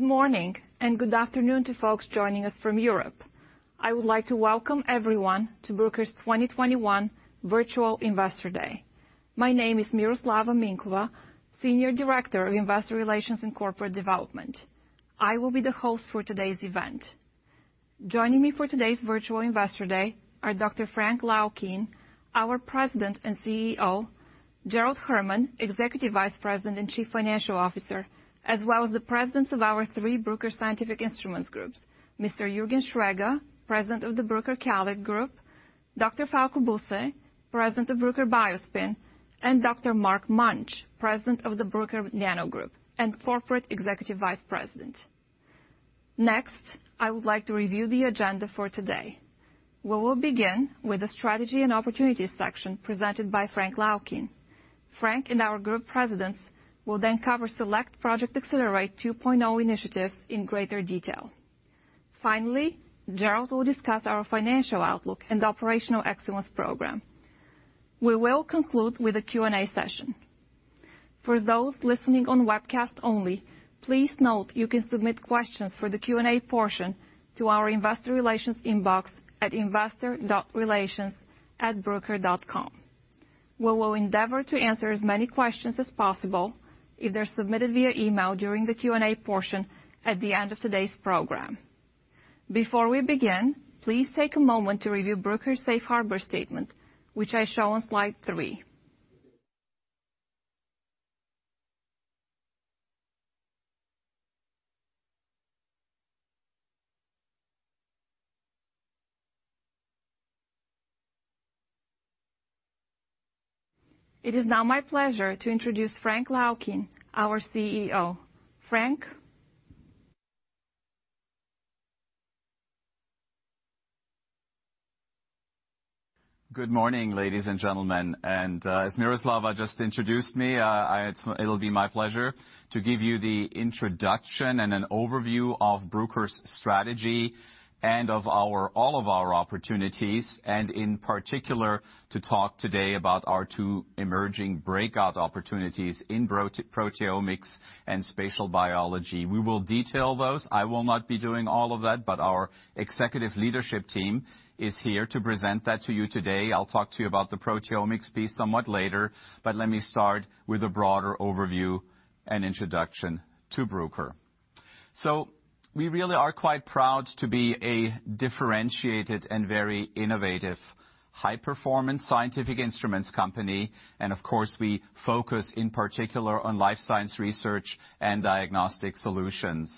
Good morning, and good afternoon to folks joining us from Europe. I would like to welcome everyone to Bruker's 2021 Virtual Investor Day. My name is Miroslava Minkova, Senior Director of Investor Relations and Corporate Development. I will be the host for today's event. Joining me for today's Virtual Investor Day are Dr. Frank Laukien, our president and CEO, Gerald Herman, executive vice president and chief financial officer, as well as the presidents of our three Bruker Scientific Instruments groups, Mr. Juergen Srega, president of the Bruker CALID Group, Dr. Falko Busse, president of Bruker BioSpin, and Dr. Mark Munch, president of the Bruker NANO Group and corporate executive vice president. Next, I would like to review the agenda for today. We will begin with the strategy and opportunity section presented by Frank Laukien. Frank and our group presidents will cover select Project Accelerate 2.0 initiatives in greater detail. Finally, Gerald will discuss our financial outlook and operational excellence program. We will conclude with a Q&A session. For those listening on webcast only, please note you can submit questions for the Q&A portion to our investor relations inbox at investor.relations@bruker.com. We will endeavor to answer as many questions as possible, either submitted via email during the Q&A portion at the end of today's program. Before we begin, please take a moment to review Bruker's safe harbor statement, which I show on Slide 3. It is now my pleasure to introduce Frank Laukien, our CEO. Frank? Good morning, ladies and gentlemen. As Miroslava just introduced me, it'll be my pleasure to give you the introduction and an overview of Bruker's strategy and of all of our opportunities, and in particular, to talk today about our two emerging breakout opportunities in proteomics and spatial biology. We will detail those. I will not be doing all of that, but our executive leadership team is here to present that to you today. I'll talk to you about the proteomics piece somewhat later, but let me start with a broader overview and introduction to Bruker. We really are quite proud to be a differentiated and very innovative high-performance scientific instruments company. Of course, we focus in particular on life science research and diagnostic solutions.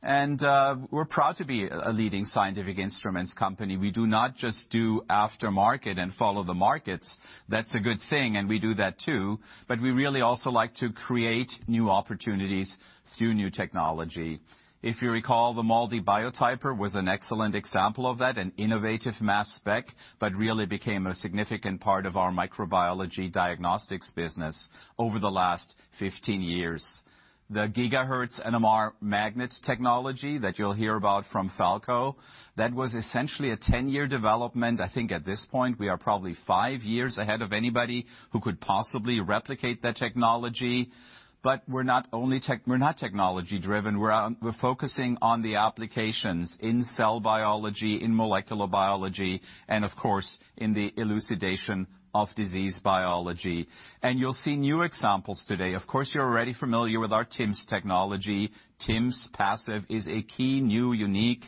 We are proud to be a leading scientific instruments company. We do not just do aftermarket and follow the markets. That's a good thing, and we do that too, but we really also like to create new opportunities through new technology. If you recall, the MALDI Biotyper was an excellent example of that, an innovative mass spec that really became a significant part of our microbiology diagnostics business over the last 15 years. The gigahertz NMR magnets technology that you'll hear about from Falko, that was essentially a 10-year development. I think at this point, we are probably five years ahead of anybody who could possibly replicate the technology. We're not technology-driven. We're focusing on the applications in cell biology, in molecular biology, and of course, in the elucidation of disease biology. You'll see new examples today. Of course, you're already familiar with our TIMS technology. TIMS-PASEF is a key new, unique,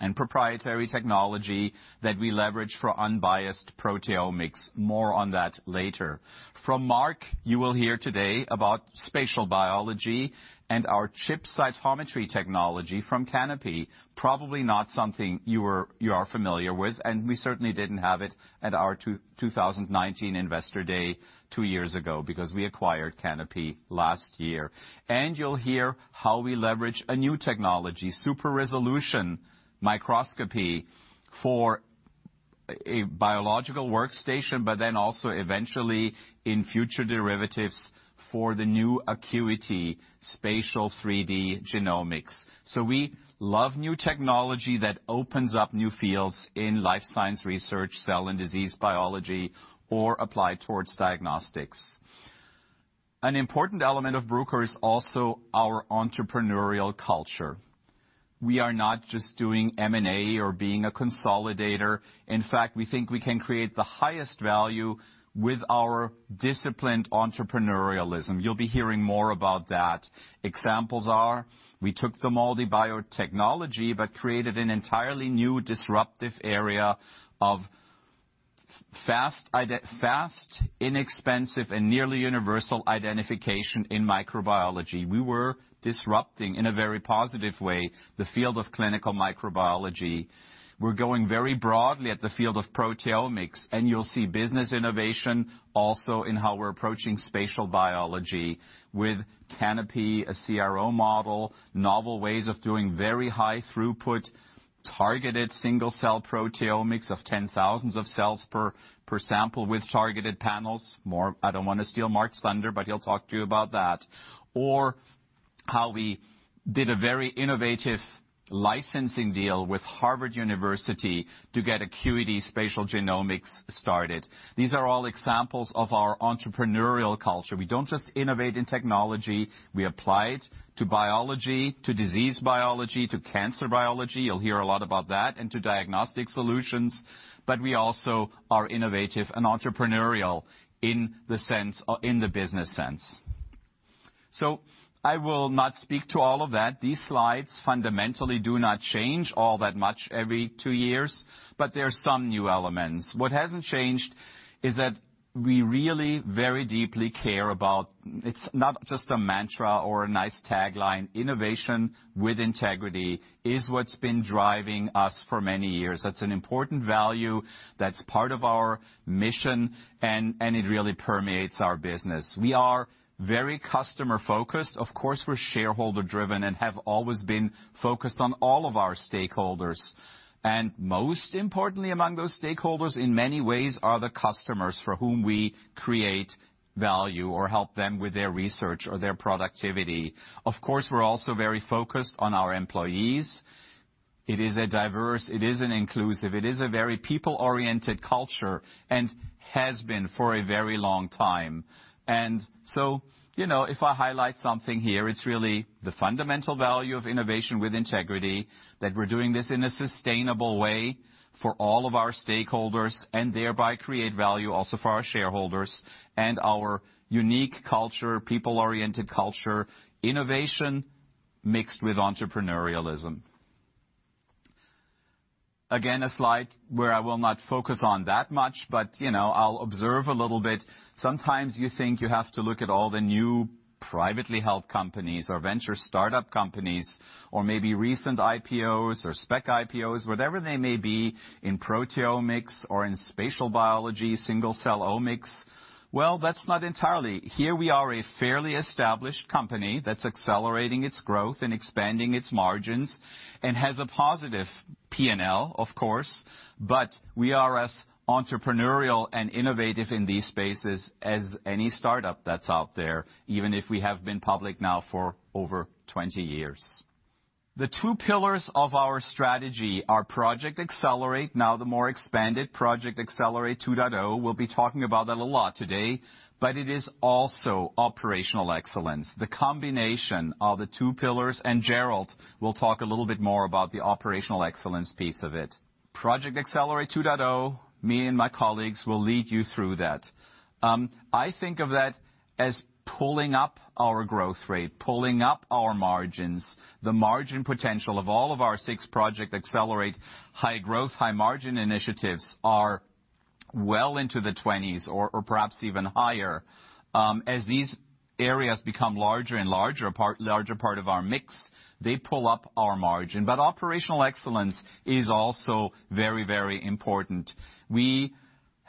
and proprietary technology that we leverage for unbiased proteomics. More on that later. From Mark, you will hear today about spatial biology and our ChipCytometry technology from Canopy. Probably not something you are familiar with, and we certainly didn't have it at our 2019 Investor Day two years ago because we acquired Canopy last year. You'll hear how we leverage a new technology, super-resolution microscopy for a biological workstation, but then also eventually in future derivatives for the new Acuity spatial 3D genomics. We love new technology that opens up new fields in life science research, cell and disease biology, or applied towards diagnostics. An important element of Bruker is also our entrepreneurial culture. We are not just doing M&A or being a consolidator. In fact, we think we can create the highest value with our disciplined entrepreneurialism. You'll be hearing more about that. Examples are we took the MALDI Biotyper but created an entirely new disruptive area of fast, inexpensive, and nearly universal identification in microbiology. We were disrupting, in a very positive way, the field of clinical microbiology. We're going very broadly at the field of proteomics, and you'll see business innovation also in how we're approaching spatial biology with Canopy, a CRO model, novel ways of doing very high throughput, targeted single-cell proteomics of 10,000 of cells per sample with targeted panels. I don't want to steal Mark's thunder, but he'll talk to you about that. How we did a very innovative licensing deal with Harvard University to get Acuity Spatial Genomics started. These are all examples of our entrepreneurial culture. We don't just innovate in technology, we apply it to biology, to disease biology, to cancer biology, you'll hear a lot about that, and to diagnostic solutions, but we also are innovative and entrepreneurial in the business sense. I will not speak to all of that. These slides fundamentally do not change all that much every two years, but there are some new elements. What hasn't changed is that we really very deeply care about, it's not just a mantra or a nice tagline, innovation with integrity is what's been driving us for many years. That's an important value that's part of our mission, and it really permeates our business. We are very customer-focused. Of course, we're shareholder-driven and have always been focused on all of our stakeholders. Most importantly, among those stakeholders in many ways are the customers for whom we create value or help them with their research or their productivity. Of course, we're also very focused on our employees. It is a diverse, it is an inclusive, it is a very people-oriented culture and has been for a very long time. If I highlight something here, it's really the fundamental value of innovation with integrity, that we're doing this in a sustainable way for all of our stakeholders and thereby create value also for our shareholders and our unique culture, people-oriented culture, innovation mixed with entrepreneurialism. Again, a slide where I will not focus on that much, but I'll observe a little bit. Sometimes you think you have to look at all the new privately held companies or venture startup companies or maybe recent IPOs or SPAC IPOs, whatever they may be, in proteomics or in spatial biology, single-cell omics. Well that's ot entirely. Here we are a fairly established company that's accelerating its growth and expanding its margins and has a positive P&L, of course, but we are as entrepreneurial and innovative in these spaces as any startup that's out there, even if we have been public now for over 20 years. The two pillars of our strategy are Project Accelerate, now the more expanded Project Accelerate 2.0. We'll be talking about that a lot today, but it is also operational excellence, the combination of the two pillars, and Gerald will talk a little bit more about the operational excellence piece of it. Project Accelerate 2.0, me and my colleagues will lead you through that. I think of that as pulling up our growth rate, pulling up our margins. The margin potential of all of our six Project Accelerate high growth, high margin initiatives are well into the 20s or perhaps even higher. As these areas become larger and larger part of our mix, they pull up our margin. Operational excellence is also very, very important. We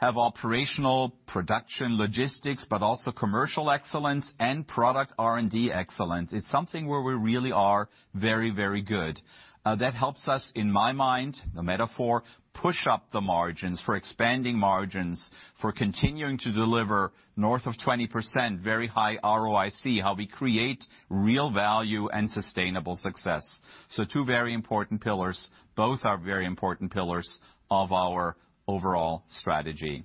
have operational production logistics, but also commercial excellence and product R&D excellence. It's something where we really are very, very good. That helps us, in my mind, the metaphor, push up the margins for expanding margins, for continuing to deliver north of 20%, very high ROIC, how we create real value and sustainable success. Two very important pillars. Both are very important pillars of our overall strategy.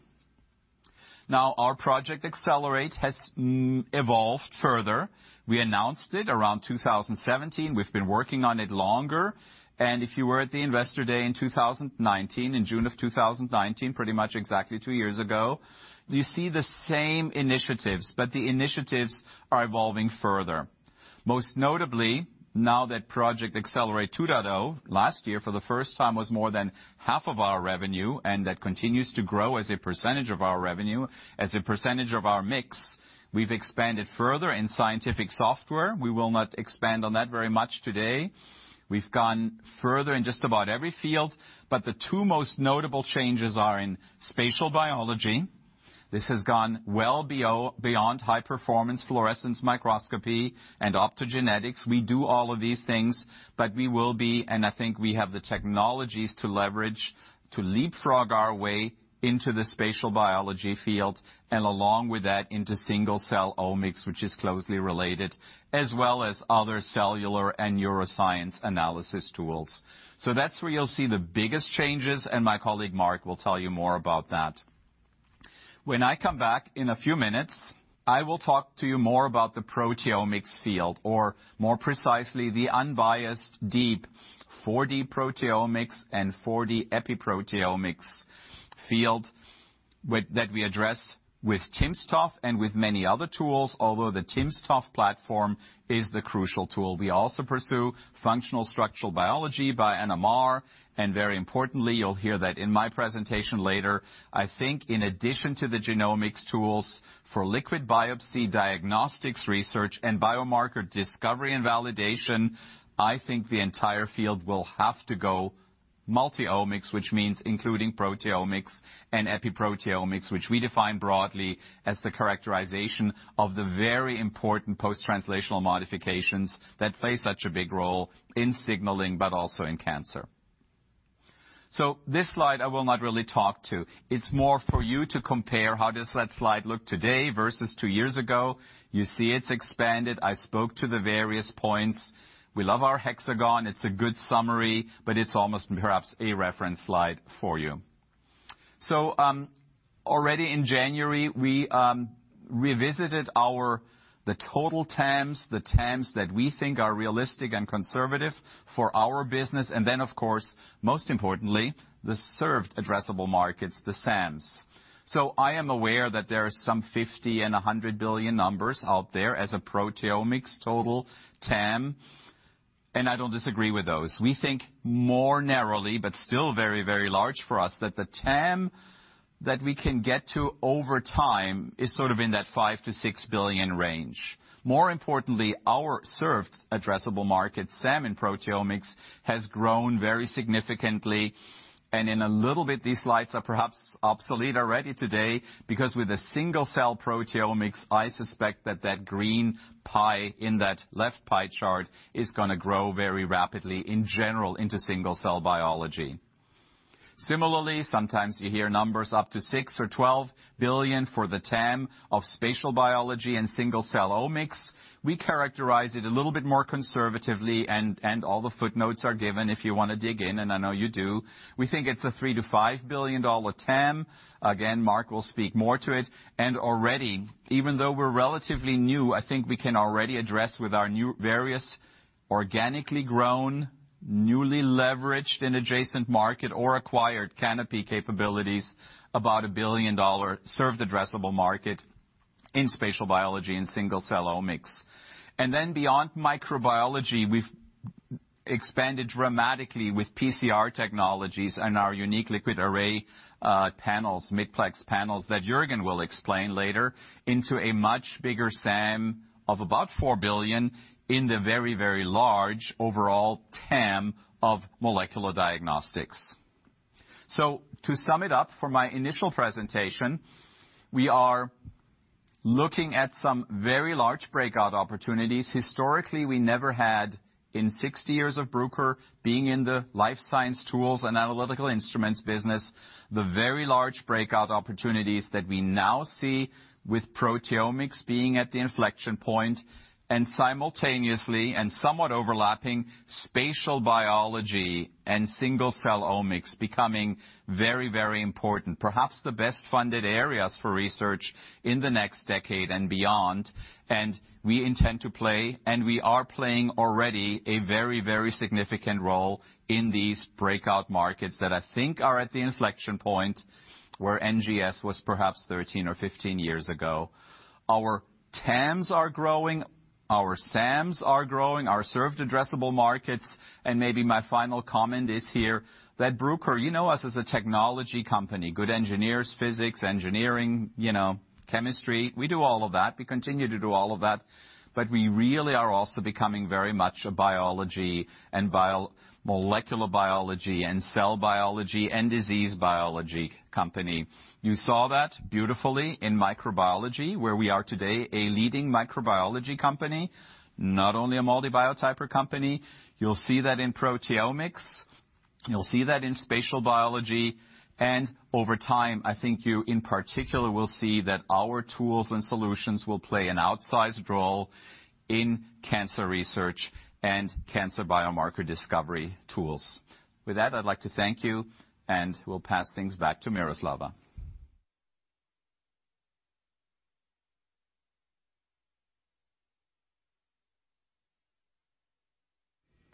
Our Project Accelerate has evolved further. We announced it around 2017. We've been working on it longer. If you were at the Investor Day in 2019, in June of 2019, pretty much exactly two years ago, you see the same initiatives. The initiatives are evolving further. Most notably, now that Project Accelerate 2.0 last year for the first time was more than half of our revenue and that continues to grow as a percentage of our revenue, as a percentage of our mix, we've expanded further in scientific software. We will not expand on that very much today. We've gone further in just about every field. The two most notable changes are in spatial biology. This has gone well beyond high-performance fluorescence microscopy and optogenetics. We do all of these things, but we will be, and I think we have the technologies to leverage, to leapfrog our way into the spatial biology field and along with that into single-cell omics, which is closely related, as well as other cellular and neuroscience analysis tools. That's where you'll see the biggest changes, and my colleague Mark will tell you more about that. When I come back in a few minutes, I will talk to you more about the proteomics field, or more precisely, the unbiased deep 4D proteomics and 4D epi-proteomics field that we address with timsTOF and with many other tools, although the timsTOF platform is the crucial tool. We also pursue functional structural biology by NMR, and very importantly, you'll hear that in my presentation later, I think in addition to the genomics tools for liquid biopsy, diagnostics research, and biomarker discovery and validation, I think the entire field will have to go multi-omics, which means including proteomics and epi-proteomics, which we define broadly as the characterization of the very important post-translational modifications that play such a big role in signaling, but also in cancer. This slide I will not really talk to. It's more for you to compare how does that slide look today versus two years ago. You see it's expanded. I spoke to the various points. We love our hexagon. It's a good summary, but it's almost perhaps a reference slide for you. Already in January, we revisited the total TAMs, the TAMs that we think are realistic and conservative for our business, and then of course, most importantly, the served addressable markets, the SAMs. I am aware that there are some $50 billion and $100 billion numbers out there as a proteomics total TAM, and I don't disagree with those. We think more narrowly, but still very large for us, that the TAM that we can get to over time is sort of in that $5 billion-$6 billion range. More importantly, our served addressable market, SAM, in proteomics has grown very significantly. In a little bit, these slides are perhaps obsolete already today, because with the single-cell proteomics, I suspect that that green pie in that left pie chart is going to grow very rapidly in general into single-cell biology. Similarly, sometimes you hear numbers up to $6 billion or $12 billion for the TAM of spatial biology and single-cell omics. We characterize it a little bit more conservatively, and all the footnotes are given if you want to dig in, and I know you do. We think it's a $3 billion-$5 billion TAM. Mark will speak more to it. Already, even though we're relatively new, I think we can already address with our new various organically grown, newly leveraged and adjacent market or acquired Canopy capabilities, about a $1 billion served addressable market in spatial biology and single-cell omics. Beyond microbiology, we've expanded dramatically with PCR technologies and our unique LiquidArray panels, mid-plex panels, that Juergen will explain later, into a much bigger SAM of about $4 billion in the very large overall TAM of molecular diagnostics. To sum it up from my initial presentation. We are looking at some very large breakout opportunities. Historically, we never had, in 60 years of Bruker being in the life science tools and analytical instruments business, the very large breakout opportunities that we now see with proteomics being at the inflection point, and simultaneously and somewhat overlapping, spatial biology and single-cell omics becoming very important, perhaps the best-funded areas for research in the next decade and beyond. We intend to play, and we are playing already a very significant role in these breakout markets that I think are at the inflection point where NGS was perhaps 13 or 15 years ago. Our TAMs are growing, our SAMs are growing, our served addressable markets. Maybe my final comment is here that Bruker, you know us as a technology company, good engineers, physics, engineering, chemistry. We do all of that. We continue to do all of that, we really are also becoming very much a biology and molecular biology and cell biology and disease biology company. You saw that beautifully in microbiology, where we are today, a leading microbiology company, not only a MALDI Biotyper company. You'll see that in proteomics. You'll see that in spatial biology. Over time, I think you, in particular, will see that our tools and solutions will play an outsized role in cancer research and cancer biomarker discovery tools. With that, I'd like to thank you, and we'll pass things back to Miroslava.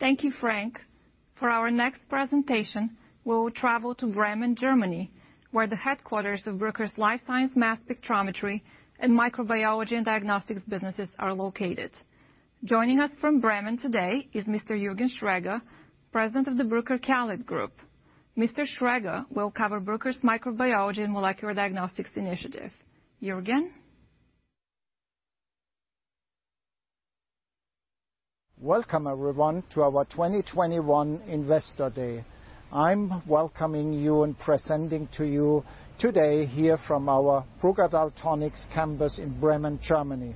Thank you, Frank. For our next presentation, we will travel to Bremen, Germany, where the headquarters of Bruker's Life Science Mass Spectrometry and Microbiology and Diagnostics businesses are located. Joining us from Bremen today is Mr. Juergen Srega, President of the Bruker CALID Group. Mr. Srega will cover Bruker's Microbiology and Molecular Diagnostics initiative. Juergen? Welcome, everyone, to our 2021 Investor Day. I'm welcoming you and presenting to you today here from our Bruker Daltonics campus in Bremen, Germany.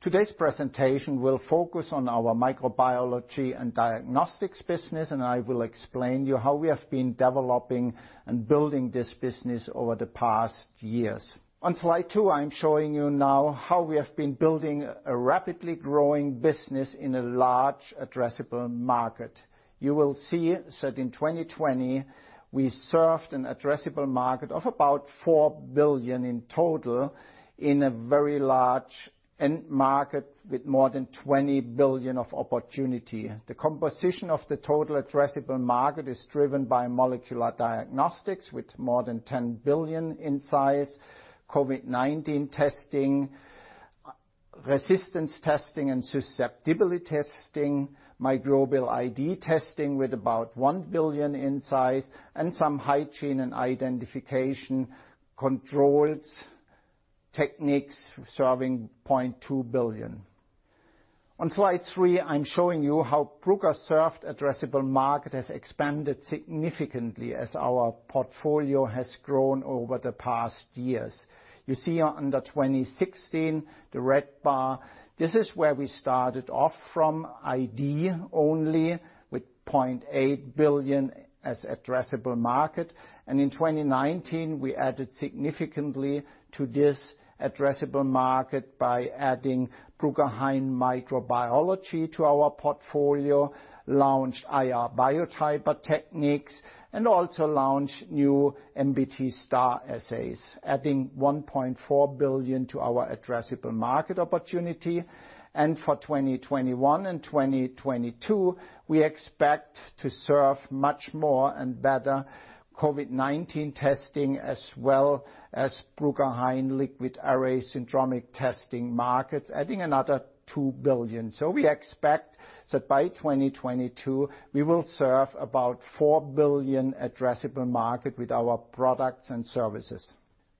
Today's presentation will focus on our microbiology and diagnostics business, and I will explain to you how we have been developing and building this business over the past years. On Slide 2, I'm showing you now how we have been building a rapidly growing business in a large addressable market. You will see that in 2020, we served an addressable market of about $4 billion in total in a very large end market with more than $20 billion of opportunity. The composition of the total addressable market is driven by molecular diagnostics with more than $10 billion in size, COVID-19 testing, resistance testing, and susceptibility testing, microbial ID testing with about $1 billion in size, and some hygiene and identification controls techniques serving $0.2 billion. On Slide 3, I'm showing you how Bruker's served addressable market has expanded significantly as our portfolio has grown over the past years. You see under 2016, the red bar, this is where we started off from ID only with $0.8 billion as addressable market. In 2019, we added significantly to this addressable market by adding Bruker Hain Microbiology to our portfolio, launched our Biotyper techniques, and also launched new MBT STAR assays, adding $1.4 billion to our addressable market opportunity. For 2021 and 2022, we expect to serve much more and better COVID-19 testing, as well as Bruker Hain LiquidArray syndromic testing markets, adding another $2 billion. We expect that by 2022, we will serve about $4 billion addressable market with our products and services.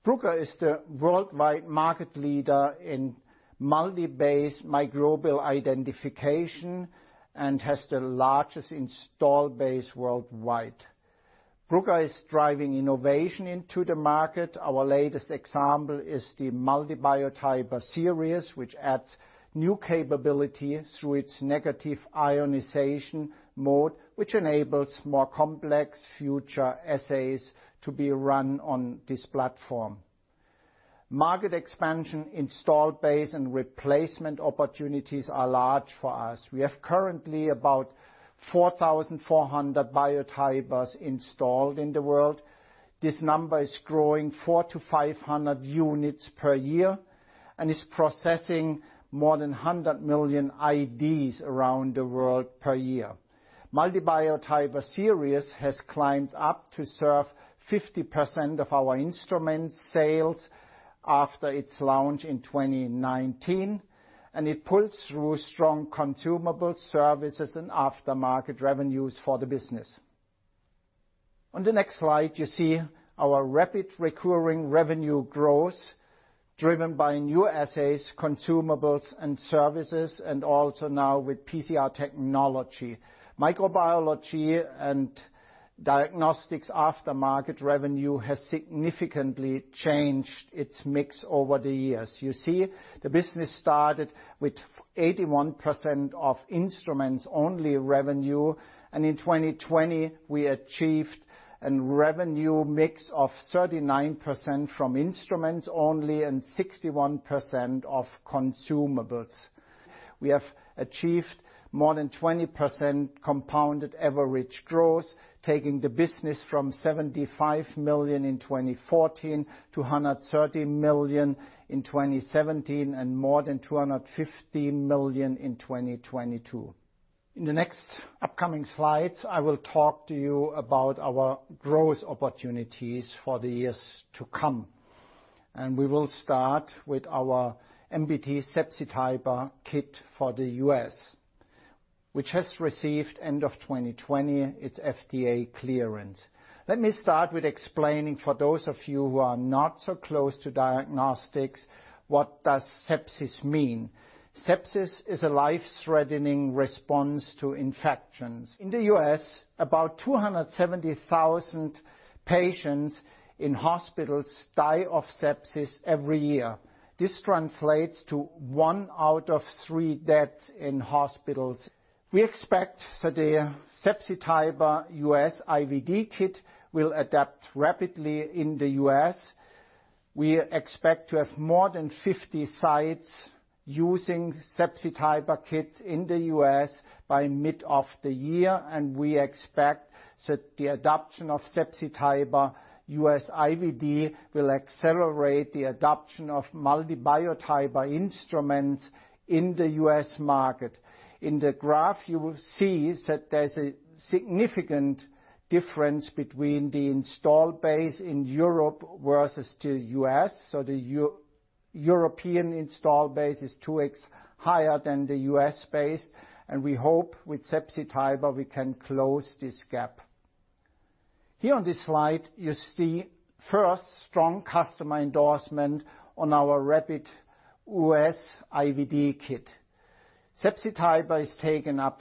Bruker is the worldwide market leader in MALDI-based microbial identification and has the largest install base worldwide. Bruker is driving innovation into the market. Our latest example is the MALDI Biotyper series, which adds new capability through its negative ionization mode, which enables more complex future assays to be run on this platform. Market expansion, install base, and replacement opportunities are large for us. We have currently about 4,400 Biotypers installed in the world. This number is growing 400-500 units per year and is processing more than 100 million IDs around the world per year. MALDI Biotyper series has climbed up to serve 50% of our instrument sales after its launch in 2019, and it pulls through strong consumable services and aftermarket revenues for the business. On the next slide, you see our rapid recurring revenue growth driven by new assays, consumables, and services, and also now with PCR technology. Microbiology and diagnostics aftermarket revenue has significantly changed its mix over the years. You see, the business started with 81% of instruments-only revenue, and in 2020, we achieved a revenue mix of 39% from instruments only and 61% of consumables. We have achieved more than 20% compounded average growth, taking the business from $75 million in 2014 to $130 million in 2017 and more than $250 million in 2022. In the next upcoming slides, I will talk to you about our growth opportunities for the years to come. We will start with our MBT Sepsityper kit for the U.S., which has received end of 2020 its FDA clearance. Let me start with explaining for those of you who are not so close to diagnostics, what does sepsis mean. Sepsis is a life-threatening response to infections. In the U.S., about 270,000 patients in hospitals die of sepsis every year. This translates to one out of three deaths in hospitals. We expect that the Sepsityper U.S. IVD kit will adapt rapidly in the U.S. We expect to have more than 50 sites using Sepsityper kits in the U.S. by mid of the year, and we expect that the adoption of Sepsityper U.S. IVD will accelerate the adoption of MALDI Biotyper instruments in the U.S. market. In the graph, you will see that there's a significant difference between the install base in Europe versus the U.S. The European install base is 2x higher than the U.S. base, and we hope with Sepsityper, we can close this gap. Here on this slide, you see first strong customer endorsement on our rapid U.S. IVD kit. Sepsityper is taken up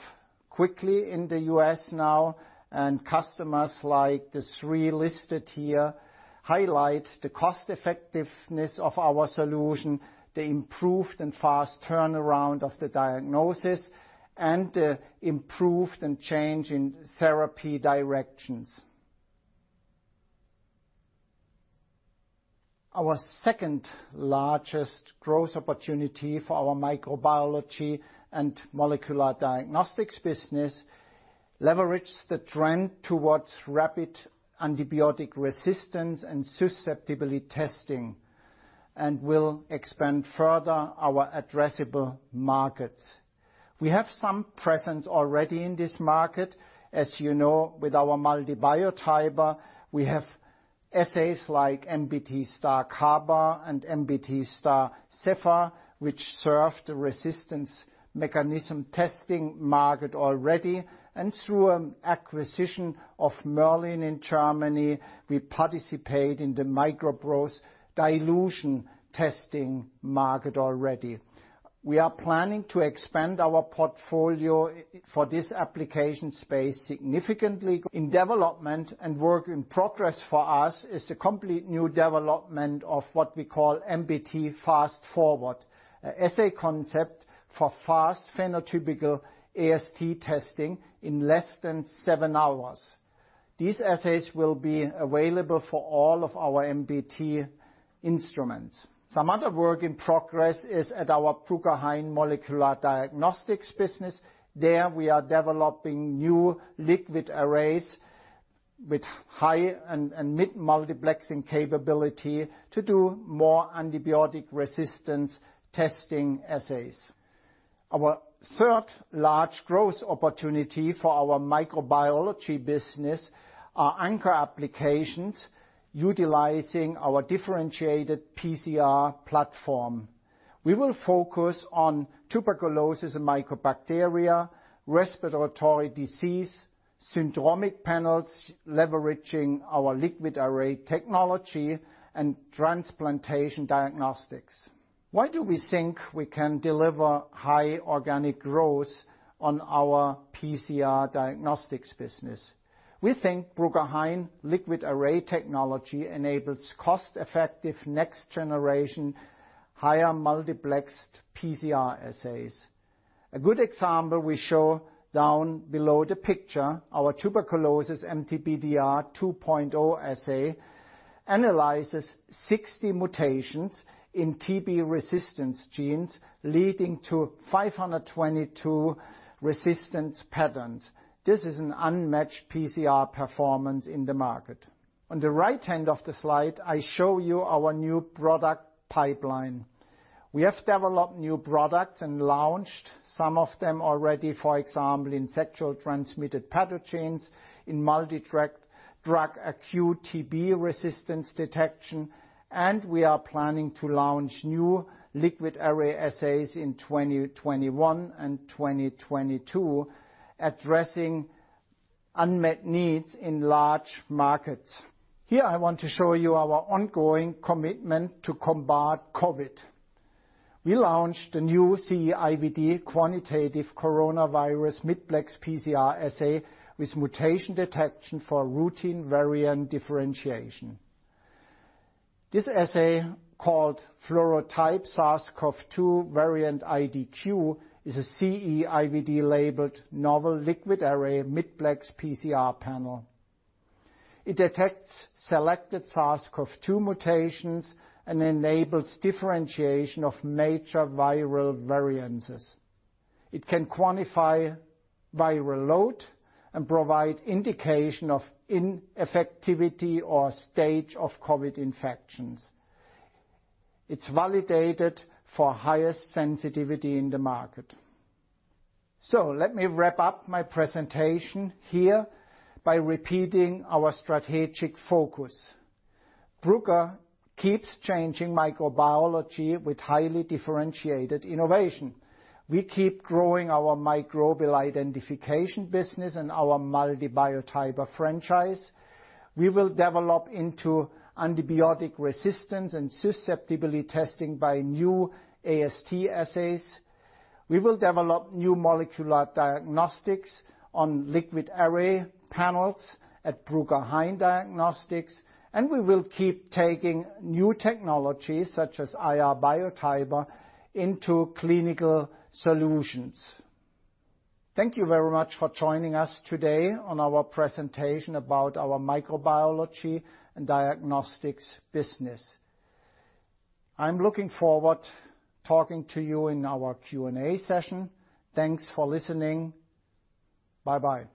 quickly in the U.S. now, and customers like the three listed here highlight the cost-effectiveness of our solution, the improved and fast turnaround of the diagnosis, and the improved and change in therapy directions. Our second-largest growth opportunity for our microbiology and molecular diagnostics business leverages the trend towards rapid antibiotic resistance and susceptibility testing and will expand further our addressable markets. We have some presence already in this market. As you know, with our MALDI Biotyper, we have assays like MBT STAR-Carba and MBT STAR-Cepha, which serve the resistance mechanism testing market already. Through an acquisition of Merlin in Germany, we participate in the microbroth dilution testing market already. We are planning to expand our portfolio for this application space significantly. In development and work in progress for us is a complete new development of what we call MBT FAST Forward, an assay concept for fast phenotypical AST testing in less than seven hours. These assays will be available for all of our MBT instruments. Some other work in progress is at our Bruker Hain Molecular Diagnostics business. There, we are developing new LiquidArray with high and mid multiplexing capability to do more antibiotic resistance testing assays. Our third large growth opportunity for our microbiology business are anchor applications utilizing our differentiated PCR platform. We will focus on tuberculosis and mycobacteria, respiratory disease, syndromic panels, leveraging our LiquidArray technology, and transplantation diagnostics. Why do we think we can deliver high organic growth on our PCR diagnostics business? We think Bruker Hain LiquidArray technology enables cost-effective next generation, higher multiplexed PCR assays. A good example we show down below the picture, our tuberculosis MTBDR 2.0 assay analyzes 60 mutations in TB resistance genes, leading to 522 resistance patterns. This is an unmatched PCR performance in the market. On the right hand of the slide, I show you our new product pipeline. We have developed new products and launched some of them already, for example, in sexually transmitted pathogens, in multi-drug acute TB resistance detection, and we are planning to launch new LiquidArray assays in 2021 and 2022, addressing unmet needs in large markets. Here, I want to show you our ongoing commitment to combat COVID. We launched the new CE-IVD quantitative coronavirus midplex PCR assay with mutation detection for routine variant differentiation. This assay, called FluoroType SARS-CoV-2 varID Q, is a CE-IVD-labeled novel LiquidArray midplex PCR panel. It detects selected SARS-CoV-2 mutations and enables differentiation of major viral variants. It can quantify viral load and provide indication of infectivity or stage of COVID-19 infections. It's validated for highest sensitivity in the market. Let me wrap up my presentation here by repeating our strategic focus. Bruker keeps changing microbiology with highly differentiated innovation. We keep growing our microbial identification business and our MALDI Biotyper franchise. We will develop into antibiotic resistance and susceptibility testing by new AST assays. We will develop new molecular diagnostics on LiquidArray panels at Bruker Hain Diagnostics, and we will keep taking new technologies such as IR Biotyper into clinical solutions. Thank you very much for joining us today on our presentation about our microbiology and diagnostics business. I'm looking forward talking to you in our Q&A session. Thanks for listening. Bye-bye.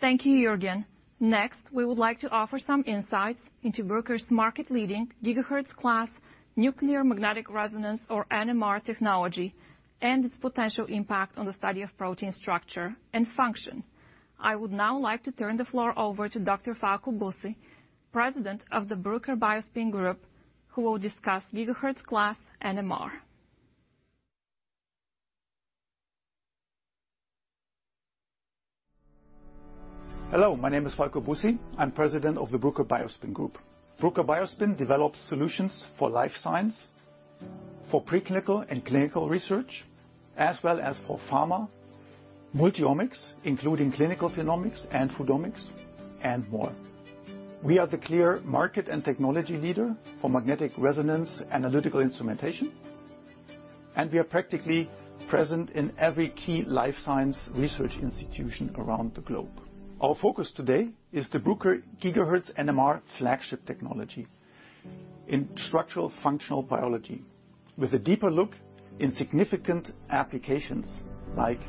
Thank you, Juergen. Next, we would like to offer some insights into Bruker's market-leading gigahertz class nuclear magnetic resonance or NMR technology and its potential impact on the study of protein structure and function. I would now like to turn the floor over to Dr. Falko Busse, President of the Bruker BioSpin Group, who will discuss gigahertz class NMR. Hello, my name is Falko Busse. I'm President of the Bruker BioSpin Group. Bruker BioSpin develops solutions for life science, for preclinical and clinical research, as well as for pharma, multi-omics, including clinical genomics and foodomics, and more. We are the clear market and technology leader for magnetic resonance analytical instrumentation, and we are practically present in every key life science research institution around the globe. Our focus today is the Bruker gigahertz NMR flagship technology in structural functional biology with a deeper look in significant applications like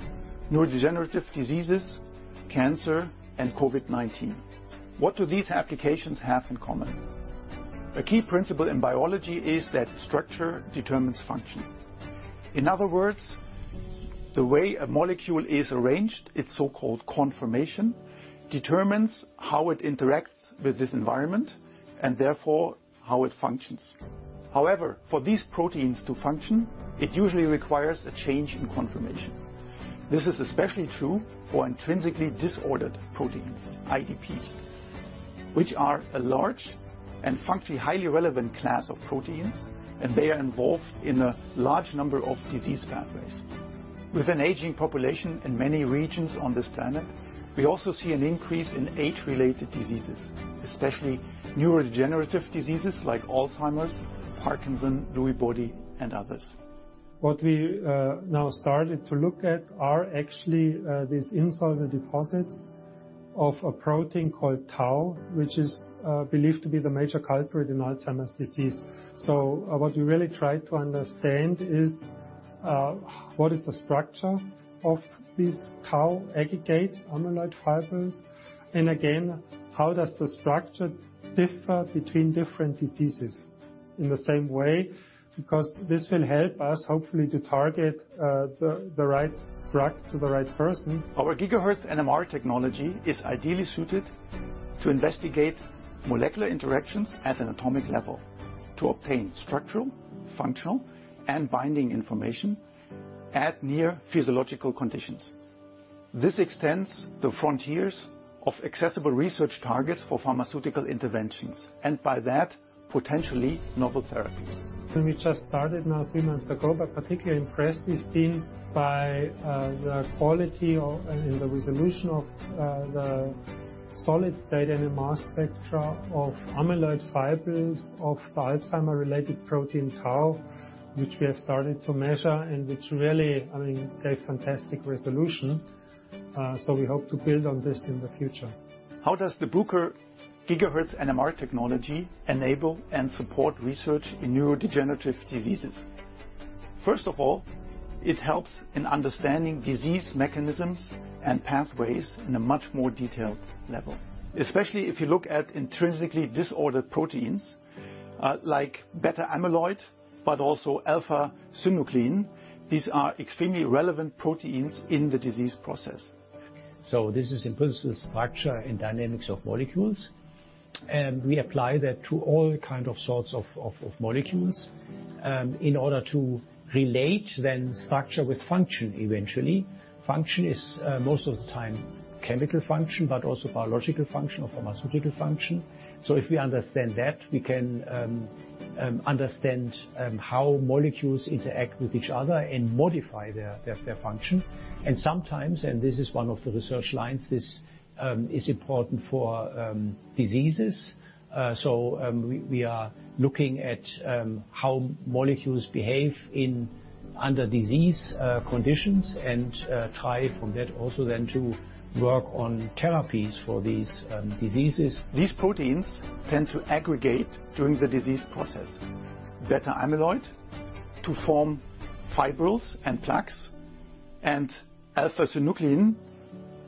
neurodegenerative diseases, cancer, and COVID-19. What do these applications have in common? A key principle in biology is that structure determines function. In other words, the way a molecule is arranged, its so-called conformation, determines how it interacts with its environment and therefore how it functions. However, for these proteins to function, it usually requires a change in conformation. This is especially true for Intrinsically Disordered Proteins, IDPs, which are a large and functionally highly relevant class of proteins, and they are involved in a large number of disease pathways. With an aging population in many regions on this planet, we also see an increase in age-related diseases, especially neurodegenerative diseases like Alzheimer's, Parkinson's, Lewy body, and others. What we now started to look at are actually these insoluble deposits of a protein called tau, which is believed to be the major culprit in Alzheimer's disease. What we really try to understand is, what is the structure of these tau aggregates, amyloid fibers, and again, how does the structure differ between different diseases in the same way. This will help us hopefully to target the right drug to the right person. Our gigahertz NMR technology is ideally suited to investigate molecular interactions at an atomic level to obtain structural, functional, and binding information at near physiological conditions. This extends the frontiers of accessible research targets for pharmaceutical interventions, and by that, potentially novel therapies. We just started now three months ago. Particularly impressed we've been by the quality and the resolution of the solid-state NMR spectra of amyloid fibers of the Alzheimer-related protein tau, which we have started to measure and it's really a fantastic resolution. We hope to build on this in the future. How does the Bruker gigahertz NMR technology enable and support research in neurodegenerative diseases? First of all, it helps in understanding disease mechanisms and pathways in a much more detailed level, especially if you look at intrinsically disordered proteins like beta-amyloid, but also alpha-synuclein. These are extremely relevant proteins in the disease process. This is in principle structure and dynamics of molecules, and we apply that to all kinds of sorts of molecules in order to relate then structure with function eventually. Function is most of the time chemical function, but also biological function or pharmaceutical function. If we understand that, we can understand how molecules interact with each other and modify their function. Sometimes, and this is one of the research lines, this is important for diseases. We are looking at how molecules behave under disease conditions and try from that also then to work on therapies for these diseases. These proteins tend to aggregate during the disease process. Beta-amyloid to form fibrils and plaques, and alpha-synuclein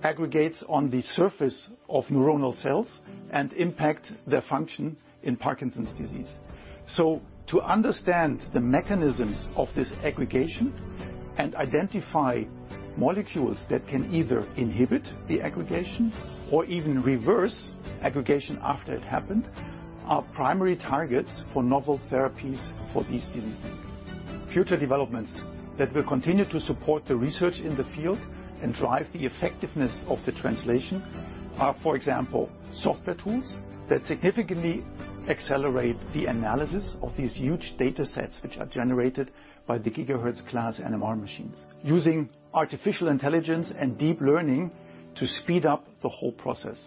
aggregates on the surface of neuronal cells and impact their function in Parkinson's disease. To understand the mechanisms of this aggregation and identify molecules that can either inhibit the aggregation or even reverse aggregation after it happened, are primary targets for novel therapies for these diseases. Future developments that will continue to support the research in the field and drive the effectiveness of the translation are, for example, software tools that significantly accelerate the analysis of these huge data sets which are generated by the gigahertz class NMR machines using artificial intelligence and deep learning to speed up the whole process.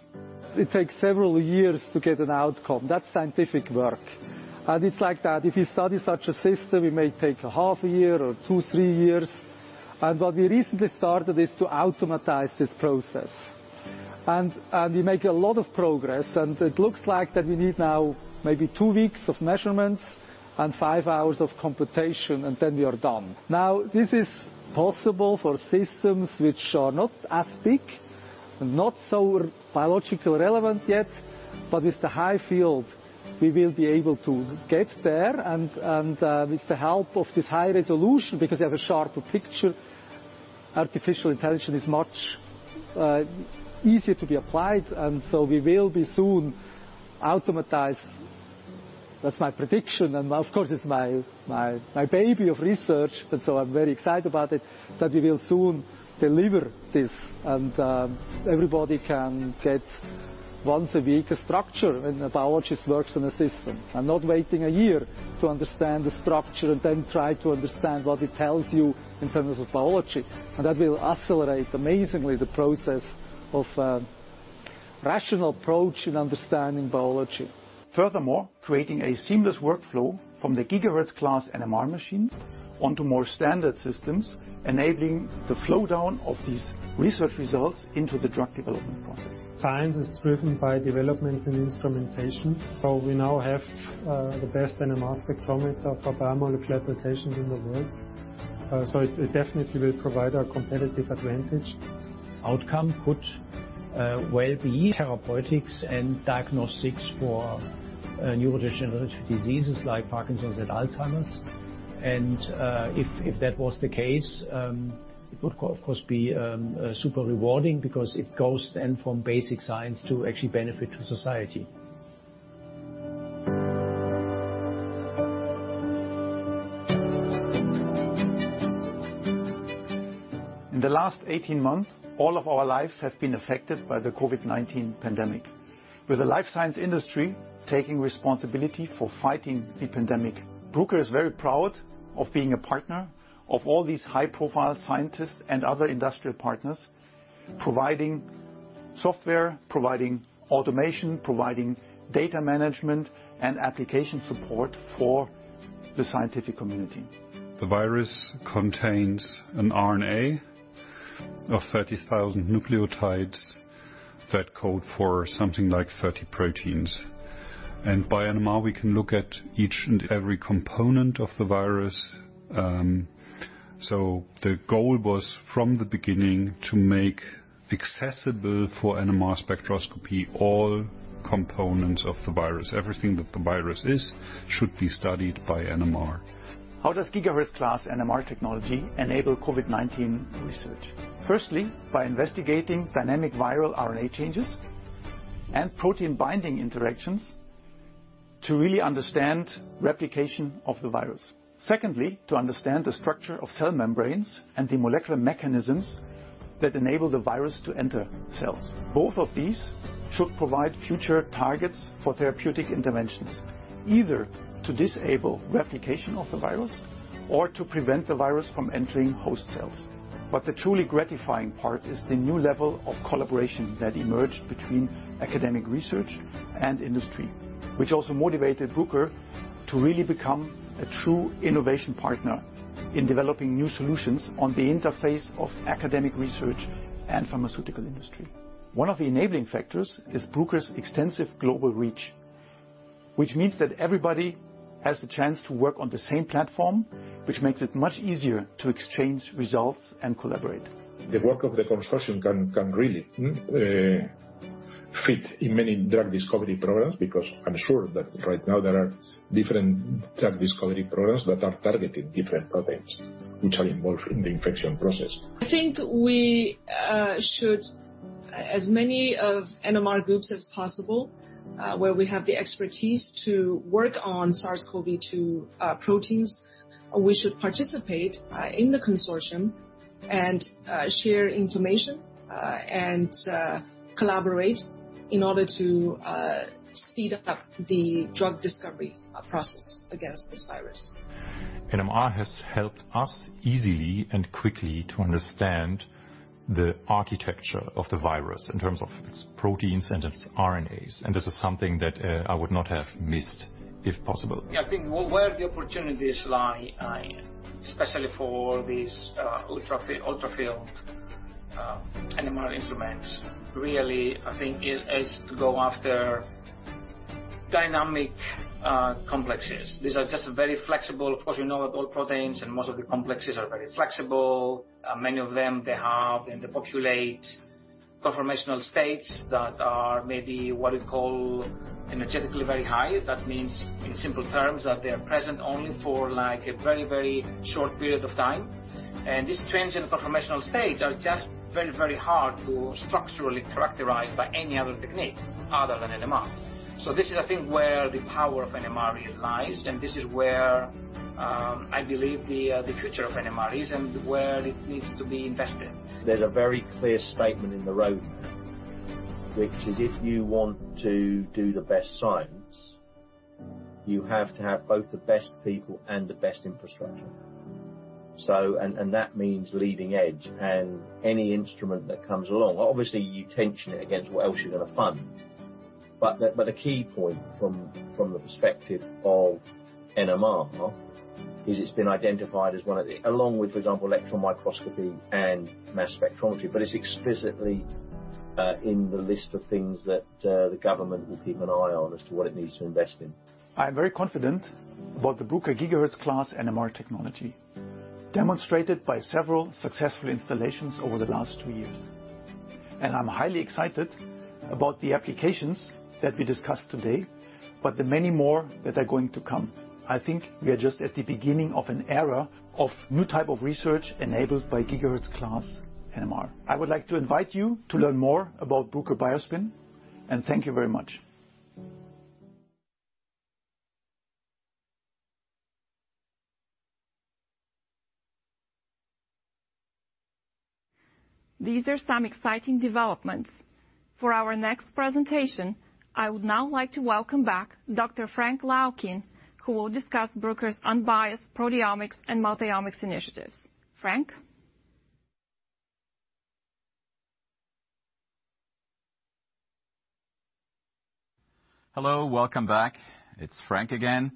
It takes several years to get an outcome. That's scientific work. It's like that. If you study such a system, it may take a half a year or two, three years. What we recently started is to automatize this process, and we make a lot of progress. It looks like that we need now maybe two weeks of measurements and five hours of computation, and then we are done. Now, this is possible for systems which are not as big and not so biologically relevant yet, but with the high field, we will be able to get there and with the help of this high resolution because we have a sharper picture, artificial intelligence is much easier to be applied, and so we will be soon automatize. That's my prediction, and of course, it's my baby of research, and so I'm very excited about it. We will soon deliver this, and everybody can get once a week a structure when a biologist works on a system and not waiting a year to understand the structure and then try to understand what it tells you in terms of biology. That will accelerate amazingly the process of a rational approach in understanding biology. Furthermore, creating a seamless workflow from the gigahertz class NMR machines onto more standard systems, enabling the flow down of these research results into the drug development process. Science is driven by developments in instrumentation. We now have the best NMR spectrometer for biomolecular applications in the world. It definitely will provide a competitive advantage. Outcome could well be therapeutics and diagnostics for neurodegenerative diseases like Parkinson's and Alzheimer's. If that was the case, it would of course be super rewarding because it goes then from basic science to actually benefit to society. In the last 18 months, all of our lives have been affected by the COVID-19 pandemic, with the life science industry taking responsibility for fighting the pandemic. Bruker is very proud of being a partner of all these high-profile scientists and other industrial partners, providing software, providing automation, providing data management and application support for the scientific community. The virus contains an RNA of 30,000 nucleotides that code for something like 30 proteins. By NMR, we can look at each and every component of the virus. The goal was from the beginning to make accessible for NMR spectroscopy all components of the virus. Everything that the virus is should be studied by NMR. How does gigahertz class NMR technology enable COVID-19 research? Firstly, by investigating dynamic viral RNA changes and protein binding interactions to really understand replication of the virus. Secondly, to understand the structure of cell membranes and the molecular mechanisms that enable the virus to enter cells. Both of these should provide future targets for therapeutic interventions, either to disable replication of the virus or to prevent the virus from entering host cells. The truly gratifying part is the new level of collaboration that emerged between academic research and industry, which also motivated Bruker to really become a true innovation partner in developing new solutions on the interface of academic research and pharmaceutical industry. One of the enabling factors is Bruker's extensive global reach, which means that everybody has the chance to work on the same platform, which makes it much easier to exchange results and collaborate. The work of the consortium can really fit in many drug discovery programs, because I'm sure that right now there are different drug discovery programs that are targeting different proteins, which are involved in the infection process. I think we should, as many of NMR groups as possible, where we have the expertise to work on SARS-CoV-2 proteins. We should participate in the consortium and share information and collaborate in order to speed up the drug discovery process against this virus. NMR has helped us easily and quickly to understand the architecture of the virus in terms of its proteins and its RNAs, and this is something that I would not have missed if possible. I think where the opportunities lie, especially for these ultra-high-field NMR instruments, really, I think is to go after dynamic complexes. These are just very flexible polyvalent proteins, and most of the complexes are very flexible. Many of them, they have and they populate conformational states that are maybe what you call energetically very high. That means, in simple terms, that they're present only for a very short period of time. These transients in conformational states are just very hard to structurally characterize by any other technique other than NMR. This is, I think, where the power of NMR really lies, and this is where I believe the future of NMR is and where it needs to be invested. There's a very clear statement in the roadmap, which is if you want to do the best science, you have to have both the best people and the best infrastructure. That means leading edge and any instrument that comes along. Obviously, you tension it against what else you're going to fund. The key point from the perspective of NMR is it's been identified as one of the, along with, for example, electron microscopy and mass spectrometry, but it's explicitly in the list of things that the government will keep an eye on as to what it needs to invest in. I'm very confident about the Bruker gigahertz class NMR technology, demonstrated by several successful installations over the last two years. I'm highly excited about the applications that we discussed today, but the many more that are going to come. I think we are just at the beginning of an era of new type of research enabled by gigahertz class NMR. I would like to invite you to learn more about Bruker BioSpin, and thank you very much. These are some exciting developments. For our next presentation, I would now like to welcome back Dr. Frank Laukien, who will discuss Bruker's unbiased proteomics and multi-omics initiatives. Frank? Hello, welcome back. It's Frank again.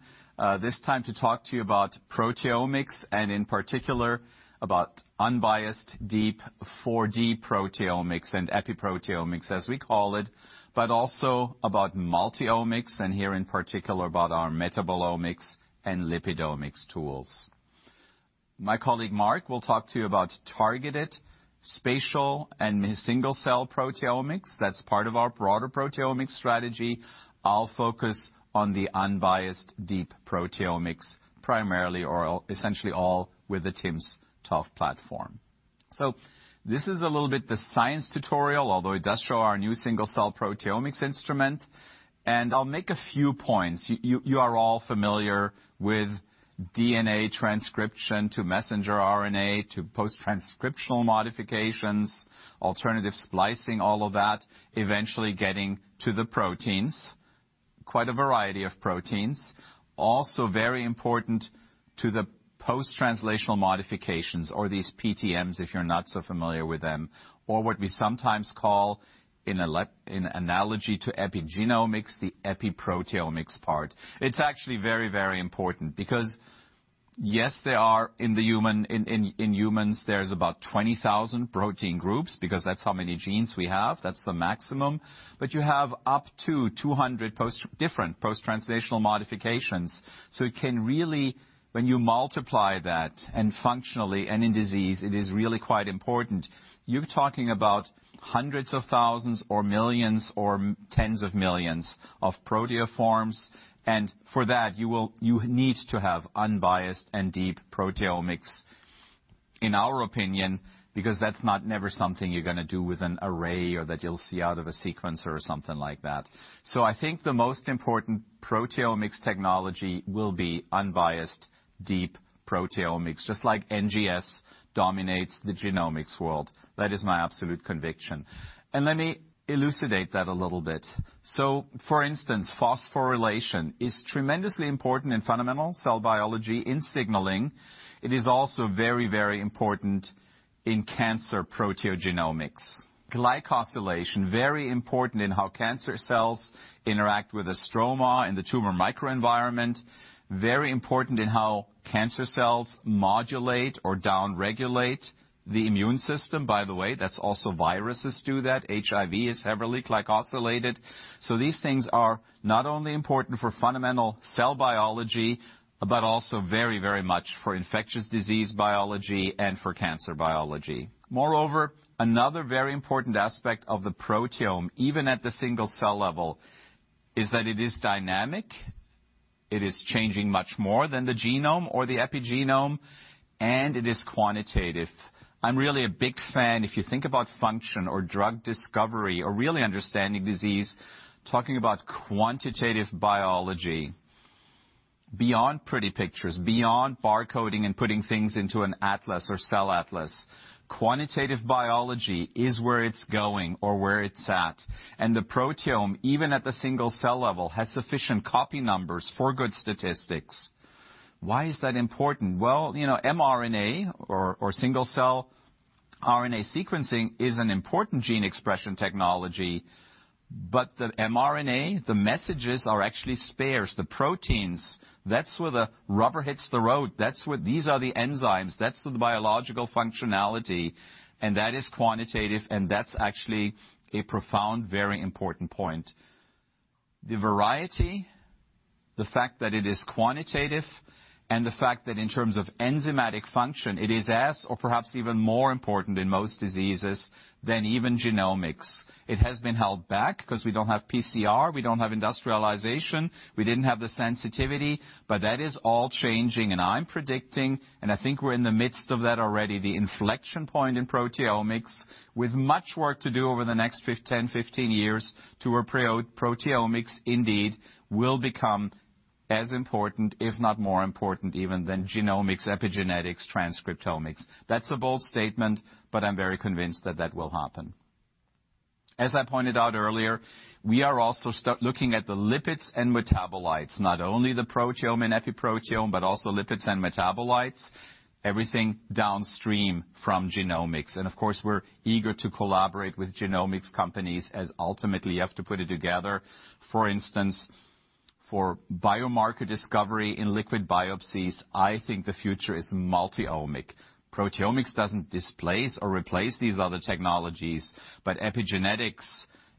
This time to talk to you about proteomics and in particular about unbiased deep 4D proteomics and epi-proteomics as we call it, but also about multi-omics and here in particular about our metabolomics and lipidomics tools. My colleague Mark will talk to you about targeted spatial and single-cell proteomics. That's part of our broader proteomics strategy. I'll focus on the unbiased deep proteomics primarily, or essentially all with the timsTOF platform. This is a little bit the science tutorial, although it does show our new single-cell proteomics instrument, and I'll make a few points. You are all familiar with DNA transcription to messenger RNA to post-transcriptional modifications, alternative splicing, all of that, eventually getting to the proteins, quite a variety of proteins. Also very important to the post-translational modifications or these PTMs, if you're not so familiar with them, or what we sometimes call an analogy to epigenomics, the epi-proteomics part. It's actually very, very important because, yes, in humans, there's about 20,000 protein groups because that's how many genes we have. That's the maximum. You have up to 200 different post-translational modifications. It can really, when you multiply that and functionally any disease, it is really quite important. You are talking about hundreds of thousands or millions or tens of millions of proteoforms, and for that, you need to have unbiased and deep proteomics, in our opinion, because that is never something you are going to do with an array or that you will see out of a sequencer or something like that. I think the most important proteomics technology will be unbiased deep proteomics, just like NGS dominates the genomics world. That is my absolute conviction. Let me elucidate that a little bit. For instance, phosphorylation is tremendously important in fundamental cell biology, in signaling. It is also very, very important in cancer proteogenomics. Glycosylation, very important in how cancer cells interact with the stroma and the tumor microenvironment. Very important in how cancer cells modulate or down-regulate the immune system. That's also viruses do that. HIV is heavily glycosylated. These things are not only important for fundamental cell biology, but also very, very much for infectious disease biology and for cancer biology. Moreover, another very important aspect of the proteome, even at the single-cell level, is that it is dynamic. It is changing much more than the genome or the epigenome, and it is quantitative. I'm really a big fan. If you think about function or drug discovery or really understanding disease, talking about quantitative biology, beyond pretty pictures, beyond barcoding and putting things into an atlas or cell atlas. Quantitative biology is where it's going or where it's at, and the proteome, even at the single-cell level, has sufficient copy numbers for good statistics. Why is that important? Well, mRNA or single-cell RNA sequencing is an important gene expression technology, but the mRNA, the messages are actually spares. The proteins, that's where the rubber hits the road. These are the enzymes. That's the biological functionality, and that is quantitative, and that's actually a profound, very important point. The variety, the fact that it is quantitative, and the fact that in terms of enzymatic function, it is as or perhaps even more important in most diseases than even genomics. It has been held back because we don't have PCR, we don't have industrialization, we didn't have the sensitivity. That is all changing, and I'm predicting, and I think we're in the midst of that already, the inflection point in proteomics with much work to do over the next 10, 15 years to where proteomics indeed will become as important, if not more important, even than genomics, epigenetics, transcriptomics. That's a bold statement, but I'm very convinced that that will happen. As I pointed out earlier, we are also looking at the lipids and metabolites, not only the proteome and epiproteome, but also lipids and metabolites, everything downstream from genomics. Of course, we're eager to collaborate with genomics companies as ultimately you have to put it together. For instance, for biomarker discovery in liquid biopsies, I think the future is multi-omic. Proteomics doesn't displace or replace these other technologies, but epigenetics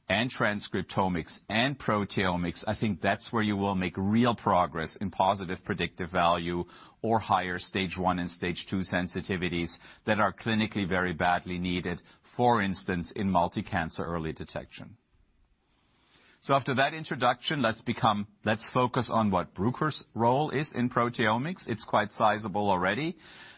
and transcriptomics and proteomics, I think that's where you will make real progress in positive predictive value or higher Stage 1 and Stage 2 sensitivities that are clinically very badly needed, for instance, in multi-cancer early detection. After that introduction, let's focus on what Bruker's role is in proteomics. It's quite sizable already.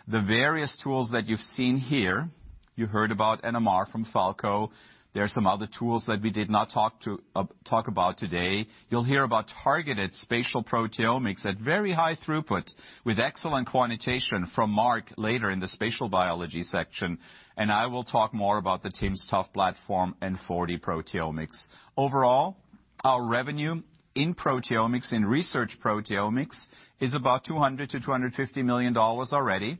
The various tools that you've seen here, you heard about NMR from Falko. There are some other tools that we did not talk about today. You'll hear about targeted spatial proteomics at very high throughput with excellent quantitation from Mark later in the spatial biology section. I will talk more about the timsTOF platform and 4D proteomics. Overall, our revenue in proteomics, in research proteomics, is about $200 million-$250 million already.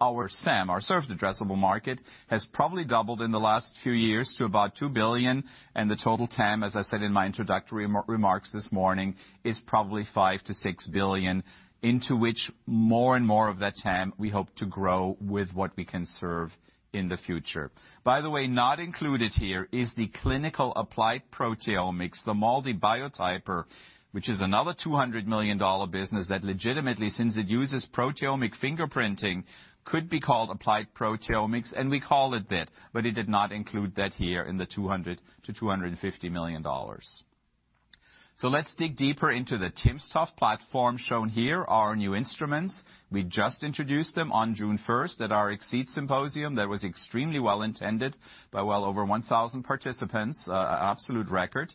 Our SAM, our served addressable market, has probably doubled in the last few years to about $2 billion. The total TAM, as I said in my introductory remarks this morning, is probably $5 billion-$6 billion, into which more and more of that TAM we hope to grow with what we can serve in the future. By the way, not included here is the clinical applied proteomics, the MALDI Biotyper, which is another $200 million business that legitimately, since it uses proteomic fingerprinting, could be called applied proteomics, and we call it that, but it did not include that here in the $200 million-$250 million. Let's dig deeper into the timsTOF platform shown here, our new instruments. We just introduced them on June 1st at our eXceed Symposium that was extremely well attended by well over 1,000 participants, absolute record.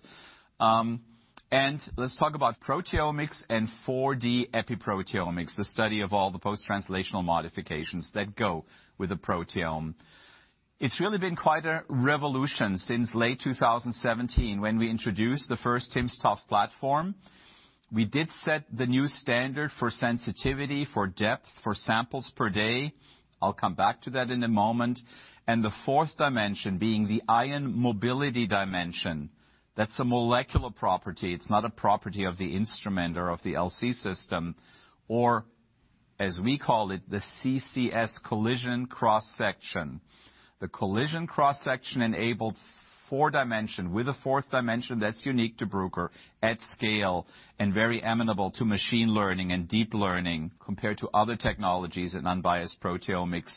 Let's talk about proteomics and 4D epi-proteomics, the study of all the post-translational modifications that go with a proteome. It's really been quite a revolution since late 2017 when we introduced the first timsTOF platform. We did set the new standard for sensitivity, for depth, for samples per day. I'll come back to that in a moment, and the fourth dimension being the ion mobility dimension. That's a molecular property. It's not a property of the instrument or of the LC system, or as we call it, the CCS collision cross-section. The collision cross-section enabled four dimension with a fourth dimension that's unique to Bruker at scale and very amenable to machine learning and deep learning compared to other technologies in unbiased proteomics.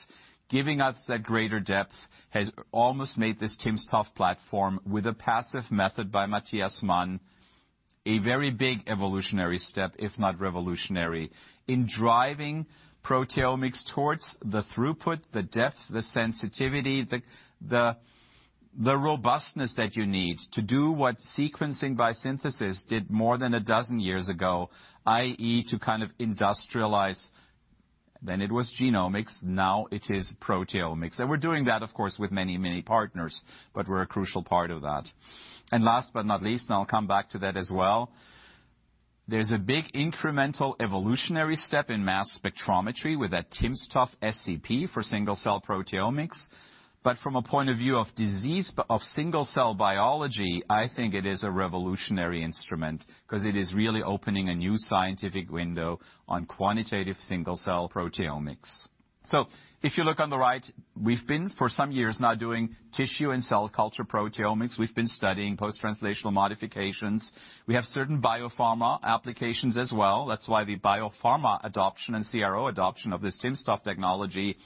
Giving us that greater depth has almost made this timsTOF platform with a PASEF method by Matthias Mann, a very big evolutionary step, if not revolutionary, in driving proteomics towards the throughput, the depth, the sensitivity, the robustness that you need to do what sequencing by synthesis did more than a dozen years ago, i.e., to kind of industrialize. Then it was genomics, now it is proteomics. We're doing that, of course, with many partners, but we're a crucial part of that. Last but not least, I'll come back to that as well, there's a big incremental evolutionary step in mass spectrometry with that timsTOF SCP for single-cell proteomics. From a point of view of disease of single-cell biology, I think it is a revolutionary instrument because it is really opening a new scientific window on quantitative single-cell proteomics. If you look on the right, we've been for some years now doing tissue and cell culture proteomics. We've been studying post-translational modifications. We have certain biopharma applications as well. That's why the biopharma adoption and CRO adoption of this timsTOF technology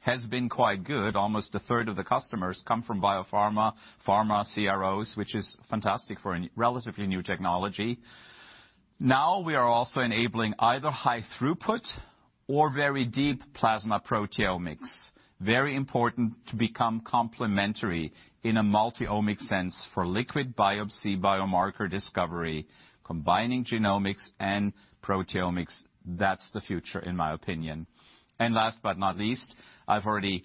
has been quite good. Almost a third of the customers come from biopharma, pharma CROs, which is fantastic for a relatively new technology. We are also enabling either high throughput or very deep plasma proteomics. Very important to become complementary in a multi-omics sense for liquid biopsy biomarker discovery, combining genomics and proteomics. That's the future, in my opinion. Last but not least, I've already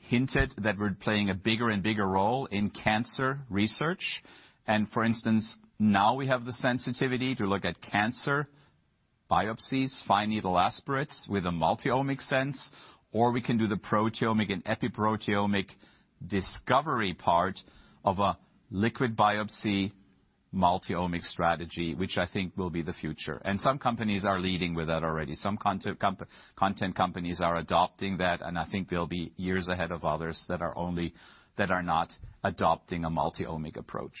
hinted that we're playing a bigger and bigger role in cancer research. For instance, now we have the sensitivity to look at cancer biopsies, fine needle aspirates with a multi-omics sense, or we can do the proteomic and epi-proteomic discovery part of a liquid biopsy multi-omics strategy, which I think will be the future. Some companies are leading with that already. Some content companies are adopting that, and I think they'll be years ahead of others that are not adopting a multi-omic approach.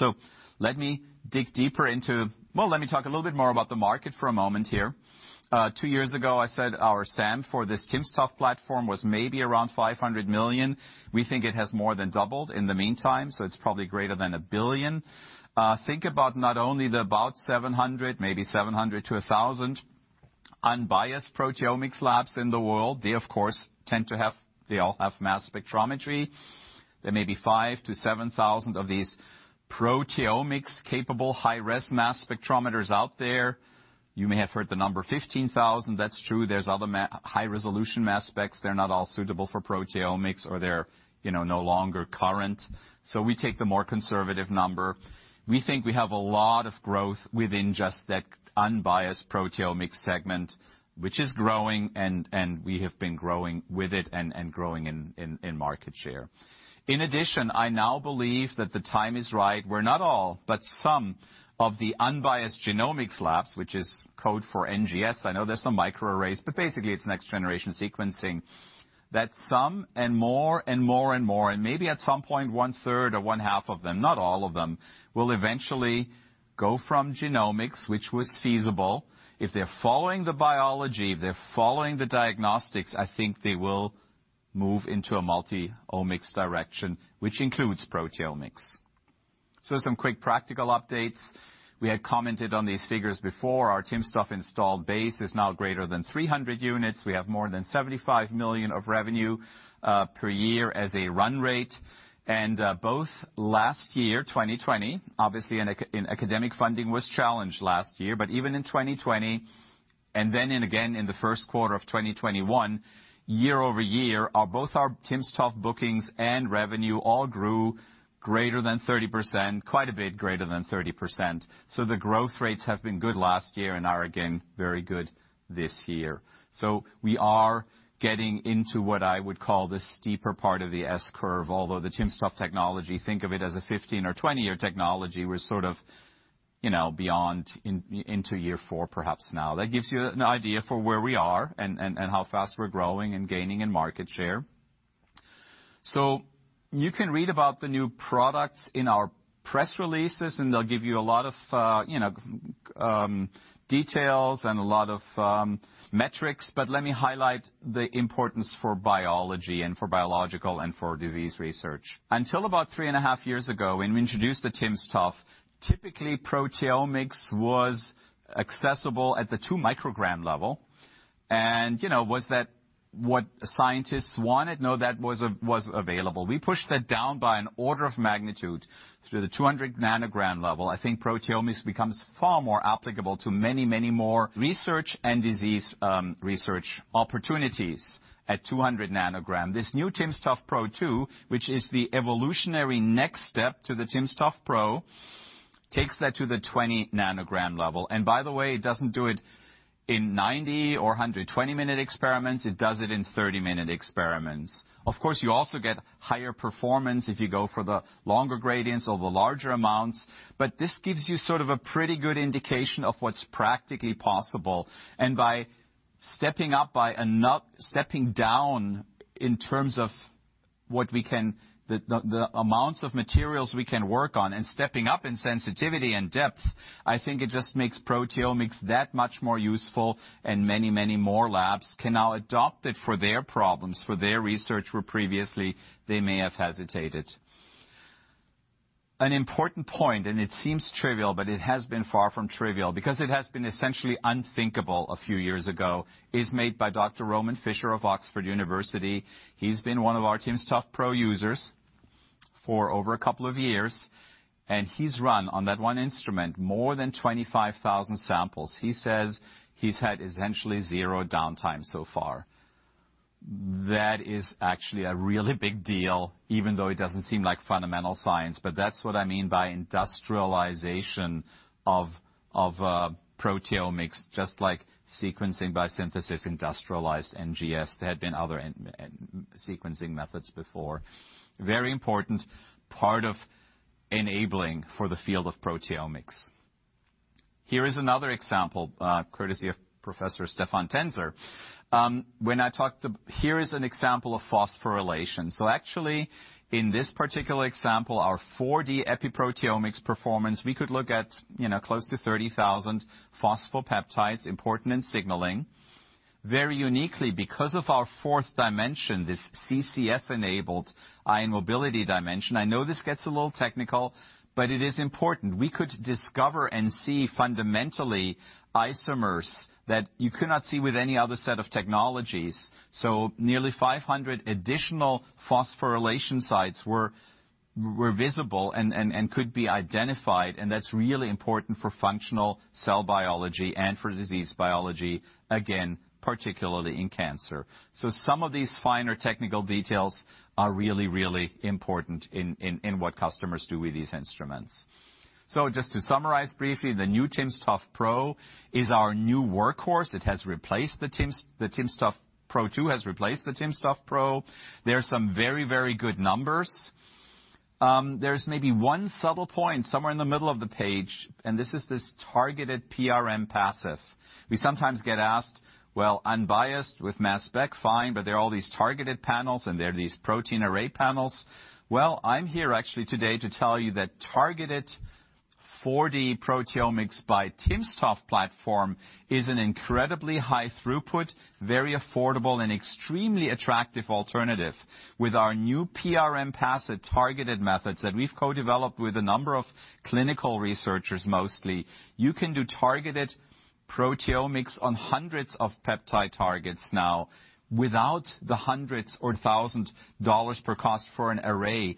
Well, let me talk a little bit more about the market for a moment here. Two years ago, I said our SAM for this timsTOF platform was maybe around $500 million. We think it has more than doubled in the meantime, so it's probably greater than $1 billion. Think about not only the about 700, maybe 700 to 1,000 unbiased proteomics labs in the world. They of course, They all have mass spectrometry. There may be 5,000 to 7,000 of these proteomics capable high-res mass spectrometers out there. You may have heard the number 15,000. That's true. There's other high-resolution mass specs. They're not all suitable for proteomics or they're no longer current. We take the more conservative number. We think we have a lot of growth within just that unbiased proteomics segment, which is growing, and we have been growing with it and growing in market share. In addition, I now believe that the time is right where not all, but some of the unbiased genomics labs, which is code for NGS, I know there's some microarrays, but basically it's next-generation sequencing, that some and more and more and more and maybe at some point one-third or one-half of them, not all of them, will eventually go from genomics, which was feasible. If they're following the biology, if they're following the diagnostics, I think they will move into a multi-omics direction, which includes proteomics. Some quick practical updates. We had commented on these figures before. Our timsTOF installed base is now greater than 300 units. We have more than $75 million of revenue per year as a run rate. Both last year, 2020, obviously in academic funding was challenged last year, but even in 2020 and then and again in the first quarter of 2021, year-over-year, both our timsTOF bookings and revenue all grew greater than 30%, quite a bit greater than 30%. The growth rates have been good last year and are again very good this year. We are getting into what I would call the steeper part of the S-curve. Although the timsTOF technology, think of it as a 15 or 20-year technology, we're sort of beyond into year four perhaps now. That gives you an idea for where we are and how fast we're growing and gaining in market share. You can read about the new products in our press releases, and they'll give you a lot of details and a lot of metrics. Let me highlight the importance for biology and for biological and for disease research. Until about three and a half years ago, when we introduced the timsTOF, typically proteomics was accessible at the 2 mcg level. Was that what scientists wanted? No, that was available. We pushed that down by an order of magnitude through the 200 ng level. I think proteomics becomes far more applicable to many, many more research and disease research opportunities at 200 ng. This new timsTOF Pro 2, which is the evolutionary next step to the timsTOF Pro, takes that to the 20 ng level. By the way, it doesn't do it in 90 or 120-minute experiments. It does it in 30-minute experiments. Of course, you also get higher performance if you go for the longer gradients or the larger amounts, but this gives you sort of a pretty good indication of what's practically possible. By stepping down in terms of the amounts of materials we can work on and stepping up in sensitivity and depth, I think it just makes proteomics that much more useful and many more labs can now adopt it for their problems, for their research, where previously they may have hesitated. An important point, and it seems trivial, but it has been far from trivial because it has been essentially unthinkable a few years ago, is made by Dr. Roman Fischer of the University of Oxford. He's been one of our timsTOF Pro users for over a couple years, and he's run on that one instrument more than 25,000 samples. He says he's had essentially zero downtime so far. That is actually a really big deal, even though it doesn't seem like fundamental science. That's what I mean by industrialization of proteomics, just like sequencing by synthesis industrialized NGS. There had been other sequencing methods before. Very important part of enabling for the field of proteomics. Here is another example, courtesy of Professor Stefan Tenzer. Here is an example of phosphorylation. Actually, in this particular example, our 4D epi-proteomics performance, we could look at close to 30,000 phosphopeptides important in signaling. Very uniquely, because of our fourth dimension, this CCS-enabled ion mobility dimension, I know this gets a little technical, but it is important. We could discover and see fundamentally isomers that you could not see with any other set of technologies. Nearly 500 additional phosphorylation sites were visible and could be identified, and that's really important for functional cell biology and for disease biology, again, particularly in cancer. Some of these finer technical details are really, really important in what customers do with these instruments. Just to summarize briefly, the new timsTOF Pro is our new workhorse. The timsTOF Pro 2 has replaced the timsTOF Pro. There are some very, very good numbers. There's maybe one subtle point somewhere in the middle of the page, and this is this targeted prm-PASEF. We sometimes get asked, well, unbiased with mass spec, fine, but there are all these targeted panels and there are these protein array panels. I'm here actually today to tell you that targeted 4D proteomics by timsTOF platform is an incredibly high throughput, very affordable, and extremely attractive alternative. With our new prm-PASEF targeted methods that we've co-developed with a number of clinical researchers mostly, you can do targeted proteomics on hundreds of peptide targets now without the hundreds or thousands dollars per cost for an array.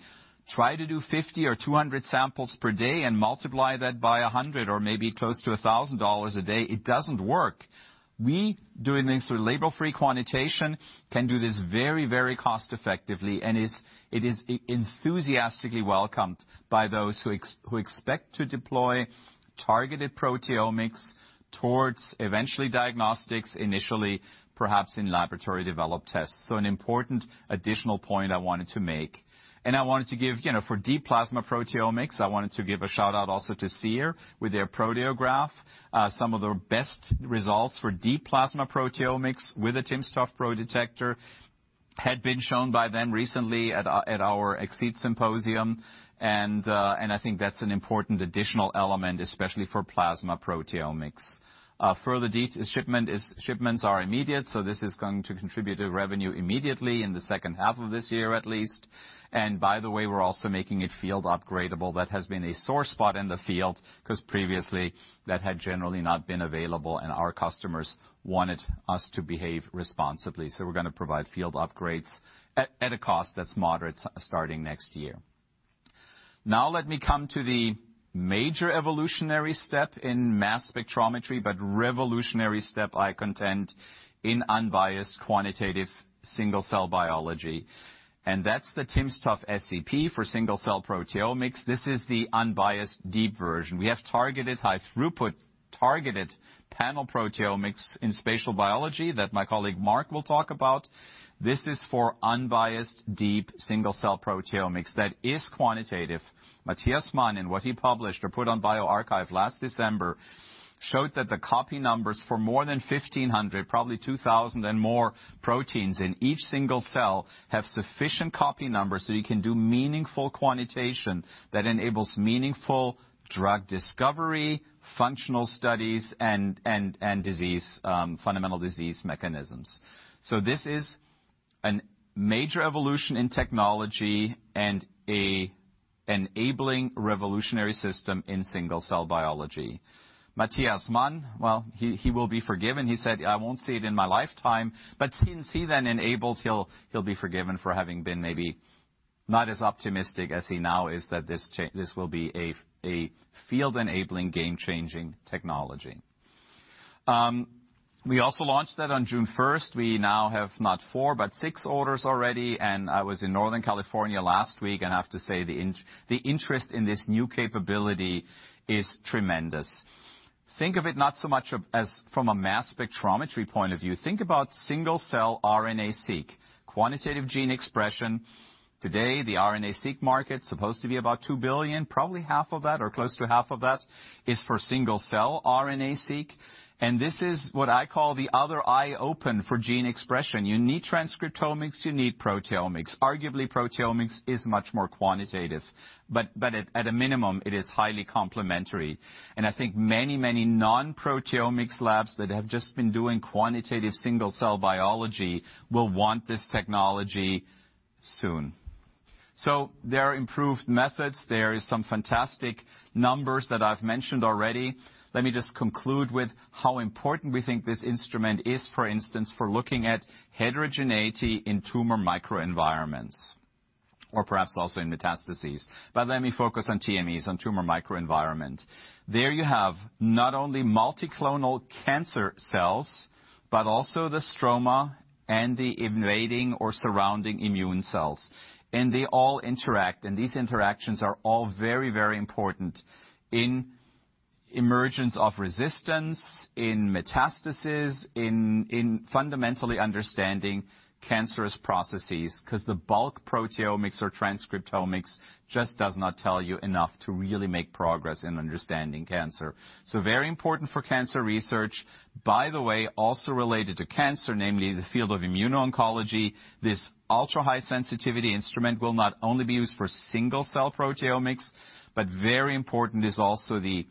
Try to do 50 or 200 samples per day and multiply that by $100 or maybe close to $1,000 a day. It doesn't work. We doing this with label-free quantitation can do this very, very cost effectively, and it is enthusiastically welcomed by those who expect to deploy targeted proteomics towards eventually diagnostics, initially, perhaps in laboratory developed tests. An important additional point I wanted to make. For deep plasma proteomics, I wanted to give a shout-out also to Seer with their Proteograph. Some of the best results for deep plasma proteomics with a timsTOF Pro detector had been shown by them recently at our eXceed Symposium. I think that's an important additional element, especially for plasma proteomics. Further details, shipments are immediate. This is going to contribute to revenue immediately in the second half of this year at least. By the way, we're also making it field upgradable. That has been a sore spot in the field because previously that had generally not been available and our customers wanted us to behave responsibly. We're going to provide field upgrades at a cost that's moderate starting next year. Now let me come to the major evolutionary step in mass spectrometry, revolutionary step, I contend, in unbiased quantitative single-cell biology. That's the timsTOF SCP for single-cell proteomics. This is the unbiased deep version. We have targeted high throughput, targeted panel proteomics in spatial biology that my colleague Mark will talk about. This is for unbiased deep single-cell proteomics that is quantitative. Matthias Mann and what he published or put on bioRxiv last December showed that the copy numbers for more than 1,500, probably 2,000 and more proteins in each single cell have sufficient copy numbers, so you can do meaningful quantitation that enables meaningful drug discovery, functional studies, and fundamental disease mechanisms. This is a major evolution in technology and an enabling revolutionary system in single-cell biology. Matthias Mann, well, he will be forgiven. He said, "I won't see it in my lifetime," but since he then enabled, he'll be forgiven for having been maybe not as optimistic as he now is that this will be a field-enabling, game-changing technology. We also launched that on June 1st. We now have not four, but six orders already. I was in Northern California last week, and I have to say, the interest in this new capability is tremendous. Think of it not so much as from a mass spectrometry point of view. Think about single-cell RNAseq, quantitative gene expression. Today, the RNAseq market is supposed to be about $2 billion. Probably half of that or close to half of that is for single-cell RNAseq. This is what I call the other eye open for gene expression. You need transcriptomics. You need proteomics. Arguably, proteomics is much more quantitative, but at a minimum, it is highly complementary. I think many, many non-proteomics labs that have just been doing quantitative single-cell biology will want this technology soon. There are improved methods. There are some fantastic numbers that I've mentioned already. Let me just conclude with how important we think this instrument is, for instance, for looking at heterogeneity in tumor microenvironments or perhaps also in metastases. Let me focus on TMEs and tumor microenvironments. There you have not only monoclonal cancer cells but also the stroma and the invading or surrounding immune cells. They all interact, and these interactions are all very, very important in emergence of resistance, in metastases, in fundamentally understanding cancerous processes because the bulk proteomics or transcriptomics just does not tell you enough to really make progress in understanding cancer. Very important for cancer research. By the way, also related to cancer, namely the field of immuno-oncology, this ultra-high sensitivity instrument will not only be used for single-cell proteomics. Very important is also the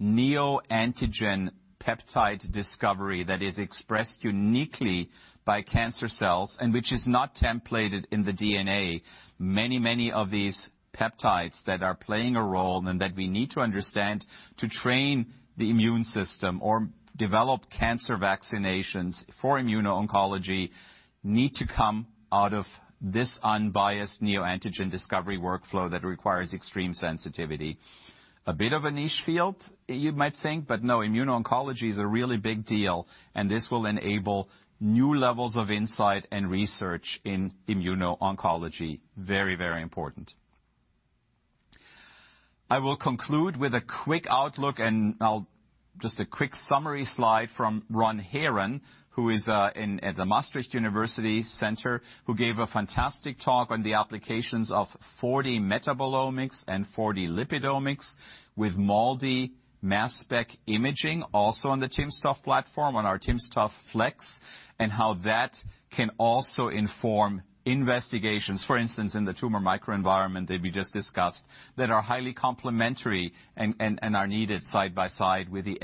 neoantigen peptide discovery that is expressed uniquely by cancer cells and which is not templated in the DNA. Many of these peptides that are playing a role and that we need to understand to train the immune system or develop cancer vaccinations for immuno-oncology need to come out of this unbiased neoantigen discovery workflow that requires extreme sensitivity. A bit of a niche field, you might think, but no, immuno-oncology is a really big deal, and this will enable new levels of insight and research in immuno-oncology. Very, very important. I will conclude with a quick outlook and just a quick summary slide from Ron Heeren, who is at the Maastricht University, who gave a fantastic talk on the applications of 4D metabolomics and 4D lipidomics with MALDI mass spec imaging, also on the timsTOF platform, on our timsTOF fleX, and how that can also inform investigations, for instance, in the tumor microenvironment that we just discussed, that are highly complementary and are needed side by side with the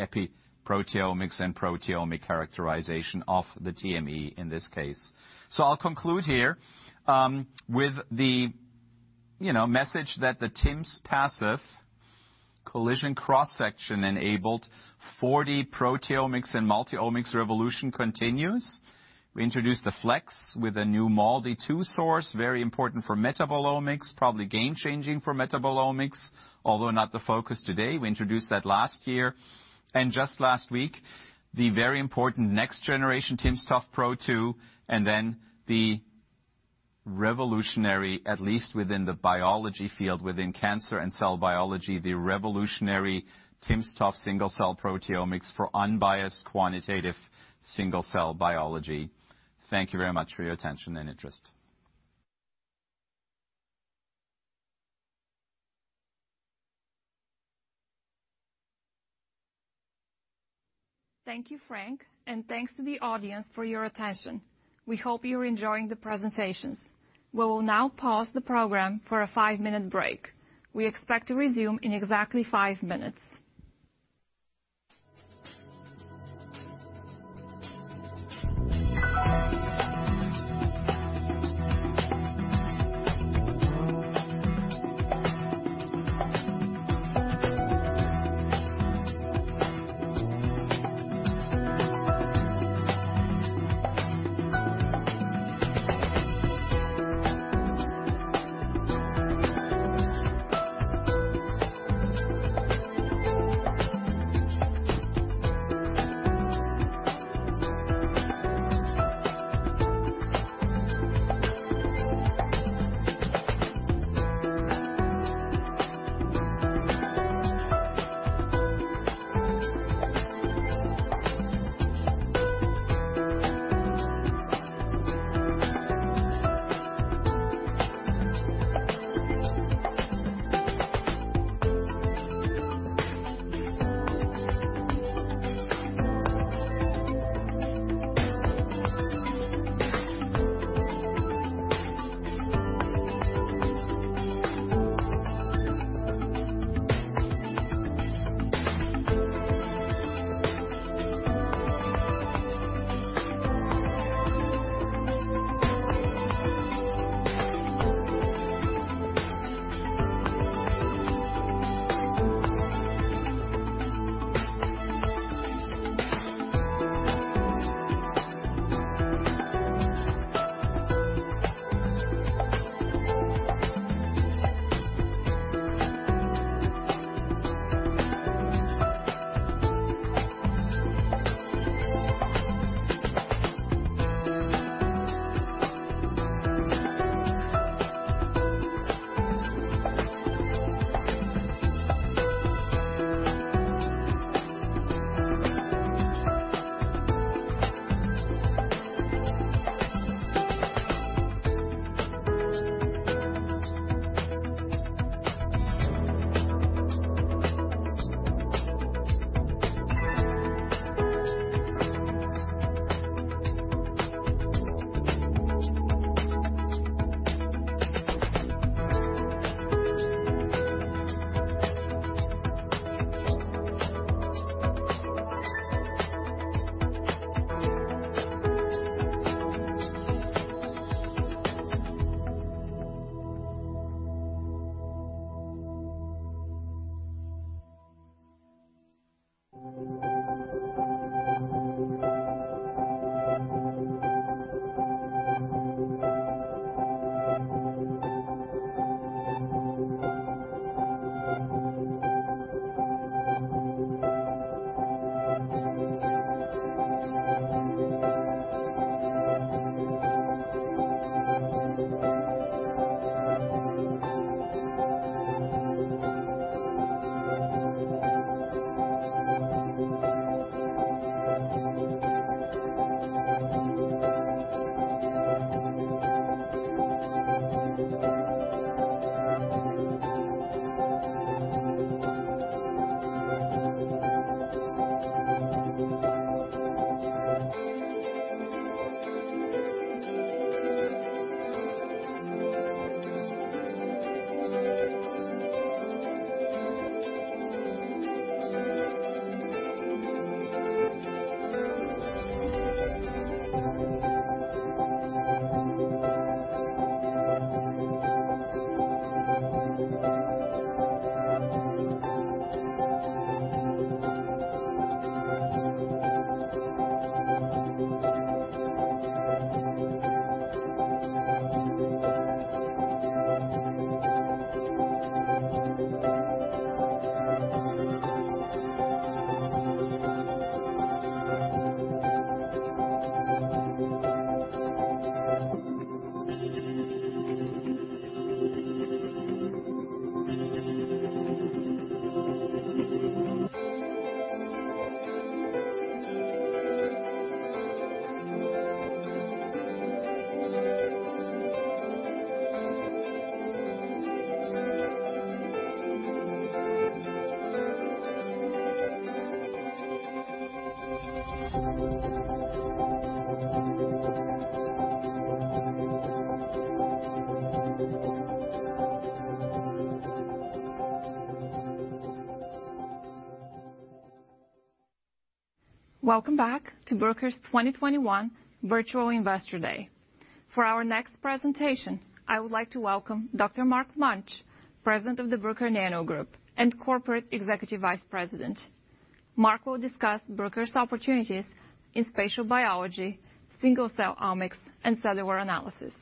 epi-proteomics and proteomic characterization of the TME in this case. I'll conclude here with the message that the TIMS-PASEF collision cross-section enabled 4D proteomics and multi-omics revolution continues. We introduced the fleX with a new MALDI-2 source, very important for metabolomics, probably game-changing for metabolomics, although not the focus today. We introduced that last year. Just last week, the very important next generation timsTOF Pro 2 and then the revolutionary, at least within the biology field, within cancer and cell biology, the revolutionary timsTOF single-cell proteomics for unbiased quantitative single-cell biology. Thank you very much for your attention and interest. Thank you, Frank, and thanks to the audience for your attention. We hope you're enjoying the presentations. We will now pause the program for a five-minute break. We expect to resume in exactly five minutes. Welcome back to Bruker's 2021 Virtual Investor Day. For our next presentation, I would like to welcome Dr. Mark Munch, President of the Bruker NANO Group and Corporate Executive Vice President. Mark will discuss Bruker's opportunities in spatial biology, single-cell omics, and cellular analysis.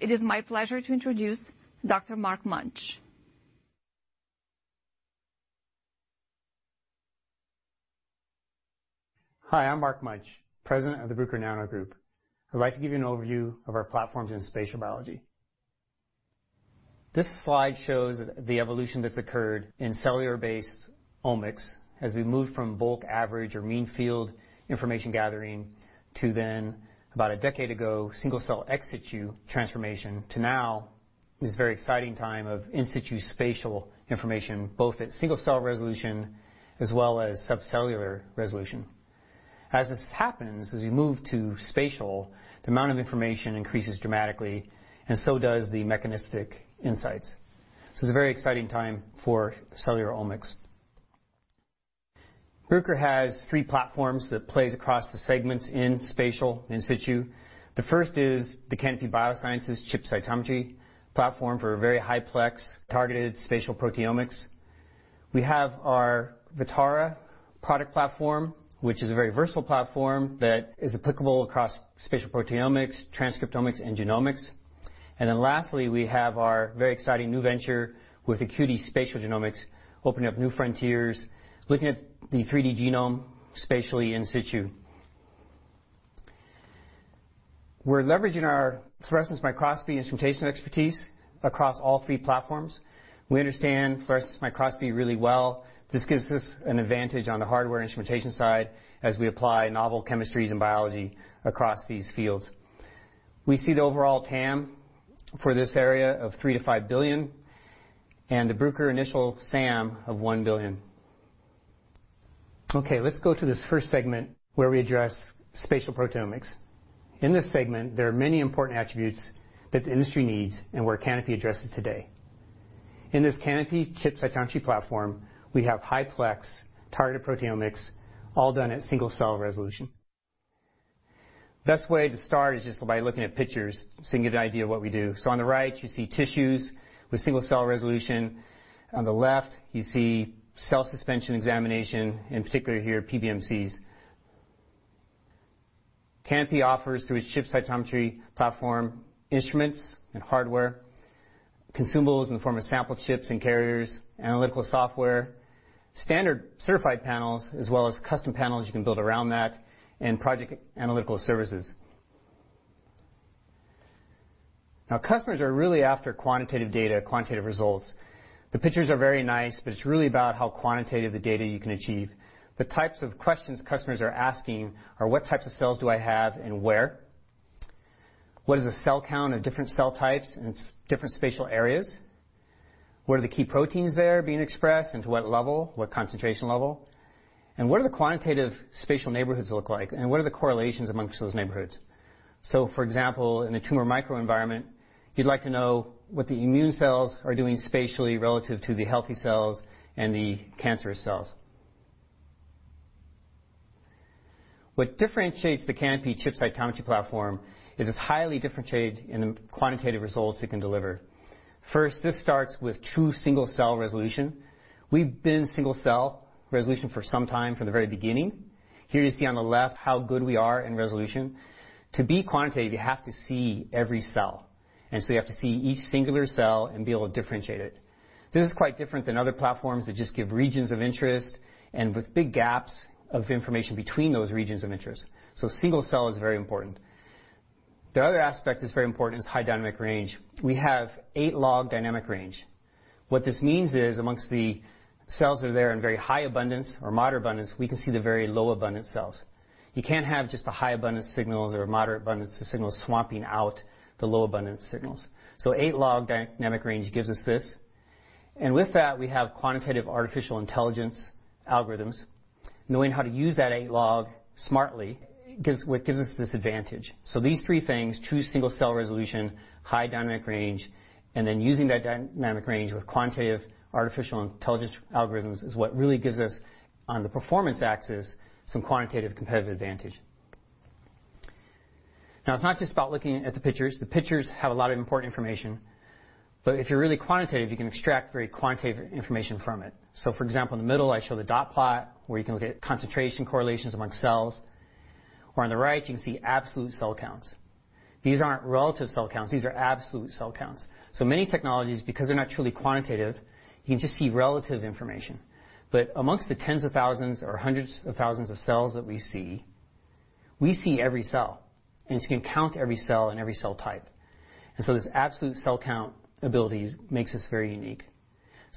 It is my pleasure to introduce Dr. Mark Munch. Hi, I'm Mark Munch, President of the Bruker NANO Group. I'd like to give you an overview of our platforms in spatial biology. This slide shows the evolution that's occurred in cellular-based omics as we move from bulk average or mean field information gathering to then, about a decade ago, single-cell ex situ transformation to now, this very exciting time of in situ spatial information, both at single-cell resolution as well as subcellular resolution. As this happens, as we move to spatial, the amount of information increases dramatically, so does the mechanistic insights. This is a very exciting time for cellular omics. Bruker has three platforms that plays across the segments in spatial, in situ. The first is the Canopy Biosciences ChipCytometry platform for a very high-plex, targeted spatial proteomics. We have our Vutara product platform, which is a very versatile platform that is applicable across spatial proteomics, transcriptomics, and genomics. Lastly, we have our very exciting new venture with Acuity Spatial Genomics, opening up new frontiers, looking at the 3D genome spatially in situ. We're leveraging our fluorescence microscopy instrumentation expertise across all three platforms. We understand fluorescence microscopy really well. This gives us an advantage on the hardware instrumentation side as we apply novel chemistries and biology across these fields. We see the overall TAM for this area of $3 billion-$5 billion and the Bruker initial SAM of $1 billion. Let's go to this first segment where we address spatial proteomics. In this segment, there are many important attributes that the industry needs and where Canopy addresses today. In this Canopy ChipCytometry platform, we have high-plex targeted proteomics all done at single-cell resolution. Best way to start is just by looking at pictures, so you can get an idea of what we do. On the right, you see tissues with single-cell resolution. On the left, you see cell suspension examination, in particular here, PBMCs. Canopy offers, through its ChipCytometry platform, instruments and hardware, consumables in the form of sample chips and carriers, analytical software, standard certified panels, as well as custom panels you can build around that, and project analytical services. Now, customers are really after quantitative data, quantitative results. The pictures are very nice, but it's really about how quantitative the data you can achieve. The types of questions customers are asking are. What types of cells do I have and where? What is the cell count of different cell types in different spatial areas? What are the key proteins there being expressed and to what level, what concentration level? What do the quantitative spatial neighborhoods look like, and what are the correlations amongst those neighborhoods? For example, in a tumor microenvironment, you'd like to know what the immune cells are doing spatially relative to the healthy cells and the cancerous cells. What differentiates the Canopy ChipCytometry platform is its highly differentiated and quantitative results it can deliver. First, this starts with true single-cell resolution. We've been single-cell resolution for some time from the very beginning. Here you see on the left how good we are in resolution. To be quantitative, you have to see every cell, and so you have to see each singular cell and be able to differentiate it. This is quite different than other platforms that just give regions of interest and with big gaps of information between those regions of interest. Single cell is very important. The other aspect that's very important is high dynamic range. We have 8-log dynamic range. What this means is amongst the cells that are there in very high abundance or moderate abundance, we can see the very low abundance cells. You can't have just the high abundance signals or moderate abundance signals swamping out the low abundance signals. 8-log dynamic range gives us this, and with that, we have quantitative artificial intelligence algorithms. Knowing how to use that 8-log smartly gives us this advantage. These three things, true single-cell resolution, high dynamic range, and then using that dynamic range with quantitative artificial intelligence algorithms is what really gives us, on the performance axis, some quantitative competitive advantage. It's not just about looking at the pictures. The pictures have a lot of important information, but if you're really quantitative, you can extract very quantitative information from it. For example, in the middle, I show the dot plot where you can look at concentration correlations among cells, or on the right, you can see absolute cell counts. These aren't relative cell counts; these are absolute cell counts. Many technologies, because they're not truly quantitative, you can just see relative information. Amongst the tens of thousands or hundreds of thousands of cells that we see, we see every cell, and so we can count every cell and every cell type. This absolute cell count ability makes us very unique.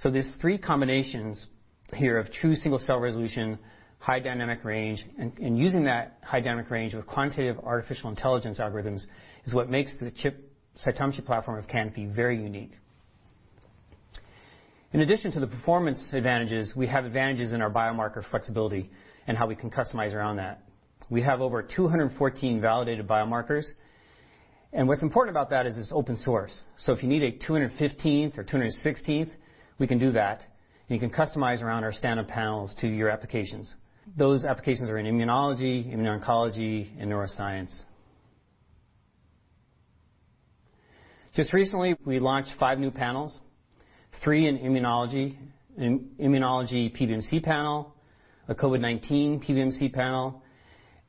These three combinations here of true single-cell resolution, high dynamic range, and using that high dynamic range with quantitative artificial intelligence algorithms is what makes the ChipCytometry platform of Canopy very unique. In addition to the performance advantages, we have advantages in our biomarker flexibility and how we can customize around that. We have over 214 validated biomarkers. What's important about that is it's open source. If you need a 215th or 216th, we can do that, and you can customize around our standard panels to your applications. Those applications are in immunology, immuno-oncology, and neuroscience. Just recently, we launched five new panels, three in immunology: an immunology PBMC panel, a COVID-19 PBMC panel,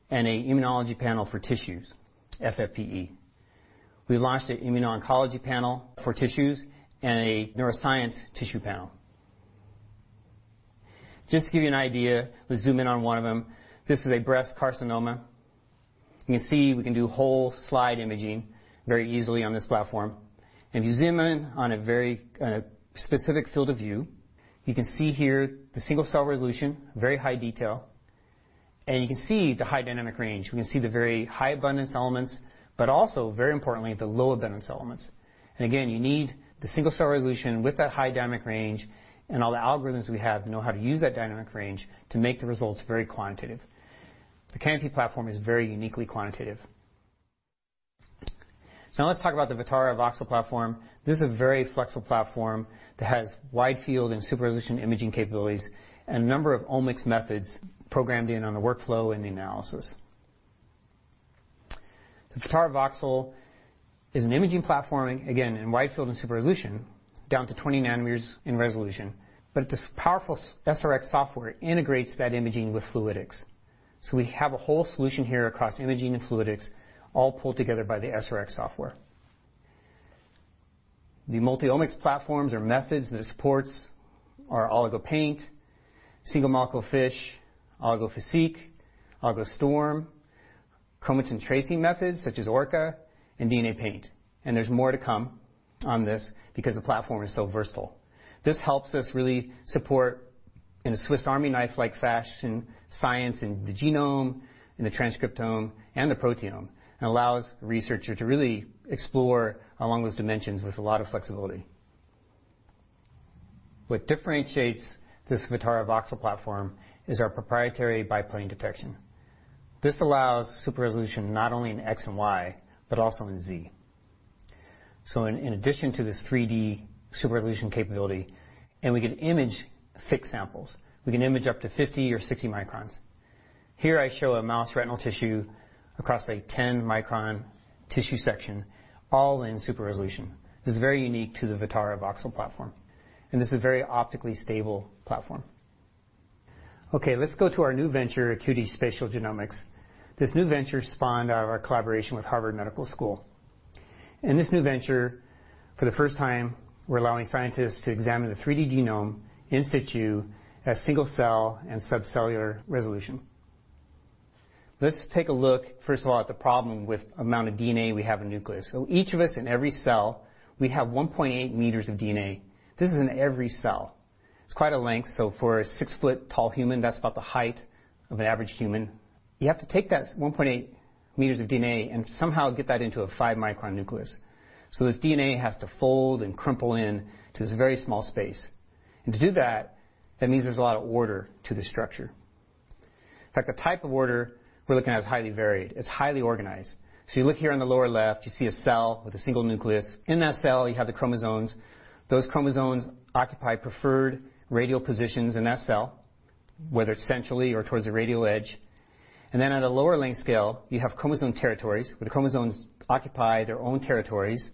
and an immunology panel for tissues, FFPE. We launched an immuno-oncology panel for tissues and a neuroscience tissue panel. Just to give you an idea, let's zoom in on one of them. This is a breast carcinoma. You can see we can do whole slide imaging very easily on this platform, and if you zoom in on a very specific field of view, you can see here the single-cell resolution, very high detail, and you can see the high dynamic range. We can see the very high abundance elements, but also, very importantly, the low abundance elements. Again, you need the single-cell resolution with that high dynamic range and all the algorithms we have that know how to use that dynamic range to make the results very quantitative. The Canopy platform is very uniquely quantitative. Now let's talk about the Vutara VXL platform. This is a very flexible platform that has wide field and super-resolution imaging capabilities and a number of omics methods programmed in on the workflow and the analysis. The Vutara VXL is an imaging platform, again, in wide field and super-resolution, down to 20 nm in resolution. This powerful SRX software integrates that imaging with fluidics. We have a whole solution here across imaging and fluidics all pulled together by the SRX software. The multi-omics platforms or methods this supports are Oligopaint, single-molecule FISH, OligoFISSEQ, OligoSTORM, chromatin tracing methods such as ORCA, and DNA-PAINT. There's more to come on this because the platform is so versatile. This helps us really support in a Swiss Army knife-like fashion, science in the genome and the transcriptome and the proteome allows the researcher to really explore along those dimensions with a lot of flexibility. What differentiates this Vutara VXL platform is our proprietary biplane detection. This allows super-resolution not only in X and Y, but also in Z. In addition to this 3D super-resolution capability, we can image fixed samples. We can image up to 50 or 60 microns. Here I show a mouse retinal tissue across a 10-micron tissue section, all in super-resolution. This is very unique to the Vutara VXL platform. This is a very optically stable platform. Let's go to our new venture, Acuity Spatial Genomics. This new venture spawned out of our collaboration with Harvard Medical School. In this new venture, for the first time, we're allowing scientists to examine the 3D genome in situ at single-cell and subcellular resolution. Let's take a look, first of all, at the problem with the amount of DNA we have in a nucleus. Each of us in every cell, we have 1.8 m of DNA. This is in every cell. It's quite a length. For a 6 ft-tall human, that's about the height of an average human. You have to take that 1.8 m of DNA and somehow get that into a 5-micron nucleus. To do that means there's a lot of order to the structure. In fact, the type of order we're looking at is highly varied, it's highly organized. You look here on the lower left, you see a cell with a single nucleus. In that cell, you have the chromosomes. Those chromosomes occupy preferred radial positions in that cell, whether it's centrally or towards the radial edge. Then at a lower length scale, you have chromosome territories, where the chromosomes occupy their own territories.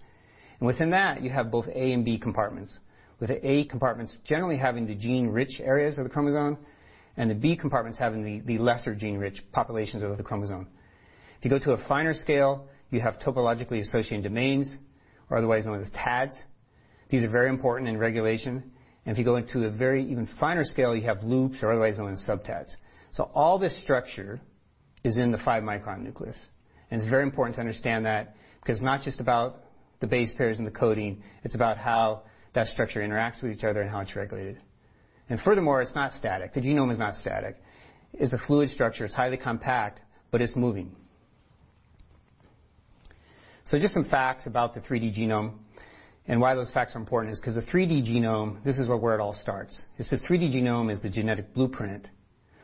Within that, you have both A and B compartments, with the A compartments generally having the gene-rich areas of the chromosome, and the B compartments having the lesser gene-rich populations of the chromosome. If you go to a finer scale, you have topologically associated domains, or otherwise known as TADs. These are very important in regulation. If you go into a very even finer scale, you have loops, or otherwise known as sub-TADs. All this structure is in the 5-micron nucleus, and it's very important to understand that because it's not just about the base pairs and the coding, it's about how that structure interacts with each other and how it's regulated. Furthermore, it's not static. The genome is not static. It's a fluid structure. It's highly compact, but it's moving. Just some facts about the 3D genome and why those facts are important is because the 3D genome, this is where it all starts. It's the 3D genome is the genetic blueprint,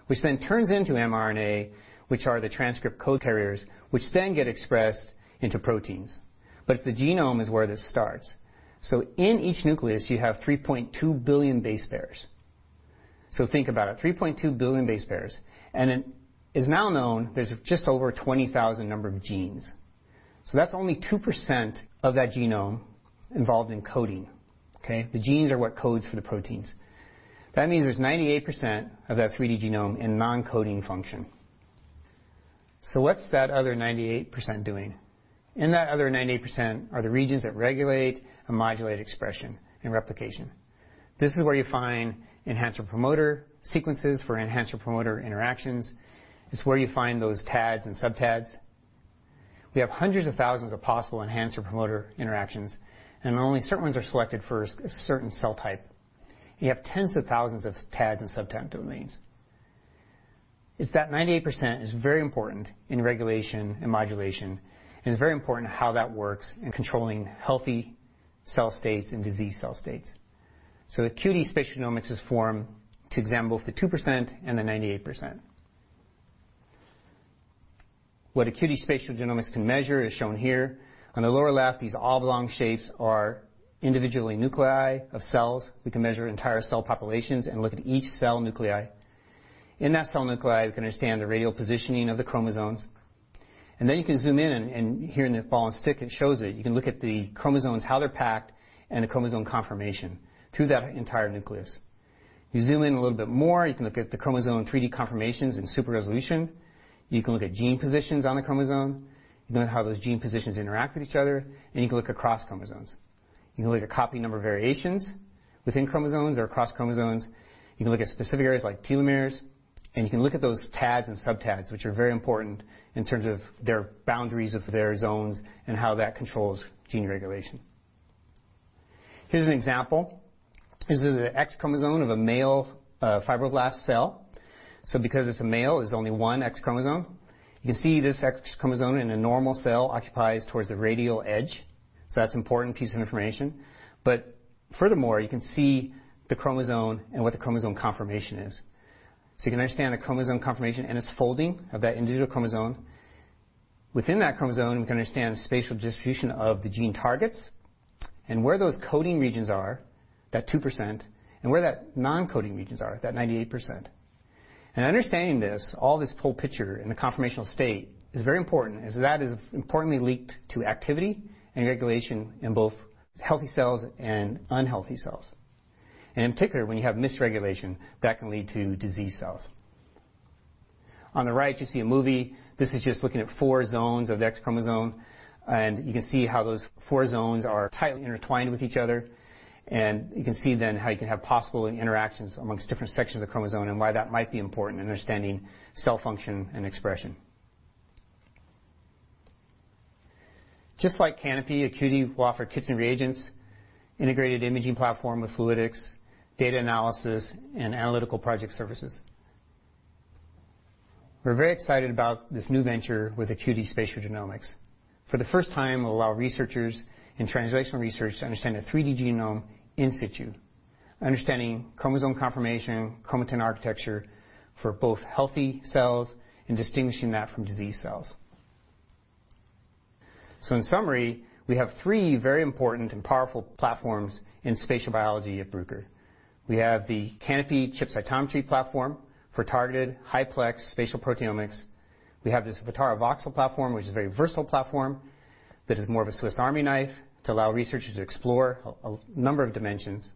which then turns into mRNA, which are the transcript code carriers, which then get expressed into proteins. It's the genome is where this starts. In each nucleus, you have 3.2 billion base pairs. Think about it, 3.2 billion base pairs, and it is now known there's just over 20,000 number of genes. That's only 2% of that genome involved in coding. Okay? The genes are what codes for the proteins. That means there's 88% of that 3D genome in non-coding function. What's that other 98% doing? In that other 98% are the regions that regulate and modulate expression and replication. This is where you find enhancer promoter sequences for enhancer promoter interactions. This is where you find those TADs and sub-TADs. We have hundreds of thousands of possible enhancer promoter interactions, and only certain ones are selected for a certain cell type. You have tens of thousands of TADs and sub-TAD domains. It's that 98% is very important in regulation and modulation, and it's very important to how that works in controlling healthy cell states and diseased cell states. Acuity Spatial Genomics is formed to examine both the 2% and the 98%. What Acuity Spatial Genomics can measure is shown here. On the lower left, these oblong shapes are individual nuclei of cells. We can measure entire cell populations and look at each cell nuclei. In that cell nuclei, we can understand the radial positioning of the chromosomes. Then you can zoom in, and here in the ball and stick, it shows it. You can look at the chromosomes, how they're packed, and the chromosome conformation through that entire nucleus. You zoom in a little bit more, you can look at the chromosome 3D conformations in super-resolution. You can look at gene positions on a chromosome. You can look at how those gene positions interact with each other, and you can look across chromosomes. You can look at copy number variations within chromosomes or across chromosomes. You can look at specific areas like telomeres, and you can look at those TADs and sub-TADs, which are very important in terms of their boundaries of their zones and how that controls gene regulation. Here's an example. This is an X chromosome of a male fibroblast cell. Because it's a male, there's only one X chromosome. You see this X chromosome in a normal cell occupies towards the radial edge. That's an important piece of information. Furthermore, you can see the chromosome and what the chromosome conformation is. You can understand the chromosome conformation and its folding of that individual chromosome. Within that chromosome, you can understand the spatial distribution of the gene targets and where those coding regions are, that 2%, and where that non-coding regions are, that 98%. Understanding this, all this full picture in a conformational state, is very important, as that is importantly linked to activity and regulation in both healthy cells and unhealthy cells. In particular, when you have misregulation, that can lead to diseased cells. On the right, you see a movie. This is just looking at four zones of the X chromosome, and you can see how those four zones are tightly intertwined with each other. You can see then how you can have possible interactions amongst different sections of the chromosome and why that might be important in understanding cell function and expression. Just like Canopy, a 2D flow for kits and reagents, integrated imaging platform with fluidics, data analysis, and analytical project services. We're very excited about this new venture with the 2D spatial genomics. For the first time, it will allow researchers in translational research to understand the 3D genome in situ, understanding chromosome conformation, chromatin architecture for both healthy cells and distinguishing that from diseased cells. In summary, we have three very important and powerful platforms in spatial biology at Bruker. We have the Canopy ChipCytometry platform for targeted high-plex spatial proteomics. We have this Vutara VXL platform, which is a very versatile platform that is more of a Swiss Army knife to allow researchers to explore a number of dimensions.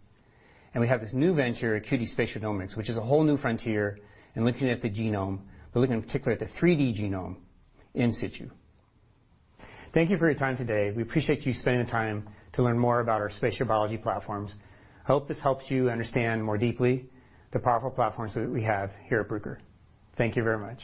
We have this new venture, Acuity Spatial Genomics, which is a whole new frontier in looking at the genome, but looking in particular at the 3D genome in situ. Thank you for your time today. We appreciate you spending the time to learn more about our spatial biology platforms. I hope this helps you understand more deeply the powerful platforms that we have here at Bruker. Thank you very much.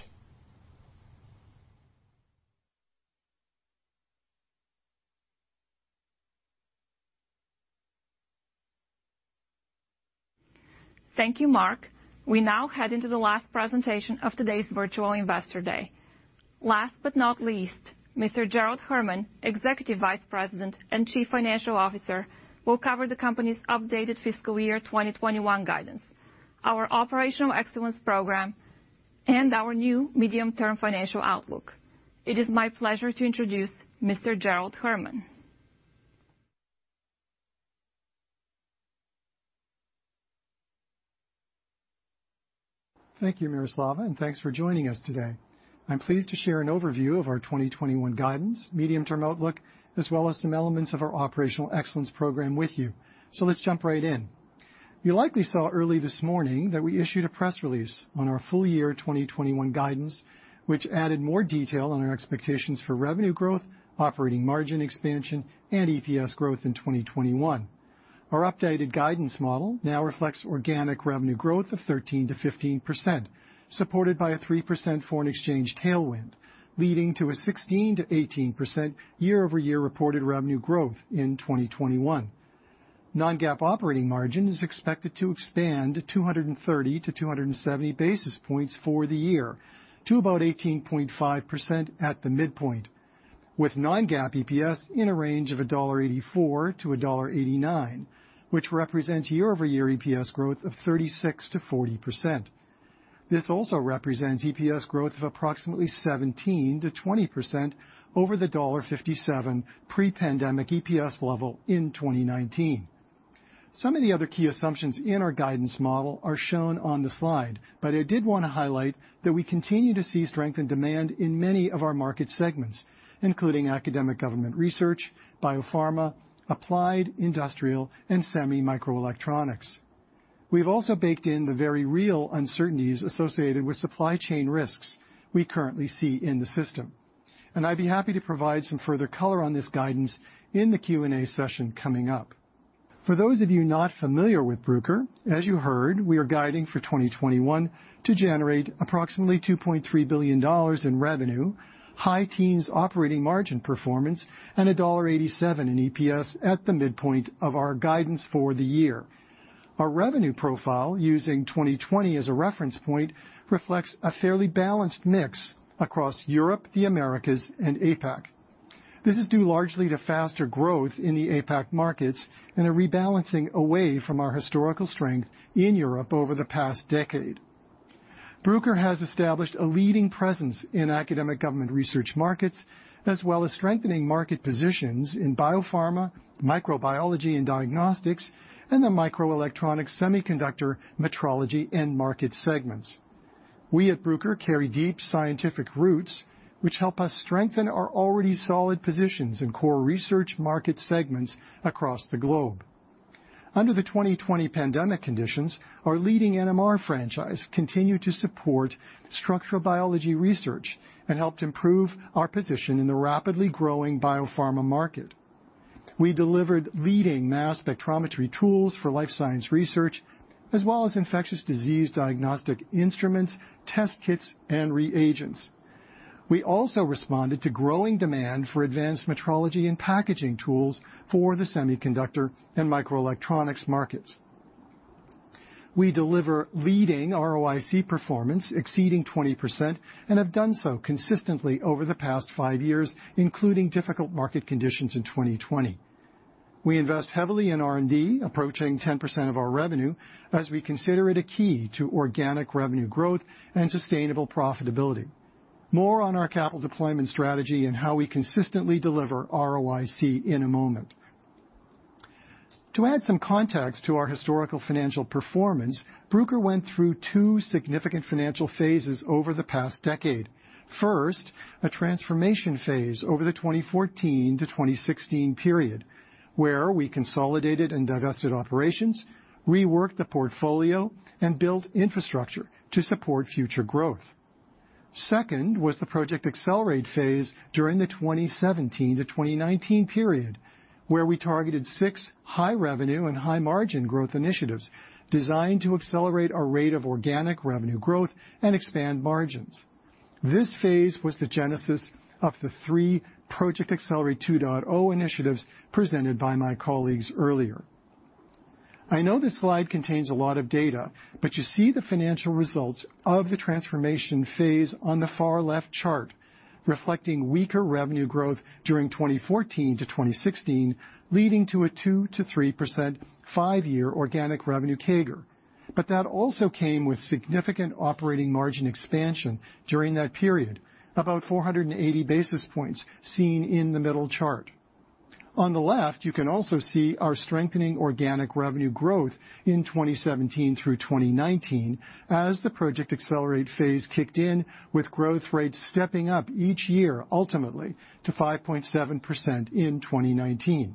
Thank you, Mark. We now head into the last presentation of today's Virtual Investor Day. Last but not least, Mr. Gerald Herman, Executive Vice President and Chief Financial Officer, will cover the company's updated fiscal year 2021 guidance, our operational excellence program, and our new medium-term financial outlook. It is my pleasure to introduce Mr. Gerald Herman. Thank you, Miroslava, and thanks for joining us today. I'm pleased to share an overview of our 2021 guidance, medium-term outlook, as well as some elements of our operational excellence program with you. Let's jump right in. You likely saw early this morning that we issued a press release on our full year 2021 guidance, which added more detail on our expectations for revenue growth, operating margin expansion, and EPS growth in 2021. Our updated guidance model now reflects organic revenue growth of 13%-15%, supported by a 3% foreign exchange tailwind, leading to a 16%-18% year-over-year reported revenue growth in 2021. Non-GAAP operating margin is expected to expand 230-270 basis points for the year to about 18.5% at the midpoint, with non-GAAP EPS in a range of $1.84-$1.89, which represents year-over-year EPS growth of 36%-40%. This also represents EPS growth of approximately 17%-20% over the $1.57 pre-pandemic EPS level in 2019. Some of the other key assumptions in our guidance model are shown on the slide, but I did want to highlight that we continue to see strength and demand in many of our market segments, including academic government research, biopharma, applied, industrial, and semi/microelectronics. We've also baked in the very real uncertainties associated with supply chain risks we currently see in the system. I'd be happy to provide some further color on this guidance in the Q&A session coming up. For those of you not familiar with Bruker, as you heard, we are guiding for 2021 to generate approximately $2.3 billion in revenue, high teens operating margin performance, and $1.87 in EPS at the midpoint of our guidance for the year. Our revenue profile, using 2020 as a reference point, reflects a fairly balanced mix across Europe, the Americas, and APAC. This is due largely to faster growth in the APAC markets and a rebalancing away from our historical strength in Europe over the past decade. Bruker has established a leading presence in academic government research markets, as well as strengthening market positions in biopharma, microbiology and diagnostics, and the microelectronic semiconductor metrology end market segments. We at Bruker carry deep scientific roots, which help us strengthen our already solid positions in core research market segments across the globe. Under the 2020 pandemic conditions, our leading NMR franchise continued to support structural biology research and helped improve our position in the rapidly growing biopharma market. We delivered leading mass spectrometry tools for life science research, as well as infectious disease diagnostic instruments, test kits, and reagents. We also responded to growing demand for advanced metrology and packaging tools for the semiconductor and microelectronics markets. We deliver leading ROIC performance exceeding 20% and have done so consistently over the past five years, including difficult market conditions in 2020. We invest heavily in R&D, approaching 10% of our revenue, as we consider it a key to organic revenue growth and sustainable profitability. More on our capital deployment strategy and how we consistently deliver ROIC in a moment. To add some context to our historical financial performance, Bruker went through two significant financial phases over the past decade. First, a transformation phase over the 2014-2016 period, where we consolidated and divested operations, reworked the portfolio, and built infrastructure to support future growth. Second was the Project Accelerate phase during the 2017-2019 period, where we targeted six high-revenue and high-margin growth initiatives designed to accelerate our rate of organic revenue growth and expand margins. This phase was the genesis of the three Project Accelerate 2.0 initiatives presented by my colleagues earlier. I know this slide contains a lot of data. You see the financial results of the transformation phase on the far left chart, reflecting weaker revenue growth during 2014-2016, leading to a 2%-3% five-year organic revenue CAGR. That also came with significant operating margin expansion during that period, about 480 basis points seen in the middle chart. On the left, you can also see our strengthening organic revenue growth in 2017-2019 as the Project Accelerate phase kicked in with growth rates stepping up each year, ultimately to 5.7% in 2019.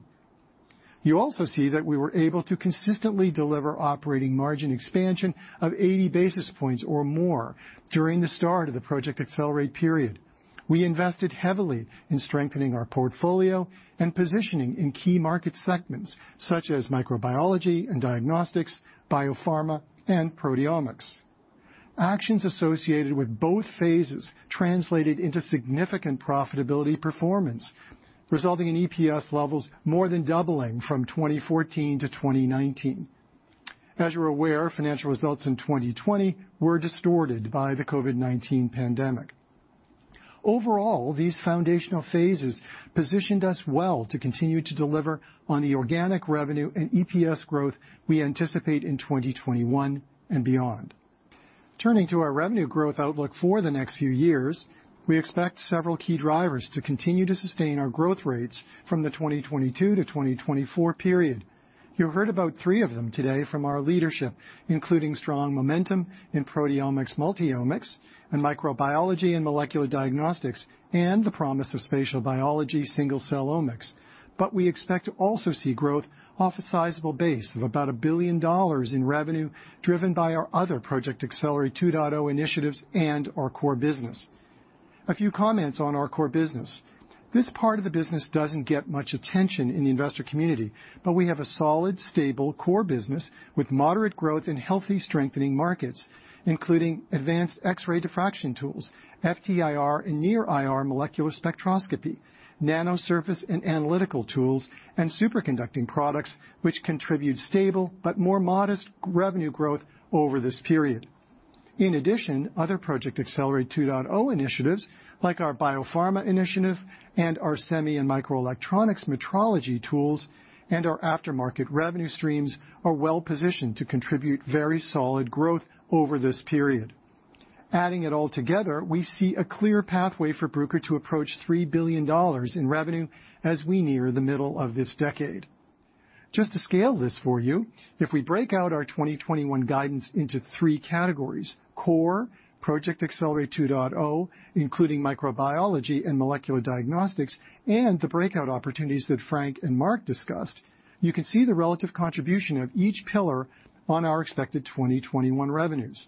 You also see that we were able to consistently deliver operating margin expansion of 80 basis points or more during the start of the Project Accelerate period. We invested heavily in strengthening our portfolio and positioning in key market segments such as microbiology and diagnostics, biopharma, and proteomics. Actions associated with both phases translated into significant profitability performance, resulting in EPS levels more than doubling from 2014 to 2019. As you're aware, financial results in 2020 were distorted by the COVID-19 pandemic. Overall, these foundational phases positioned us well to continue to deliver on the organic revenue and EPS growth we anticipate in 2021 and beyond. Turning to our revenue growth outlook for the next few years, we expect several key drivers to continue to sustain our growth rates from the 2022 to 2024 period. You heard about three of them today from our leadership, including strong momentum in proteomics, multi-omics, and microbiology and molecular diagnostics, and the promise of spatial biology single-cell omics. We expect to also see growth off a sizable base of about $1 billion in revenue driven by our other Project Accelerate 2.0 initiatives and our core business. A few comments on our core business. This part of the business doesn't get much attention in the investor community, but we have a solid, stable core business with moderate growth and healthy strengthening markets, including advanced X-ray diffraction tools, FTIR and NIR molecular spectroscopy, nano surface and analytical tools, and superconducting products, which contribute stable but more modest revenue growth over this period. In addition, other Project Accelerate 2.0 initiatives, like our biopharma initiative and our semi and microelectronics metrology tools and our aftermarket revenue streams, are well-positioned to contribute very solid growth over this period. Adding it all together, we see a clear pathway for Bruker to approach $3 billion in revenue as we near the middle of this decade. Just to scale this for you, if we break out our 2021 guidance into three categories, core, Project Accelerate 2.0, including microbiology and molecular diagnostics, and the breakout opportunities that Frank and Mark discussed, you can see the relative contribution of each pillar on our expected 2021 revenues.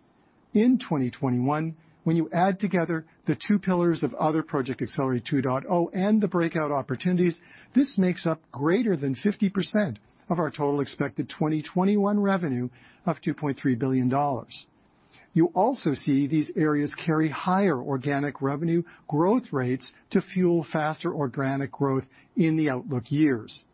In 2021, when you add together the two pillars of other Project Accelerate 2.0 and the breakout opportunities, this makes up greater than 50% of our total expected 2021 revenue of $2.3 billion. You also see these areas carry higher organic revenue growth rates to fuel faster organic growth in the outlook years.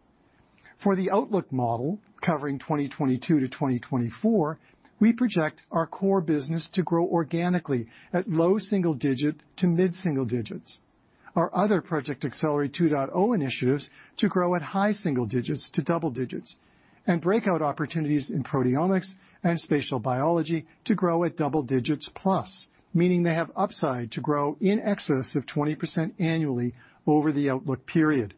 For the outlook model covering 2022 to 2024, we project our core business to grow organically at low single digit to mid-single digits. Our other Project Accelerate 2.0 initiatives to grow at high single digits to double digits, and breakout opportunities in proteomics and spatial biology to grow at double digits plus, meaning they have upside to grow in excess of 20% annually over the outlook period.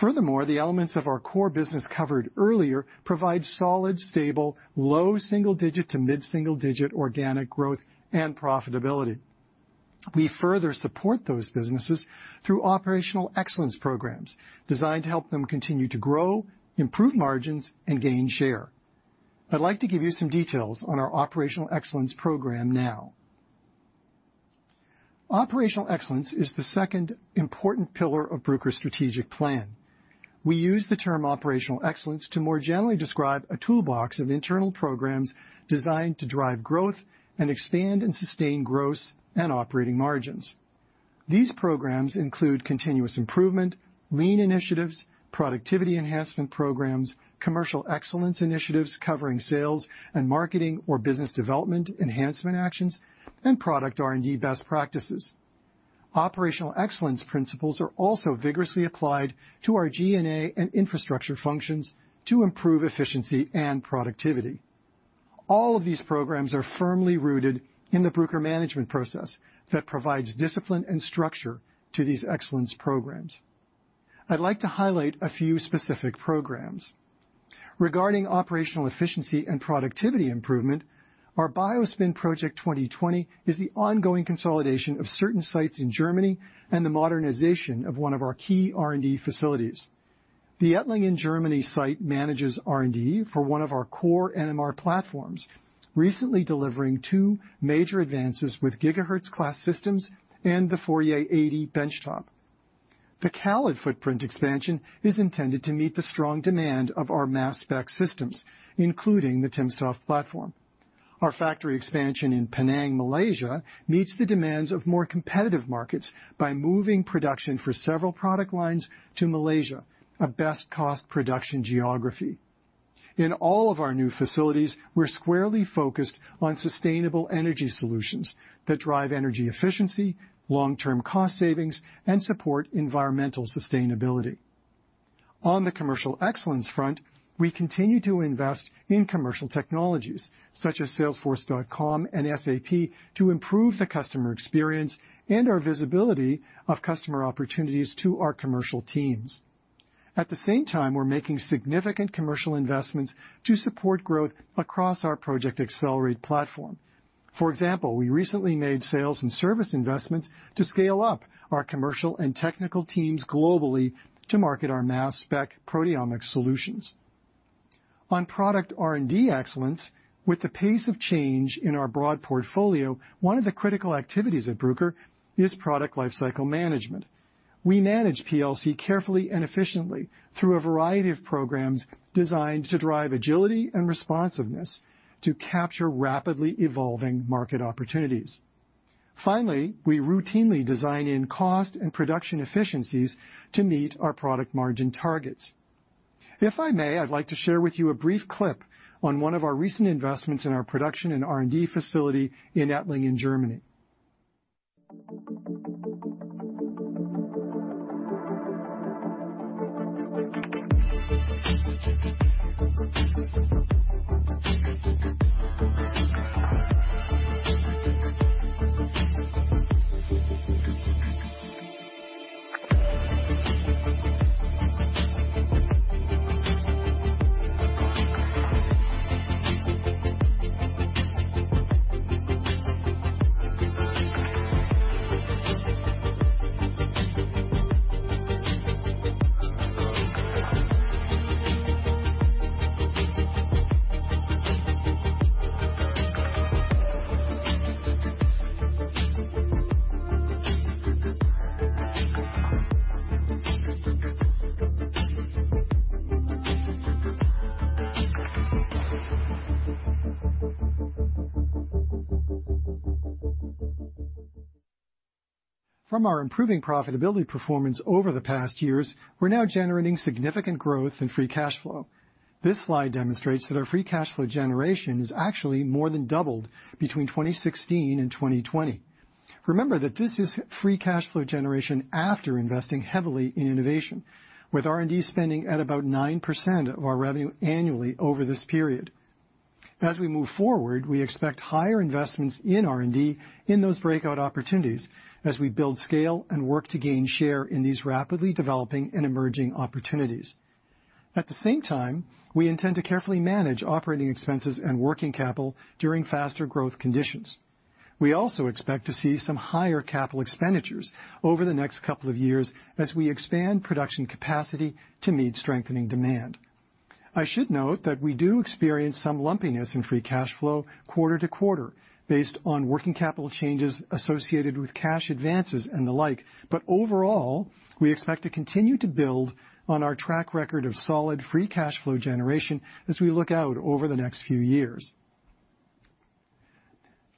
Furthermore, the elements of our core business covered earlier provide solid, stable, low single digit to mid-single digit organic growth and profitability. We further support those businesses through operational excellence programs designed to help them continue to grow, improve margins, and gain share. I'd like to give you some details on our operational excellence program now. Operational excellence is the second important pillar of Bruker's strategic plan. We use the term operational excellence to more generally describe a toolbox of internal programs designed to drive growth and expand and sustain gross and operating margins. These programs include continuous improvement, lean initiatives, productivity enhancement programs, commercial excellence initiatives covering sales and marketing or business development enhancement actions, and product R&D best practices. Operational excellence principles are also vigorously applied to our G&A and infrastructure functions to improve efficiency and productivity. All of these programs are firmly rooted in the Bruker management process that provides discipline and structure to these excellence programs. I'd like to highlight a few specific programs. Regarding operational efficiency and productivity improvement, our BioSpin Project 2020 is the ongoing consolidation of certain sites in Germany and the modernization of one of our key R&D facilities. The Ettlingen, Germany site manages R&D for one of our core NMR platforms, recently delivering two major advances with gigahertz class systems and the Fourier 80 benchtop. The CALID footprint expansion is intended to meet the strong demand of our mass spec systems, including the timsTOF platform. Our factory expansion in Penang, Malaysia, meets the demands of more competitive markets by moving production for several product lines to Malaysia, a best-cost production geography. In all of our new facilities, we're squarely focused on sustainable energy solutions that drive energy efficiency, long-term cost savings, and support environmental sustainability. On the commercial excellence front, we continue to invest in commercial technologies such as Salesforce.com and SAP to improve the customer experience and our visibility of customer opportunities to our commercial teams. At the same time, we're making significant commercial investments to support growth across our Project Accelerate platform. For example, we recently made sales and service investments to scale up our commercial and technical teams globally to market our mass spec proteomics solutions. On product R&D excellence, with the pace of change in our broad portfolio, one of the critical activities at Bruker is product lifecycle management. We manage PLC carefully and efficiently through a variety of programs designed to drive agility and responsiveness to capture rapidly evolving market opportunities. Finally, we routinely design in cost and production efficiencies to meet our product margin targets. If I may, I'd like to share with you a brief clip on one of our recent investments in our production and R&D facility in Ettlingen, Germany. From our improving profitability performance over the past years, we're now generating significant growth and free cash flow. This slide demonstrates that our free cash flow generation has actually more than doubled between 2016 and 2020. Remember that this is free cash flow generation after investing heavily in innovation, with R&D spending at about 9% of our revenue annually over this period. We move forward, we expect higher investments in R&D in those breakout opportunities as we build scale and work to gain share in these rapidly developing and emerging opportunities. At the same time, we intend to carefully manage operating expenses and working capital during faster growth conditions. We also expect to see some higher capital expenditures over the next couple of years as we expand production capacity to meet strengthening demand. I should note that we do experience some lumpiness in free cash flow quarter to quarter based on working capital changes associated with cash advances and the like. Overall, we expect to continue to build on our track record of solid free cash flow generation as we look out over the next few years.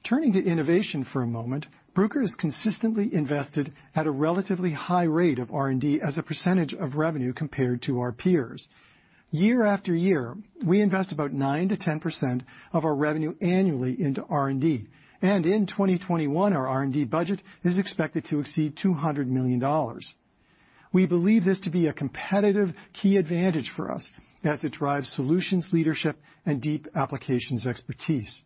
Turning to innovation for a moment, Bruker has consistently invested at a relatively high rate of R&D as a percentage of revenue compared to our peers. Year after year, we invest about 9%-10% of our revenue annually into R&D, and in 2021, our R&D budget is expected to exceed $200 million. We believe this to be a competitive key advantage for us as it drives solutions leadership and deep applications expertise.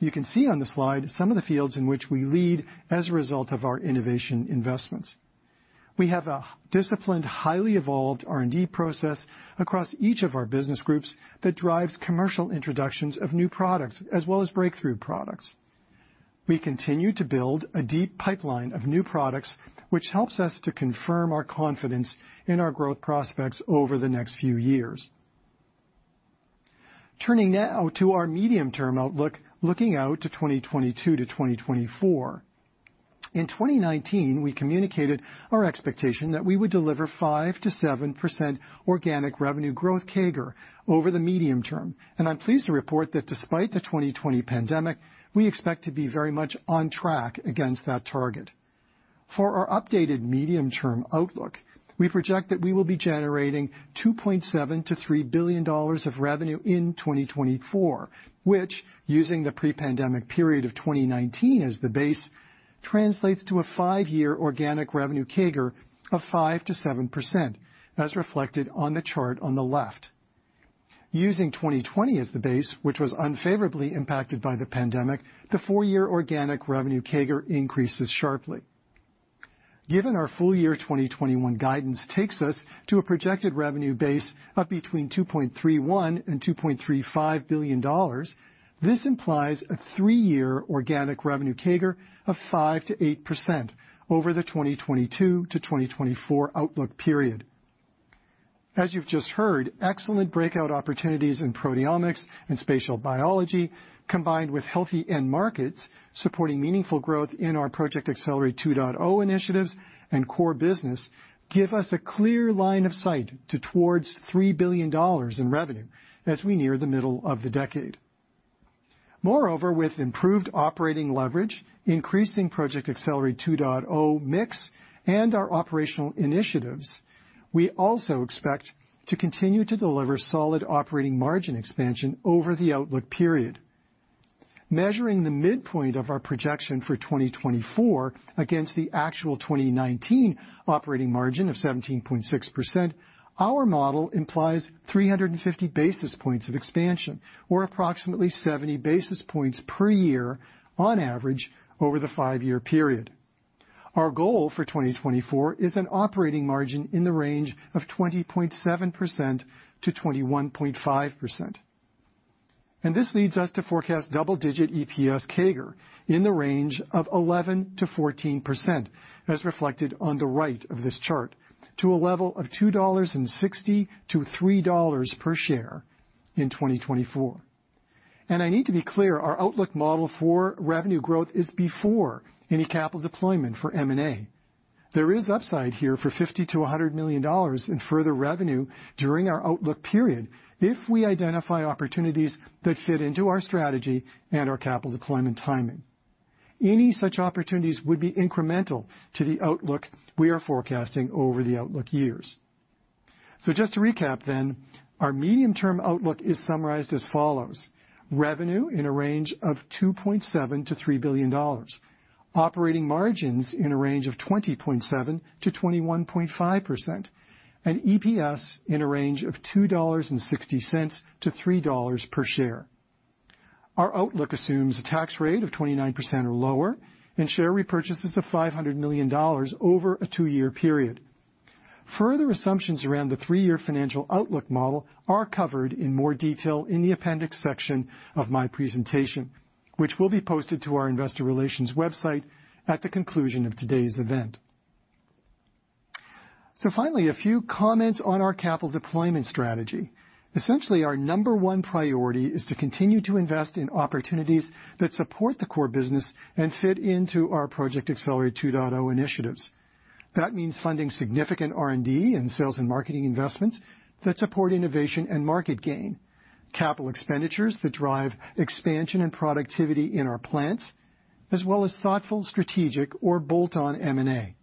You can see on the slide some of the fields in which we lead as a result of our innovation investments. We have a disciplined, highly evolved R&D process across each of our business groups that drives commercial introductions of new products as well as breakthrough products. We continue to build a deep pipeline of new products, which helps us to confirm our confidence in our growth prospects over the next few years. Turning now to our medium-term outlook, looking out to 2022 to 2024. In 2019, we communicated our expectation that we would deliver 5% to 7% organic revenue growth CAGR over the medium term, and I'm pleased to report that despite the 2020 pandemic, we expect to be very much on track against that target. For our updated medium-term outlook, we project that we will be generating $2.7 billion to $3 billion of revenue in 2024, which, using the pre-pandemic period of 2019 as the base, translates to a five-year organic revenue CAGR of 5%-7%, as reflected on the chart on the left. Using 2020 as the base, which was unfavorably impacted by the pandemic, the four-year organic revenue CAGR increases sharply. Given our full-year 2021 guidance takes us to a projected revenue base of between $2.31 billion-$2.35 billion, this implies a three-year organic revenue CAGR of 5%-8% over the 2022 to 2024 outlook period. As you've just heard, excellent breakout opportunities in proteomics and spatial biology, combined with healthy end markets supporting meaningful growth in our Project Accelerate 2.0 initiatives and core business, give us a clear line of sight towards $3 billion in revenue as we near the middle of the decade. Moreover with improved operating leverage, increasing Project Accelerate 2.0 mix, and our operational initiatives, we also expect to continue to deliver solid operating margin expansion over the outlook period. Measuring the midpoint of our projection for 2024 against the actual 2019 operating margin of 17.6%, our model implies 350 basis points of expansion or approximately 70 basis points per year on average over the five-year period. Our goal for 2024 is an operating margin in the range of 20.7%-21.5%. This leads us to forecast double-digit EPS CAGR in the range of 11%-14%, as reflected on the right of this chart, to a level of $2.60-$3 per share in 2024. I need to be clear, our outlook model for revenue growth is before any capital deployment for M&A. There is upside here for $50 million-$100 million in further revenue during our outlook period if we identify opportunities that fit into our strategy and our capital deployment timing. Any such opportunities would be incremental to the outlook we are forecasting over the outlook years. Just to recap then, our medium-term outlook is summarized as follows: revenue in a range of $2.7 billion-$3 billion, operating margins in a range of 20.7%-21.5%, and EPS in a range of $2.60-$3 per share. Our outlook assumes a tax rate of 29% or lower and share repurchases of $500 million over a two-year period. Further assumptions around the 3-year financial outlook model are covered in more detail in the appendix section of my presentation, which will be posted to our investor relations website at the conclusion of today's event. Finally, a few comments on our capital deployment strategy. Essentially, our number one priority is to continue to invest in opportunities that support the core business and fit into our Project Accelerate 2.0 initiatives. That means funding significant R&D and sales and marketing investments that support innovation and market gain, capital expenditures that drive expansion and productivity in our plants, as well as thoughtful strategic or bolt-on M&A.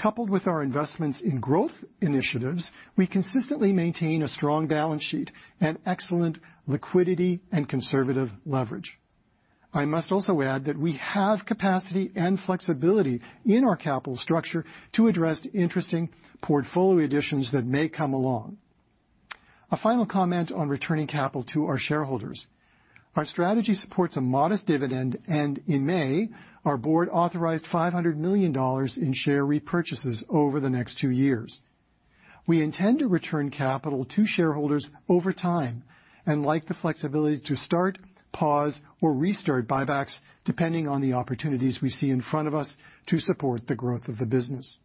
Coupled with our investments in growth initiatives, we consistently maintain a strong balance sheet and excellent liquidity and conservative leverage. I must also add that we have capacity and flexibility in our capital structure to address interesting portfolio additions that may come along. A final comment on returning capital to our shareholders. Our strategy supports a modest dividend, and in May, our board authorized $500 million in share repurchases over the next two years. We intend to return capital to shareholders over time and like the flexibility to start, pause, or restart buybacks, depending on the opportunities we see in front of us to support the growth of the business.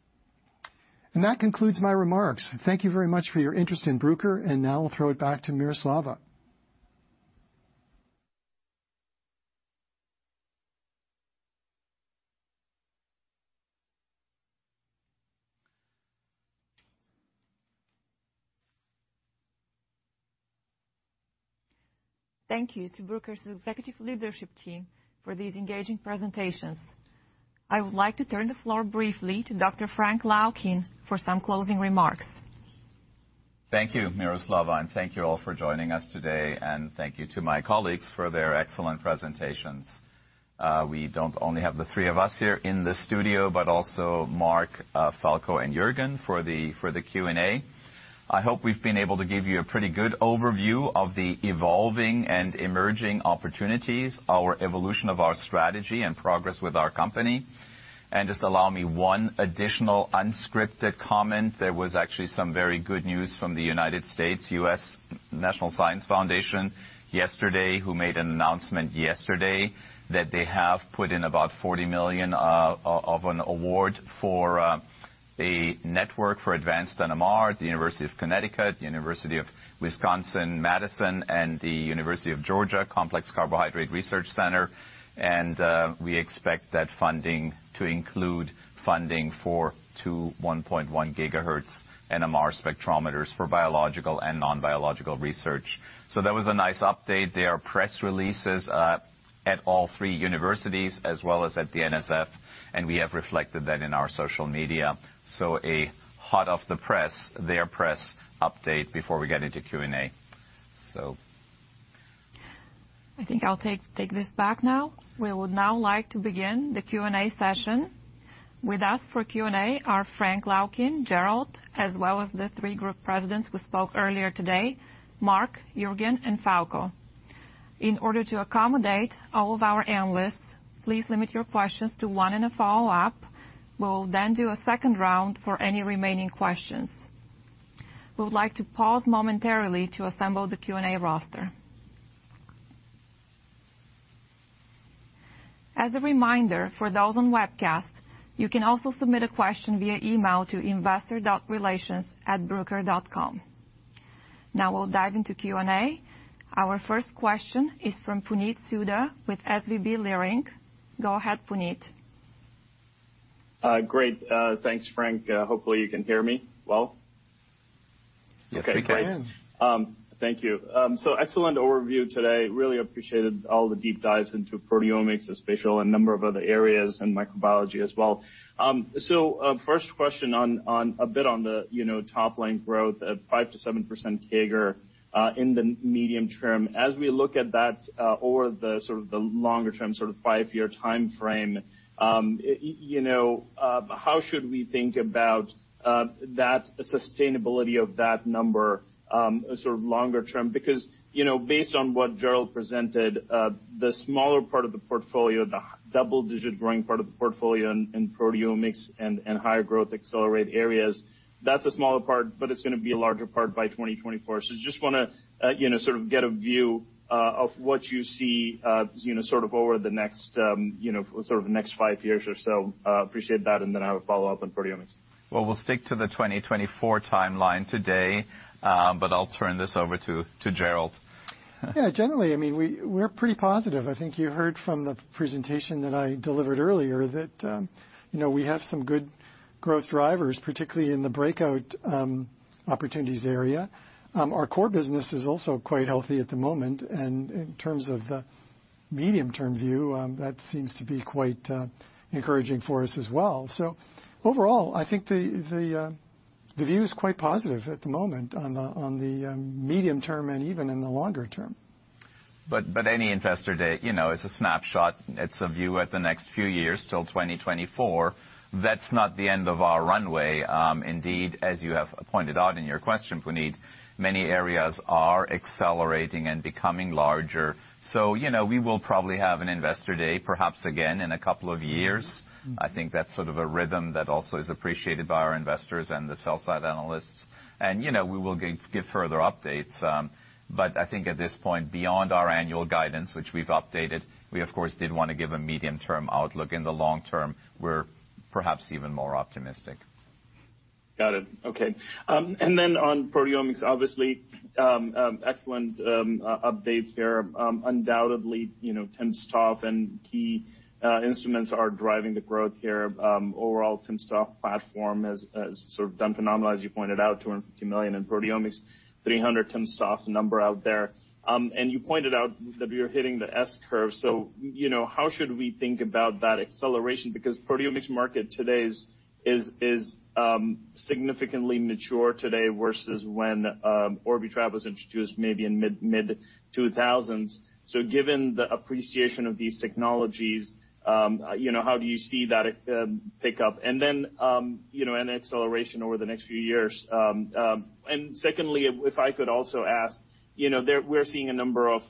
That concludes my remarks. Thank you very much for your interest in Bruker, and now I'll throw it back to Miroslava. Thank you to Bruker's executive leadership team for these engaging presentations. I would like to turn the floor briefly to Dr. Frank Laukien for some closing remarks. Thank you, Miroslava, and thank you all for joining us today, and thank you to my colleagues for their excellent presentations. We don't only have the three of us here in the studio, but also Mark, Falko, and Juergen for the Q&A. I hope we've been able to give you a pretty good overview of the evolving and emerging opportunities, our evolution of our strategy, and progress with our company. Just allow me one additional unscripted comment. There was actually some very good news from the United States, U.S. National Science Foundation yesterday, who made an announcement yesterday that they have put in about $40 million of an award for a network for advanced NMR at the University of Connecticut, University of Wisconsin–Madison, and the University of Georgia Complex Carbohydrate Research Center. We expect that funding to include funding for 2 1.1 gigahertz NMR spectrometers for biological and non-biological research. That was a nice update. There are press releases at all three universities as well as at the NSF, and we have reflected that in our social media. A hot-off-the-press, their press update before we get into Q&A. I think I'll take this back now. We would now like to begin the Q&A session. With us for Q&A are Frank Laukien, Gerald, as well as the three group presidents who spoke earlier today, Mark, Juergen, and Falko. In order to accommodate all of our analysts, please limit your questions to one and a follow-up. We will then do a second round for any remaining questions. We would like to pause momentarily to assemble the Q&A roster. As a reminder for those on webcast, you can also submit a question via email to investor.relations@bruker.com. Now we'll dive into Q&A. Our first question is from Puneet Souda with SVB Leerink. Go ahead, Puneet Great. Thanks, Frank. Hopefully, you can hear me well. Yes, we can. Okay, guys. Thank you. Excellent overview today. Really appreciated all the deep dives into proteomics, spatial, a number of other areas, and microbiology as well. First question, a bit on the top-line growth at 5%-7% CAGR in the medium term. As we look at that or the longer-term five-year timeframe, how should we think about the sustainability of that number longer term? Because based on what Gerald presented, the smaller part of the portfolio, the double-digit growing part of the portfolio in proteomics and high-growth accelerate areas, that's a smaller part, but it's going to be a larger part by 2024. Just want to get a view of what you see over the next five years or so. Appreciate that, and then I have a follow-up on proteomics. Well, we'll stick to the 2024 timeline today, but I'll turn this over to Gerald. Yeah, generally, we're pretty positive. I think you heard from the presentation that I delivered earlier that we have some good growth drivers, particularly in the breakout opportunities area. Our core business is also quite healthy at the moment, and in terms of the medium-term view, that seems to be quite encouraging for us as well. Overall, I think the view is quite positive at the moment on the medium term and even in the longer term. Any investor day is a snapshot. It's a view at the next few years till 2024. That's not the end of our runway. Indeed, as you have pointed out in your question, Puneet, many areas are accelerating and becoming larger. We will probably have an investor day perhaps again in a couple years. I think that's sort of a rhythm that also is appreciated by our investors and the sell-side analysts. We will give further updates. I think at this point, beyond our annual guidance, which we've updated, we, of course, did want to give a medium-term outlook. In the long term, we're perhaps even more optimistic. Got it. Okay. On proteomics, obviously, excellent updates there. Undoubtedly, timsTOF and key instruments are driving the growth here. Overall timsTOF platform has done phenomenally, as you pointed out, $250 million in proteomics, 300 timsTOF number out there. You pointed out that we are hitting the S-curve. How should we think about that acceleration? The proteomics market today is significantly mature today versus when Orbitrap was introduced maybe in mid-2000s. Given the appreciation of these technologies, how do you see that pick up and then an acceleration over the next few years? Secondly, if I could also ask, we're seeing a number of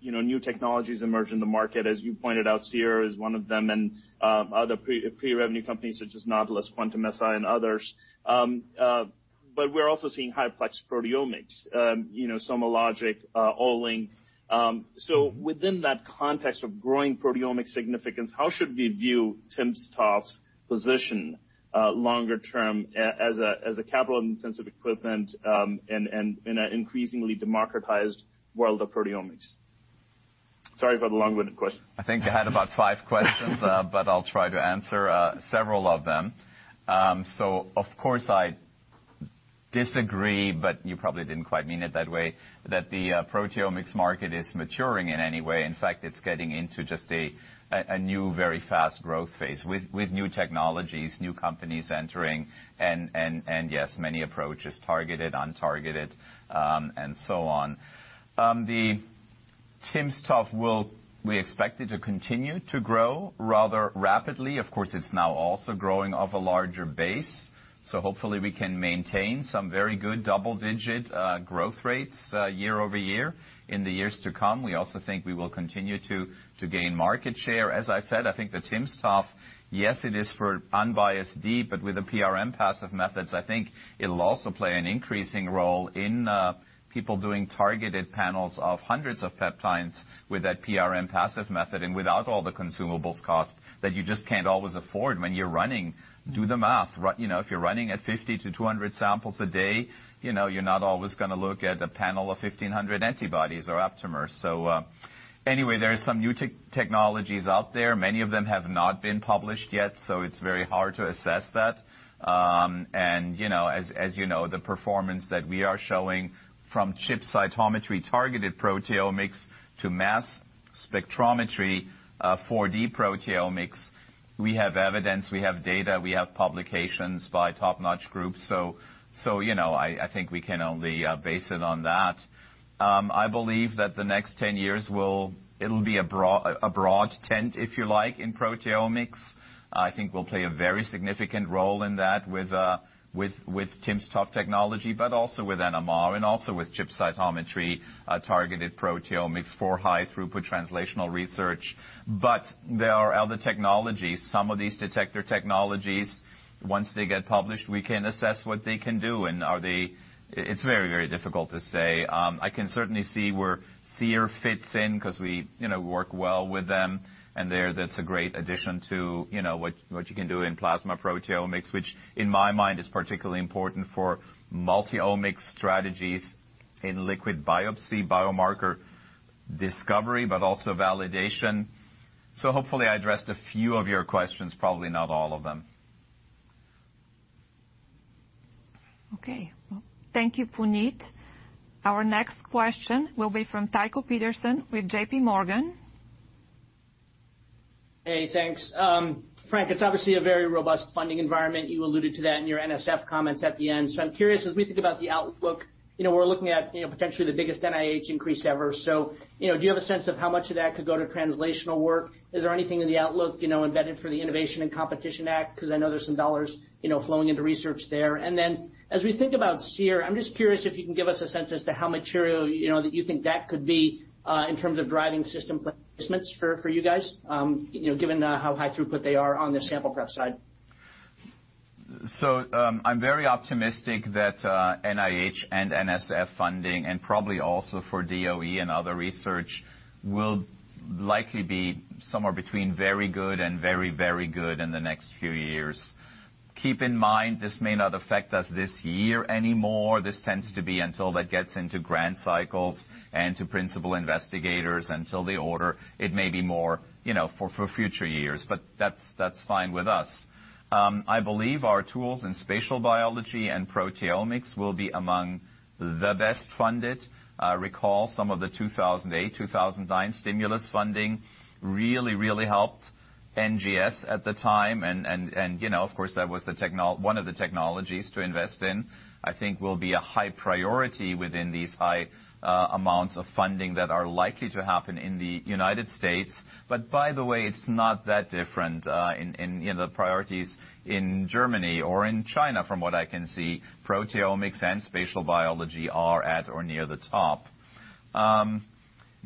new technologies emerge in the market. As you pointed out, Seer is one of them, and other pre-revenue companies such as Nautilus, Quantum-Si, and others. We're also seeing high-plex proteomics, SomaLogic, Olink. Within that context of growing proteomics significance, how should we view timsTOF's position longer term as a capital-intensive equipment in an increasingly democratized world of proteomics? Sorry about the long-winded question. I think you had about five questions, but I'll try to answer several of them. Of course I disagree, but you probably didn't quite mean it that way, that the proteomics market is maturing in any way. In fact, it's getting into just a new very fast growth phase with new technologies, new companies entering, and yes, many approaches, targeted, untargeted, and so on. The timsTOF, we expect it to continue to grow rather rapidly. Of course, it's now also growing off a larger base, so hopefully we can maintain some very good double-digit growth rates year-over-year in the years to come. We also think we will continue to gain market share. As I said, I think the timsTOF, yes, it is for unbiased deep, but with the prm-PASEF methods, I think it'll also play an increasing role in people doing targeted panels of hundreds of peptides with that prm-PASEF method and without all the consumables cost that you just can't always afford when you're running. Do the math. If you're running at 50-200 samples a day, you're not always going to look at a panel of 1,500 antibodies or aptamers. Anyway, there are some new technologies out there. Many of them have not been published yet, so it's very hard to assess that. As you know, the performance that we are showing from ChipCytometry targeted proteomics to mass spectrometry 4D-Multiomics, we have evidence, we have data, we have publications by top-notch groups. I think we can only base it on that. I believe that the next 10 years it'll be a broad tent, if you like, in proteomics. I think we'll play a very significant role in that with timsTOF technology, also with NMR and also with ChipCytometry, targeted proteomics for high-throughput translational research. There are other technologies. Some of these detector technologies, once they get published, we can assess what they can do. It's very, very difficult to say. I can certainly see where Seer fits in because we work well with them, and there that's a great addition to what you can do in plasma proteomics, which in my mind is particularly important for multi-omics strategies in liquid biopsy biomarker discovery, but also validation. Hopefully I addressed a few of your questions, probably not all of them. Okay. Thank you, Puneet. Our next question will be from Tycho Peterson with JPMorgan. Hey, thanks. Frank, it's obviously a very robust funding environment. You alluded to that in your NSF comments at the end. I'm curious, as we think about the outlook, we're looking at potentially the biggest NIH increase ever. Do you have a sense of how much of that could go to translational work? Is there anything in the outlook embedded for the Innovation and Competition Act? Because I know there's some dollars flowing into research there. Then as we think about Seer, I'm just curious if you can give us a sense as to how material that you think that could be, in terms of driving system placements for you guys, given how high throughput they are on the sample prep side. I'm very optimistic that NIH and NSF funding, and probably also for DOE and other research, will likely be somewhere between very good and very, very good in the next few years. Keep in mind, this may not affect us this year anymore. This tends to be until that gets into grant cycles and to principal investigators until they order. It may be more for future years, but that's fine with us. I believe our tools in spatial biology and proteomics will be among the best funded. I recall some of the 2008, 2009 stimulus funding really, really helped NGS at the time, and of course, that was one of the technologies to invest in, I think will be a high priority within these high amounts of funding that are likely to happen in the United States. By the way, it's not that different in the priorities in Germany or in China, from what I can see. Proteomics and spatial biology are at or near the top.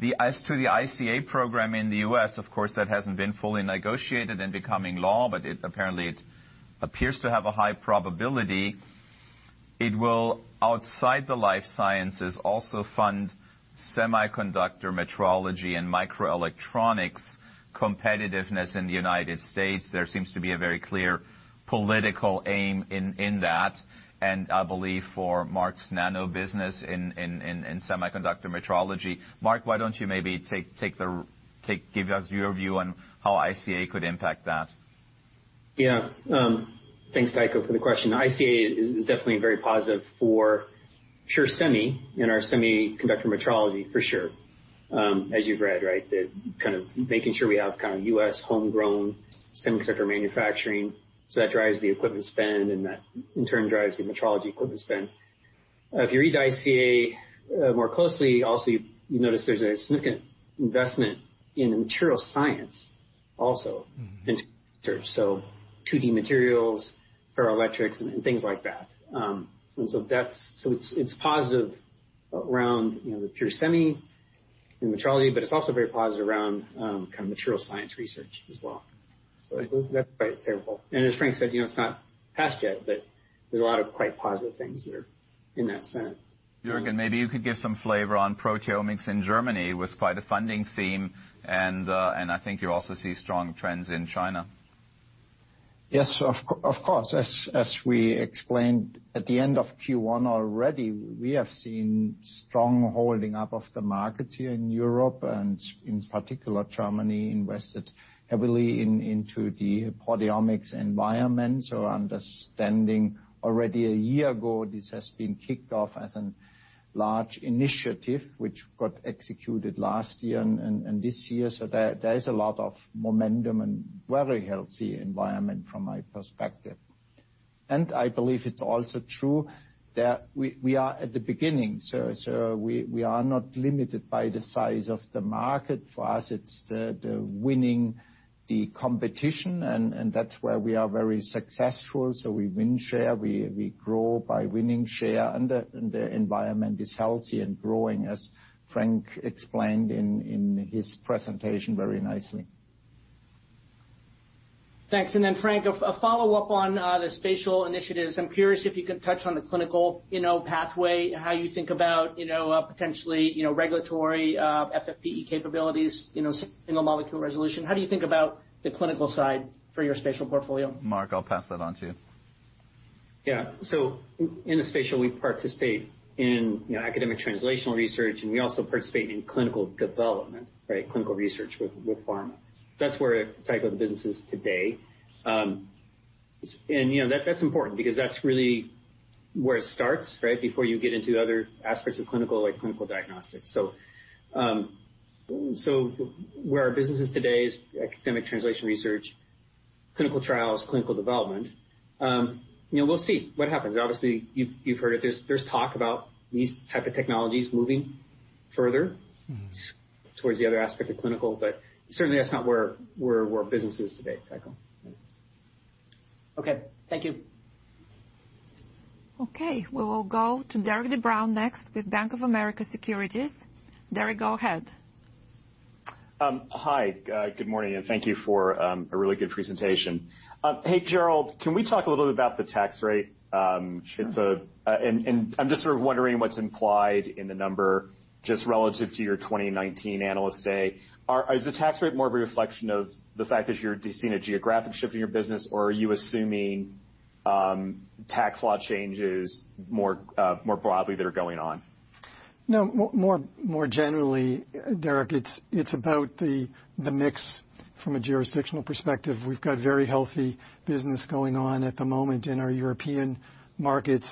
To the ICA program in the U.S., of course, that hasn't been fully negotiated and becoming law, but apparently it appears to have a high probability. It will, outside the life sciences, also fund semiconductor metrology and microelectronics competitiveness in the United States. There seems to be a very clear political aim in that, and I believe for Mark's NANO business in semiconductor metrology. Mark, why don't you maybe give us your view on how ICA could impact that? Thanks, Tycho, for the question. ICA is definitely very positive for pure semi and our semiconductor metrology for sure. As you've read, right, the kind of making sure we have kind of U.S. homegrown semiconductor manufacturing. That drives the equipment spend, and that in turn drives the metrology equipment spend. If you read ICA more closely, also, you notice there's a significant investment in material science also in research, treating materials, ferroelectrics, and things like that. It's positive around the pure semi and metrology, but it's also very positive around kind of material science research as well. I think that's quite favorable. As Frank said, it's not passed yet, but there's a lot of quite positive things there in that sense. Juergen, maybe you could give some flavor on proteomics in Germany despite the funding firm. I think you also see strong trends in China. Yes, of course. As we explained at the end of Q1 already, we have seen strong holding up of the market here in Europe, and in particular Germany invested heavily into the proteomics environment. Understanding already a year ago, this has been kicked off as a large initiative, which got executed last year and this year. There's a lot of momentum and very healthy environment from my perspective. I believe it's also true that we are at the beginning. We are not limited by the size of the market. For us, it's the winning the competition, and that's where we are very successful. We win share, we grow by winning share, and the environment is healthy and growing, as Frank explained in his presentation very nicely. Thanks. Frank, a follow-up on the spatial initiatives. I'm curious if you could touch on the clinical pathway, how you think about potentially regulatory FFPE capabilities, single molecule resolution. How do you think about the clinical side for your spatial portfolio? Mark, I'll pass that on to you. Yeah. In the spatial, we participate in academic translational research, and we also participate in clinical development, right? Clinical research with pharma. That's where a type of business is today. That's important because that's really where it starts, right? Before you get into the other aspects of clinical, like clinical diagnostics. Where our business is today is academic translation research, clinical trials, clinical development. We'll see what happens. Obviously, you've heard there's talk about these type of technologies moving further towards the other aspect of clinical, certainly that's not where our business is today, Tycho. Okay. Thank you. Okay. We will go to Derik e Bruin next with Bank of America Securities. Derik, go ahead. Hi, good morning, and thank you for a really good presentation. Hey, Gerald, can we talk a little bit about the tax rate? I'm just sort of wondering what's implied in the number, just relative to your 2019 Analyst Day. Is the tax rate more of a reflection of the fact that you're seeing a geographic shift in your business, or are you assuming tax law changes more broadly that are going on? No, more generally, Derik, it's about the mix from a jurisdictional perspective. We've got very healthy business going on at the moment in our European markets.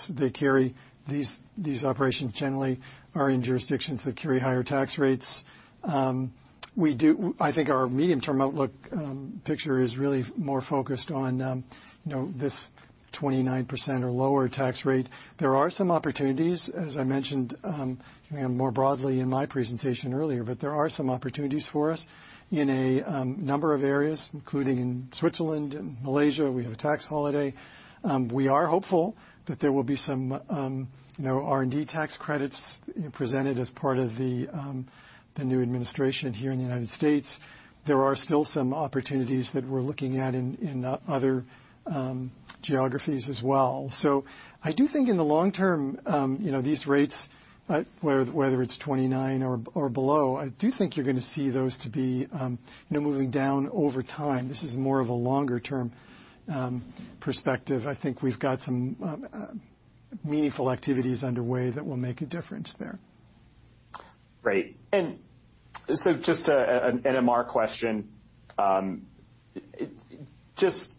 These operations generally are in jurisdictions that carry higher tax rates. I think our medium-term outlook picture is really more focused on this 29% or lower tax rate. There are some opportunities, as I mentioned more broadly in my presentation earlier, but there are some opportunities for us in a number of areas, including in Switzerland and Malaysia. We have a tax holiday. We are hopeful that there will be some R&D tax credits presented as part of the new administration here in the United States. There are still some opportunities that we're looking at in other geographies as well. I do think in the long term, these rates, whether it's 29 or below, I do think you're going to see those to be moving down over time. This is more of a longer-term perspective. I think we've got some meaningful activities underway that will make a difference there. Great. Just an NMR question. Besides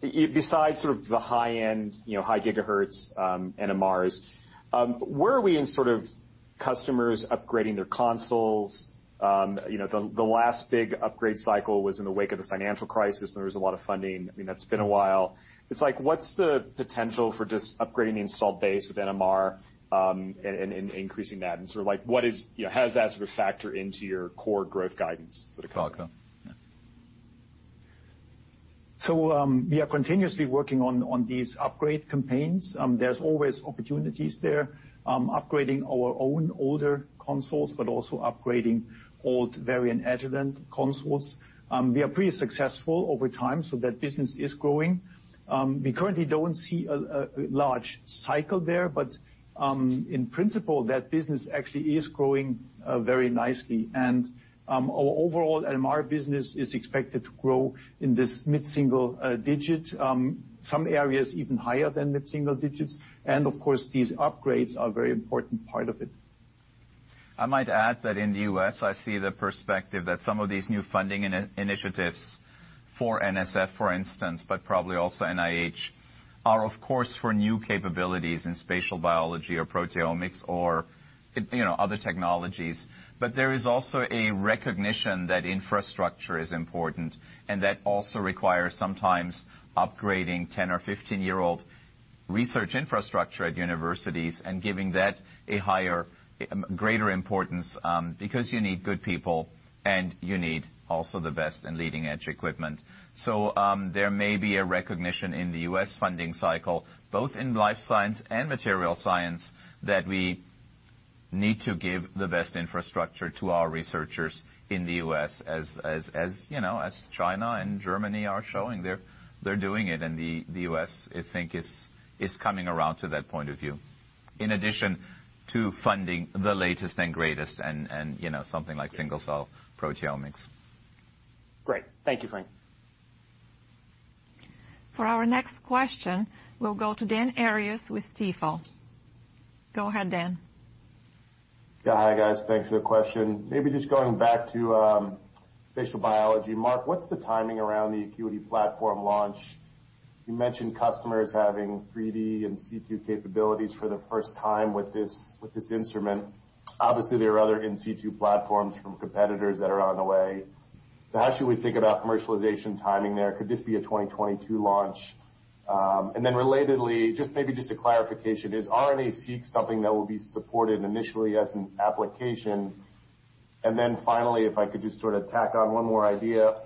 the high-end, high gigahertz NMRs, where are we in customers upgrading their consoles? The last big upgrade cycle was in the wake of the financial crisis, and there was a lot of funding. It's been a while. What's the potential for just upgrading the install base with NMR, and increasing that? How does that factor into your core growth guidance for the company? We are continuously working on these upgrade campaigns. There's always opportunities there, upgrading our own older consoles, but also upgrading old Varian Agilent consoles. We are pretty successful over time, so that business is growing. We currently don't see a large cycle there, but in principle, that business actually is growing very nicely. Overall, NMR business is expected to grow in this mid-single digits, some areas even higher than mid-single digits. Of course, these upgrades are a very important part of it. I might add that in the U.S., I see the perspective that some of these new funding initiatives for NSF, for instance, probably also NIH, are of course for new capabilities in spatial biology or proteomics or other technologies. There is also a recognition that infrastructure is important, and that also requires sometimes upgrading 10 or 15-year-old research infrastructure at universities and giving that a greater importance, because you need good people, and you need also the best and leading-edge equipment. There may be a recognition in the U.S. funding cycle, both in life science and material science, that we need to give the best infrastructure to our researchers in the U.S. as China and Germany are showing. They're doing it, and the U.S., I think, is coming around to that point of view, in addition to funding the latest and greatest and something like single-cell proteomics. Great. Thank you, Frank. For our next question, we'll go to Dan Arias with Stifel. Go ahead, Dan. Yeah. Hi, guys. Thanks for the question. Maybe just going back to spatial biology. Mark, what's the timing around the Acuity platform launch? You mentioned customers having 3D and C2 capabilities for the first time with this instrument. Obviously, there are other in situ platforms from competitors that are on the way. How should we think about commercialization timing there? Could this be a 2022 launch? Relatedly, just maybe just a clarification. Is RNAseq something that will be supported initially as an application? Finally, if I could just sort of tack on one more idea,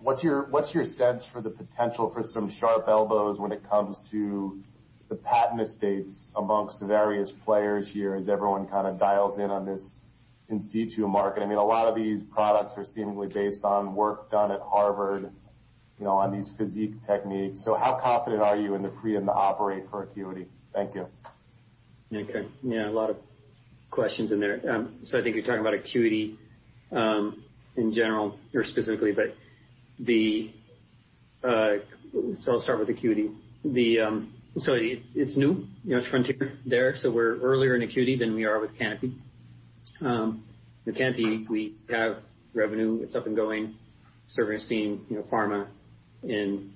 what's your sense for the potential for some sharp elbows when it comes to the patent estates amongst the various players here as everyone kind of dials in on this in situ market? I mean, a lot of these products are seemingly based on work done at Harvard on these FISSEQ techniques. How confident are you in the free to operate for Acuity? Thank you. Yeah, a lot of questions in there. I think you're talking about Acuity in general, or specifically, but so I'll start with Acuity. It's new, frontier there. We're earlier in Acuity than we are with Canopy. With Canopy, we have revenue. It's up and going, servicing pharma and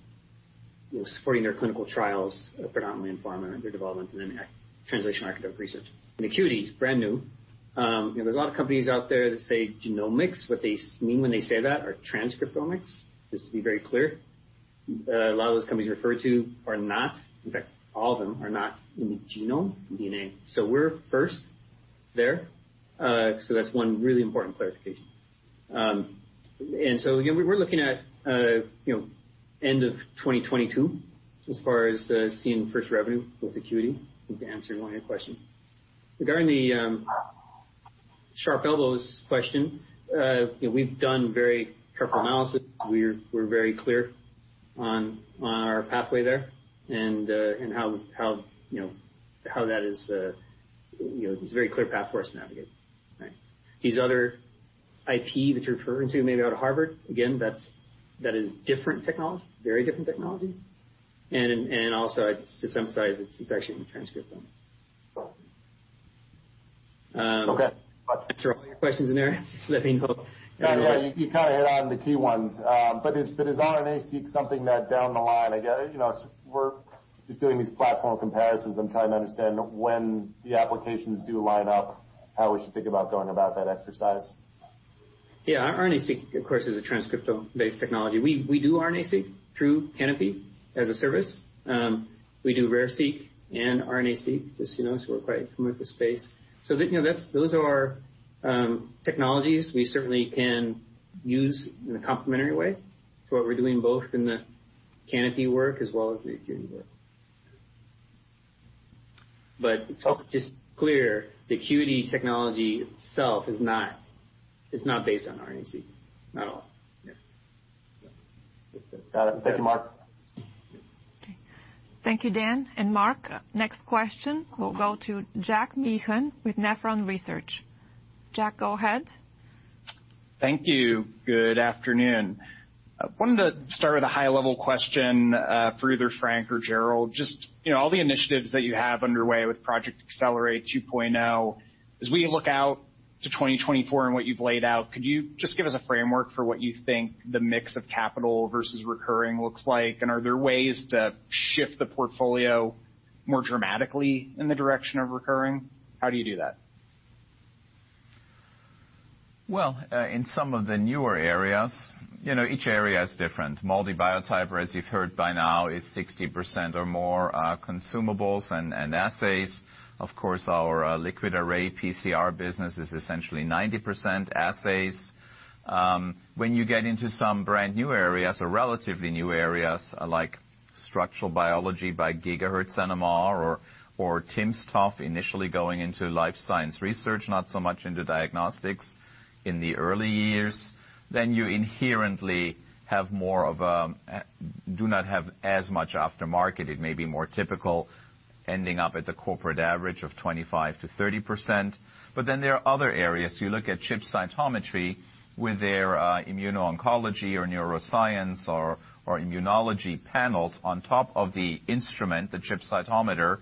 supporting their clinical trials, predominantly in pharma, under development and translational type of research. Acuity is brand new. There's a lot of companies out there that say genomics, what they mean when they say that are transcriptomics. Just to be very clear. A lot of those companies referred to are not, in fact, all of them are not in the genome DNA. We're first there. That's one really important clarification. We're looking at end of 2022 as far as seeing first revenue with Acuity. Hope that answered one of your questions. Regarding the sharp elbows question, we've done very careful analysis. We're very clear on our pathway there and how that is a very clear path for us to navigate. These other. IP that you're referring to, maybe out of Harvard. That is different technology, very different technology, and also, I guess, to some size, it's actually a transcriptome. I threw a lot of questions there, so let me know. No, you hit on the key ones. Is RNA-seq something that down the line, again, we're just doing these platform comparisons and trying to understand when the applications do line up, how we should think about going about that exercise? Yeah. RNA-seq, of course, is a transcriptome-based technology. We do RNA-seq through Canopy as a service. We do RARE-seq and RNA-seq, just so you know, we're quite familiar with the space. Those are technologies we certainly can use in a complementary way. It's what we're doing both in the Canopy work as well as the Acuity work. Just clear, the Acuity technology itself is not based on RNA-seq. Not at all. Yeah. Thanks, Mark. Thank you, Dan and Mark. Next question will go to Jack Meehan with Nephron Research. Jack, go ahead. Thank you. Good afternoon. I wanted to start with a high-level question for either Frank or Gerald. Just all the initiatives that you have underway with Project Accelerate 2.0, as we look out to 2024 and what you've laid out, could you just give us a framework for what you think the mix of capital versus recurring looks like? Are there ways to shift the portfolio more dramatically in the direction of recurring? How do you do that? Well, in some of the newer areas, each area is different. MALDI Biotyper, as you've heard by now, is 60% or more, consumables and assays. Our LiquidArray PCR business is essentially 90% assays. You get into some brand new areas or relatively new areas, like structural biology by gigahertz NMR or timsTOF initially going into life science research, not so much into diagnostics in the early years, you inherently do not have as much aftermarket. It may be more typical ending up at the corporate average of 25%-30%. There are other areas. You look at ChipCytometry with their immuno-oncology or neuroscience or immunology panels on top of the instrument, the Chip Cytometer,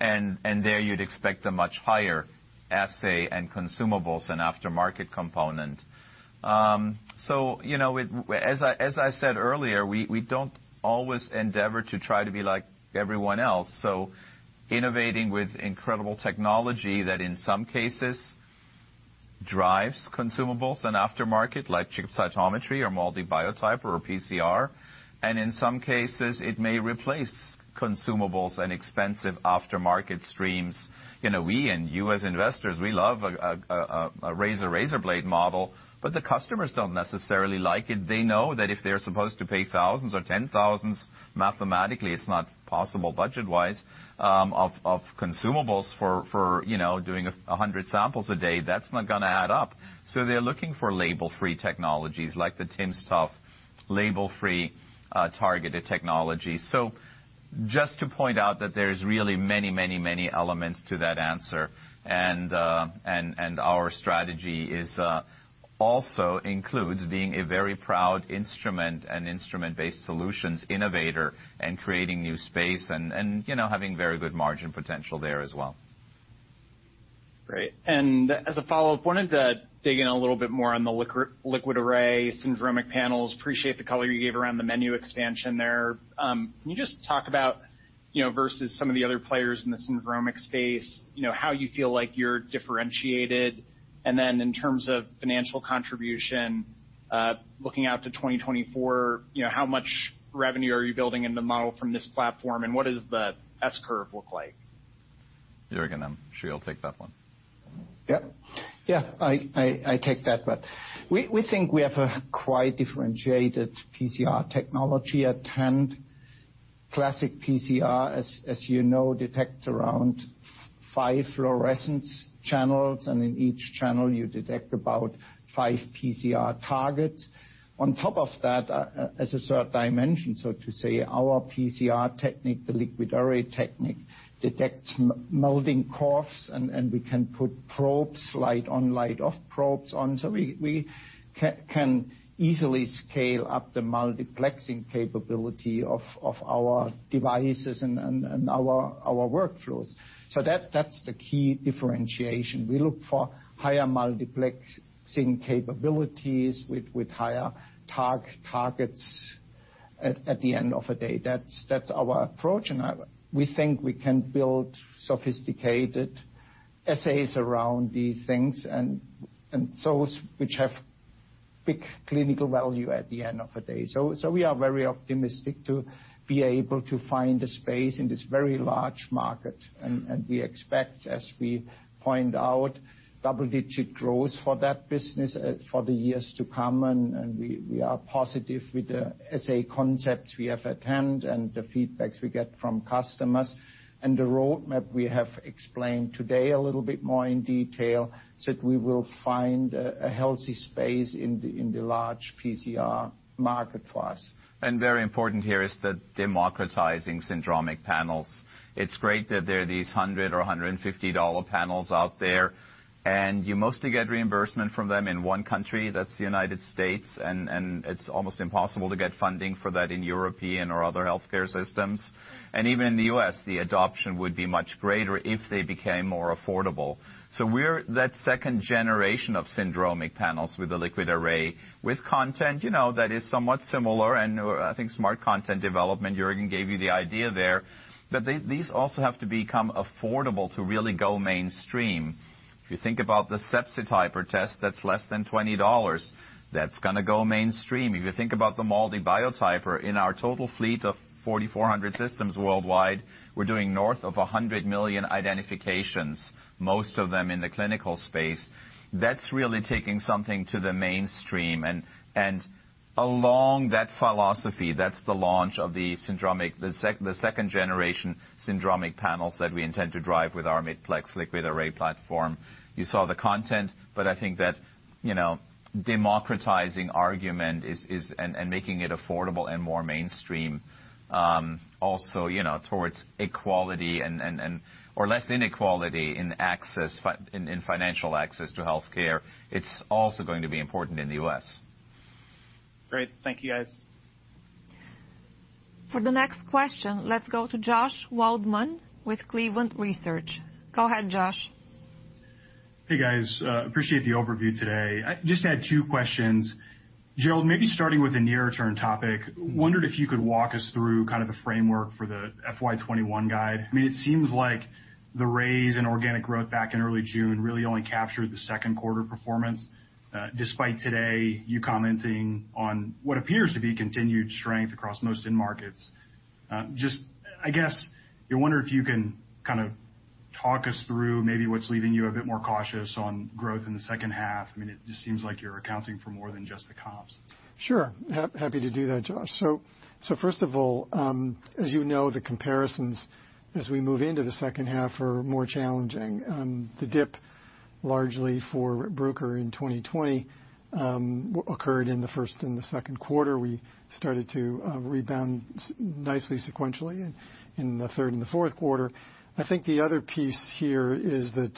there you'd expect a much higher assay and consumables and aftermarket component. As I said earlier, we don't always endeavor to try to be like everyone else, so innovating with incredible technology that in some cases drives consumables and aftermarket like ChipCytometry or MALDI Biotyper or PCR, and in some cases, it may replace consumables and expensive aftermarket streams. We and you as investors, we love a razor-razor blade model, but the customers don't necessarily like it. They know that if they're supposed to pay thousands or 10 thousands, mathematically, it's not possible budget-wise, of consumables for doing 100 samples a day. That's not going to add up, so they're looking for label-free technologies like the timsTOF, label-free targeted technology. Just to point out that there's really many elements to that answer and our strategy also includes being a very proud instrument and instrument-based solutions innovator and creating new space and having very good margin potential there as well. Great. As a follow-up, wanted to dig in a little bit more on the LiquidArray syndromic panels. Appreciate the color you gave around the menu expansion there. Can you just talk about, versus some of the other players in the syndromic space, how you feel like you're differentiated? Then in terms of financial contribution, looking out to 2024, how much revenue are you building in the model from this platform, and what does the S-curve look like? Gerald will take that one. I take that one. We think we have a quite differentiated PCR technology. Attend, classic PCR, as you know, detects around five fluorescence channels, and in each channel, you detect about five PCR targets. On top of that, as a third dimension, so to say, our PCR technique, the LiquidArray technique, detects melting curves, and we can put probes, light on, light off probes on. We can easily scale up the multiplexing capability of our devices and our workflows. That's the key differentiation. We look for higher multiplexing capabilities with higher targets at the end of the day. That's our approach, and we think we can build sophisticated assays around these things and those which have big clinical value at the end of the day. We are very optimistic to be able to find a space in this very large market. We expect, as we point out, double-digit growth for that business for the years to come. We are positive with the assay concepts we have at hand and the feedback we get from customers. The roadmap we have explained today a little bit more in detail, that we will find a healthy space in the large PCR market for us. Very important here is the democratizing syndromic panels. It's great that there are these $100 or $150 panels out there. You mostly get reimbursement from them in one country, that's the United States. It's almost impossible to get funding for that in European or other healthcare systems. Even in the U.S., the adoption would be much greater if they became more affordable. We're that second generation of syndromic panels with the LiquidArray, with content that is somewhat similar, and I think smart content development, Juergen gave you the idea there, but these also have to become affordable to really go mainstream. If you think about the Sepsityper test, that's less than $20. That's going to go mainstream. If you think about the MALDI Biotyper, in our total fleet of 4,400 systems worldwide, we're doing north of 100 million identifications, most of them in the clinical space. That's really taking something to the mainstream, and along that philosophy, that's the launch of the second-generation syndromic panels that we intend to drive with our multiplex LiquidArray platform. You saw the content, but I think that democratizing argument and making it affordable and more mainstream, also towards equality or less inequality in financial access to healthcare, it's also going to be important in the U.S. Great. Thank you, guys. For the next question, let's go to Josh Waldman with Cleveland Research. Go ahead, Josh. Hey, guys. Appreciate the overview today. I just had two questions. Gerald, maybe starting with a near-term topic, wondered if you could walk us through the framework for the FY 2021 guide. It seems like the raise in organic growth back in early June really only captured the second quarter performance, despite today you commenting on what appears to be continued strength across most end markets. I guess, I wonder if you can talk us through maybe what's leaving you a bit more cautious on growth in the second half. It just seems like you're accounting for more than just the comps. Sure. Happy to do that, Josh. First of all, as you know, the comparisons as we move into the second half are more challenging. The dip largely for Bruker in 2020 occurred in the first and the second quarter. We started to rebound nicely sequentially in the third and the fourth quarter. I think the other piece here is that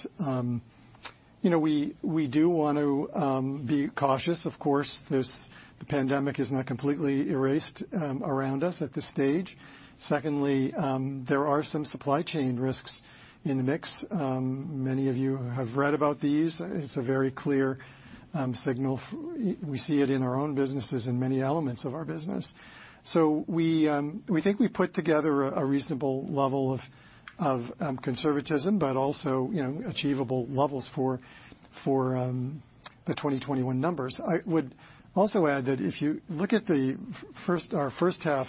we do want to be cautious, of course. The pandemic is not completely erased around us at this stage. Secondly, there are some supply chain risks in the mix. Many of you have read about these. It's a very clear signal. We see it in our own businesses, in many elements of our business. We think we put together a reasonable level of conservatism, but also achievable levels for the 2021 numbers. I would also add that if you look at our first half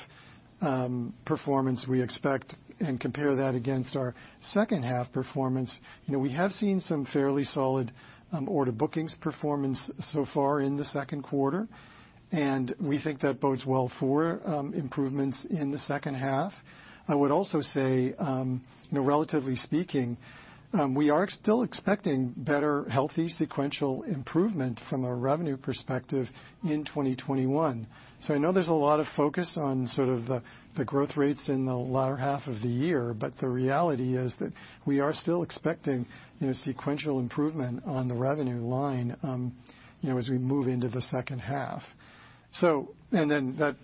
performance we expect and compare that against our second half performance, we have seen some fairly solid order bookings performance so far in the second quarter. We think that bodes well for improvements in the second half. I would also say, relatively speaking, we are still expecting better healthy sequential improvement from a revenue perspective in 2021. I know there's a lot of focus on the growth rates in the latter half of the year. The reality is that we are still expecting sequential improvement on the revenue line as we move into the second half. That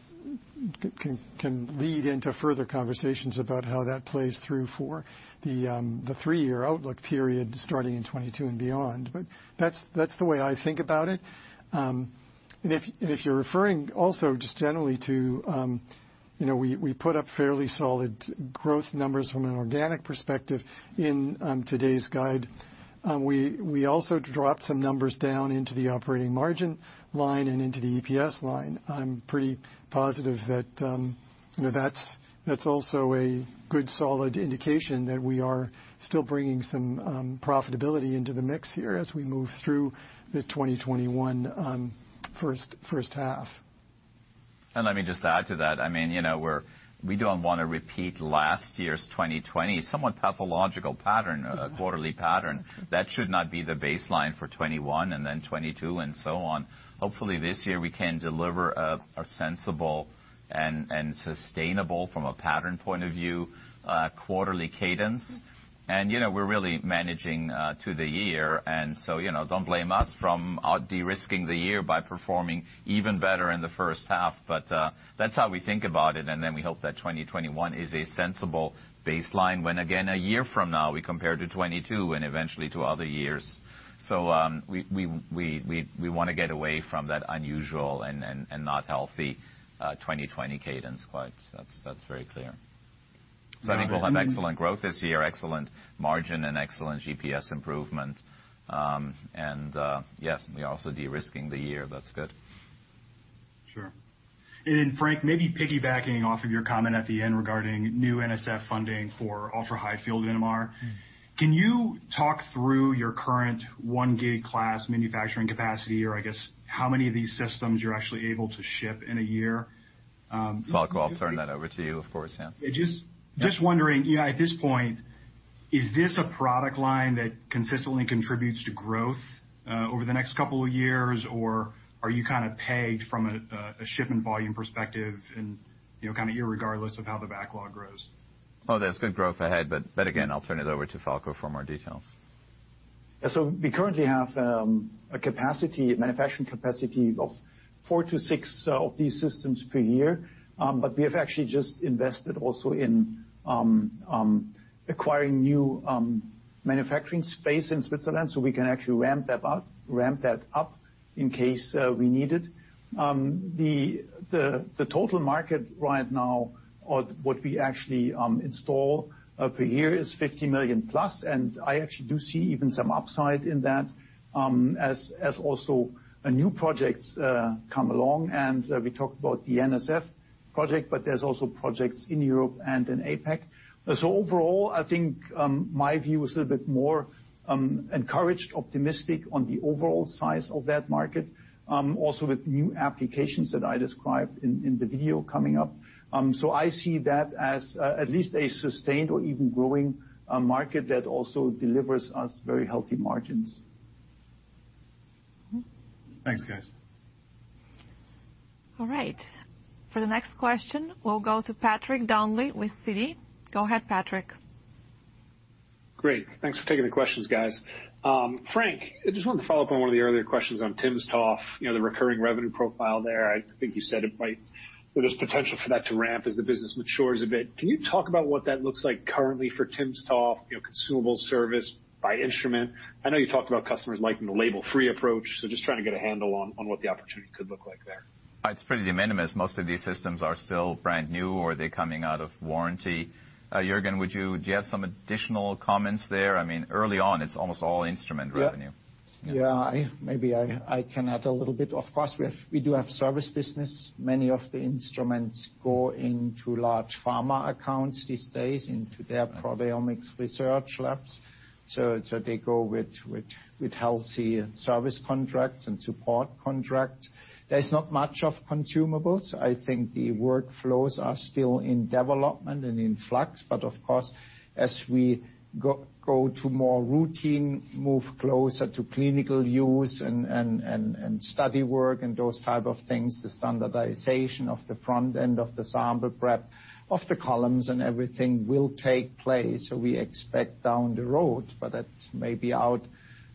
can lead into further conversations about how that plays through for the three-year outlook period starting in 2022 and beyond. That's the way I think about it. If you're referring also just generally to, we put up fairly solid growth numbers from an organic perspective in today's guide. We also dropped some numbers down into the operating margin line and into the EPS line. I'm pretty positive that that's also a good solid indication that we are still bringing some profitability into the mix here as we move through the 2021 first half. Let me just add to that. We don't want to repeat last year's 2020 somewhat pathological pattern, quarterly pattern. That should not be the baseline for 2021 and then 2022 and so on. Hopefully, this year, we can deliver a sensible and sustainable, from a pattern point of view, quarterly cadence. We're really managing to the year, and so don't blame us from de-risking the year by performing even better in the first half. That's how we think about it, we hope that 2021 is a sensible baseline when, again, a year from now, we compare to 2022 and eventually to other years. We want to get away from that unusual and not healthy 2020 cadence. That's very clear. I think we'll have excellent growth this year, excellent margin, and excellent EPS improvement. Yes, we are also de-risking the year. That's good. Sure. Frank, maybe piggybacking off of your comment at the end regarding new NSF funding for ultra-high field NMR. Can you talk through your current one gig class manufacturing capacity, or I guess how many of these systems you're actually able to ship in a year? Falko, I'll turn that over to you, of course. Yeah. Just wondering, at this point, is this a product line that consistently contributes to growth over the next couple of years, or are you kind of pegged from a shipping volume perspective and kind of regardless of how the backlog grows? Well, there's good growth ahead, but again, I'll turn it over to Falko for more details. We currently have a manufacturing capacity offour to six of these systems per year. We have actually just invested also in acquiring new manufacturing space in Switzerland, so we can actually ramp that up in case we need it. The total market right now, or what we actually install per year is $50+ million, and I actually do see even some upside in that as also new projects come along, and we talk about the NSF project, but there's also projects in Europe and in APAC. Overall, I think, my view is a little bit more encouraged, optimistic on the overall size of that market. Also with new applications that I described in the video coming up. I see that as at least a sustained or even growing market that also delivers us very healthy margins. Thanks, guys. All right. For the next question, we'll go to Patrick Donnelly with Citi. Go ahead, Patrick. Great. Thanks for taking the questions, guys. Frank, I just want to follow up on one of the earlier questions on timsTOF, the recurring revenue profile there. I think you said it right. There's potential for that to ramp as the business matures a bit. Can you talk about what that looks like currently for timsTOF, consumable service by instrument? Just trying to get a handle on what the opportunity could look like there. It's pretty de minimis. Most of these systems are still brand new or they're coming out of warranty. Juergen, would you have some additional comments there? Early on, it's almost all instrument revenue. Maybe I can add a little bit. Of course, we do have service business. Many of the instruments go into large pharma accounts these days into their proteomics research labs. They go with healthy service contracts and support contracts. There's not much of consumables. I think the workflows are still in development and in flux. Of course, as we go to more routine, move closer to clinical use and study work and those type of things, the standardization of the front end of the sample prep of the columns and everything will take place. We expect down the road, but that's maybe out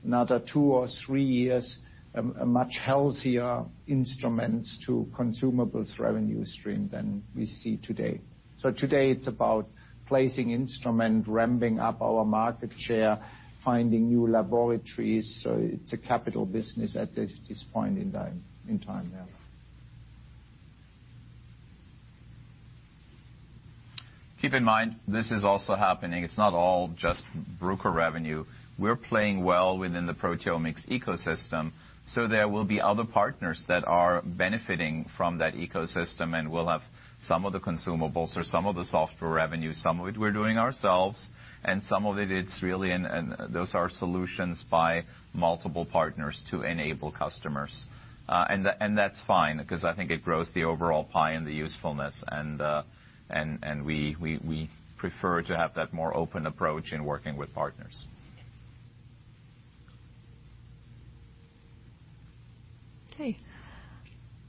another two or three years, a much healthier instruments to consumables revenue stream than we see today. Today it's about placing instrument, ramping up our market share, finding new laboratories. It's a capital business at this point in time now. Keep in mind, this is also happening. It's not all just Bruker revenue. We're playing well within the proteomics ecosystem. There will be other partners that are benefiting from that ecosystem, and we'll have some of the consumables or some of the software revenue, some of which we're doing ourselves, and some of it is really, those are solutions by multiple partners to enable customers. That's fine because I think it grows the overall pie and the usefulness, and we prefer to have that more open approach in working with partners.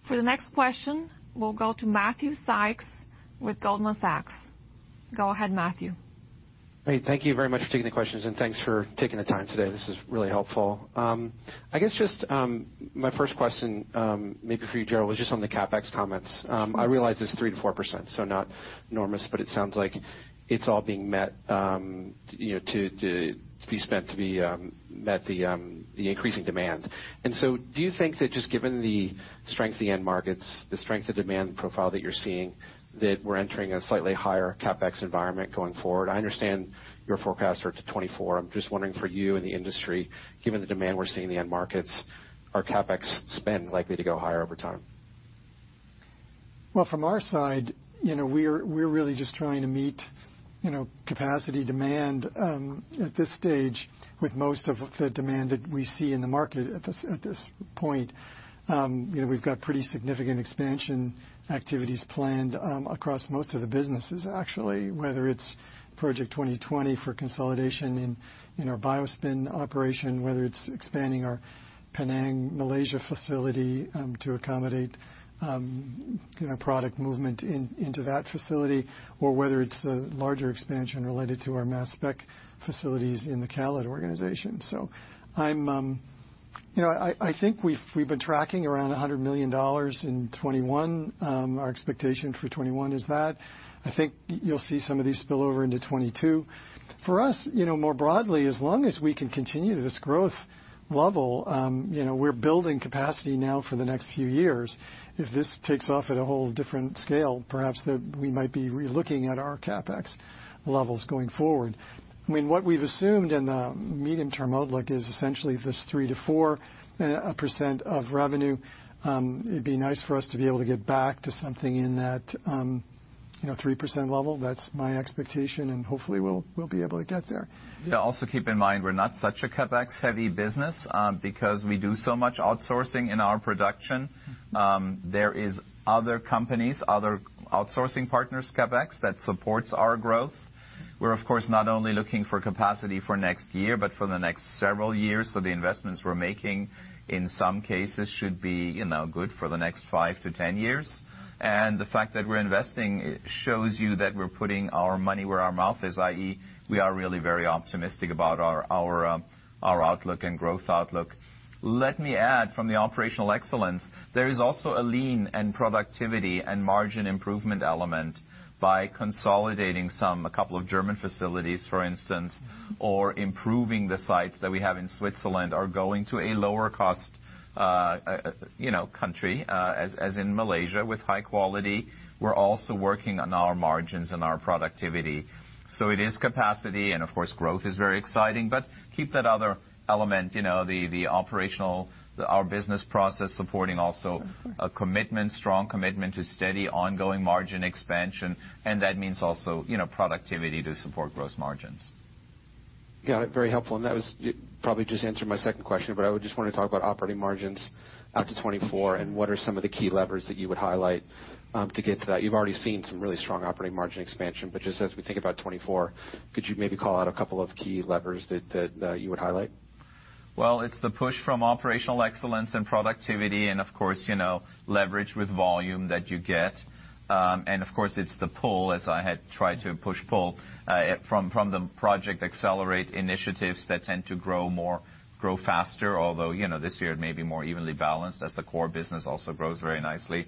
For the next question, we'll go to Matthew Sykes with Goldman Sachs. Go ahead, Matthew. Great. Thank you very much for taking the questions and thanks for taking the time today. This is really helpful. I guess just my first question maybe for Gerald was just on the CapEx comments. I realize it's 3%-4%, so not enormous, but it sounds like it's all being met to be spent to be met the increasing demand. Do you think that just given the strength of the end markets, the strength of demand profile that you're seeing, that we're entering a slightly higher CapEx environment going forward? I understand your forecast for 2024. I'm just wondering for you and the industry, given the demand we're seeing in end markets, are CapEx spend likely to go higher over time? Well, from our side, we're really just trying to meet capacity demand at this stage with most of the demand that we see in the market at this point. We've got pretty significant expansion activities planned across most of the businesses, actually, whether it's Project 2020 for consolidation in our BioSpin operation, whether it's expanding our Penang, Malaysia facility to accommodate product movement into that facility, or whether it's a larger expansion related to our mass spec facilities in the CALID organization. I think we've been tracking around $100 million in 2021. Our expectation for 2021 is that. I think you'll see some of these spill over into 2022. For us, more broadly, as long as we can continue this growth level, we're building capacity now for the next few years. If this takes off at a whole different scale, perhaps we might be re-looking at our CapEx levels going forward. What we've assumed in the medium-term outlook is essentially this 3%-4% of revenue. It'd be nice for us to be able to get back to something in that 3% level. That's my expectation, and hopefully, we'll be able to get there. Keep in mind, we're not such a CapEx-heavy business because we do so much outsourcing in our production. There is other companies, other outsourcing partners, CapEx, that supports our growth. We're, of course, not only looking for capacity for next year but for the next several years. The investments we're making, in some cases, should be good for the next 5-10 years. The fact that we're investing shows you that we're putting our money where our mouth is, i.e., we are really very optimistic about our outlook and growth outlook. Let me add from the operational excellence, there is also a lean and productivity and margin improvement element by consolidating a couple of German facilities, for instance, or improving the sites that we have in Switzerland or going to a lower-cost country, as in Malaysia, with high quality. We're also working on our margins and our productivity. It is capacity, and of course, growth is very exciting. Keep that other element, the operational, our business process supporting also a strong commitment to steady, ongoing margin expansion, and that means also productivity to support gross margins. Got it. Very helpful, and that probably just answered my second question, but I just want to talk about operating margins out to 2024 and what are some of the key levers that you would highlight to get to that. You've already seen some really strong operating margin expansion, but just as we think about 2024, could you maybe call out a couple of key levers that you would highlight? Well, it's the push from operational excellence and productivity and of course, leverage with volume that you get. Of course, it's the pull, as I had tried to push/pull, from the Project Accelerate initiatives that tend to grow faster. This year it may be more evenly balanced as the core business also grows very nicely,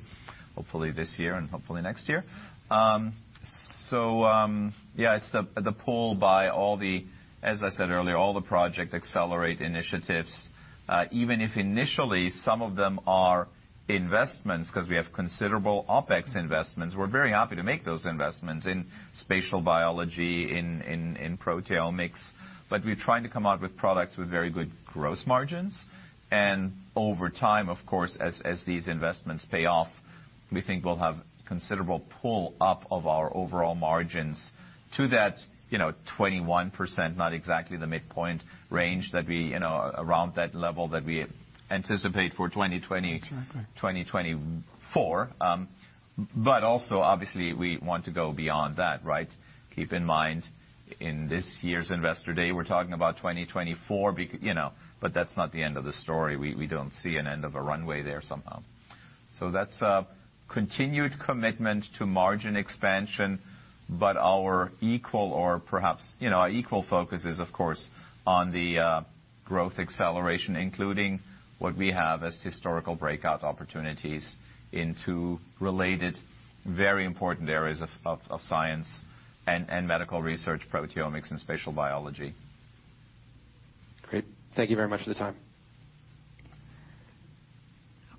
hopefully this year and hopefully next year. Yeah, it's the pull by, as I said earlier, all the Project Accelerate initiatives, even if initially some of them are investments because we have considerable OpEx investments. We're very happy to make those investments in spatial biology, in proteomics. We're trying to come out with products with very good gross margins. Over time, of course, as these investments pay off, we think we'll have a considerable pull-up of our overall margins to that 21%, not exactly the midpoint range that'd be around that level that we anticipate for 2024. Exactly. Also, obviously, we want to go beyond that, right? Keep in mind, in this year's Investor Day, we're talking about 2024, but that's not the end of the story. We don't see an end of a runway there somehow. That's a continued commitment to margin expansion, but our equal focus is, of course, on the growth acceleration, including what we have as historical breakout opportunities into related, very important areas of science and medical research, proteomics, and spatial biology. Great. Thank you very much for the time.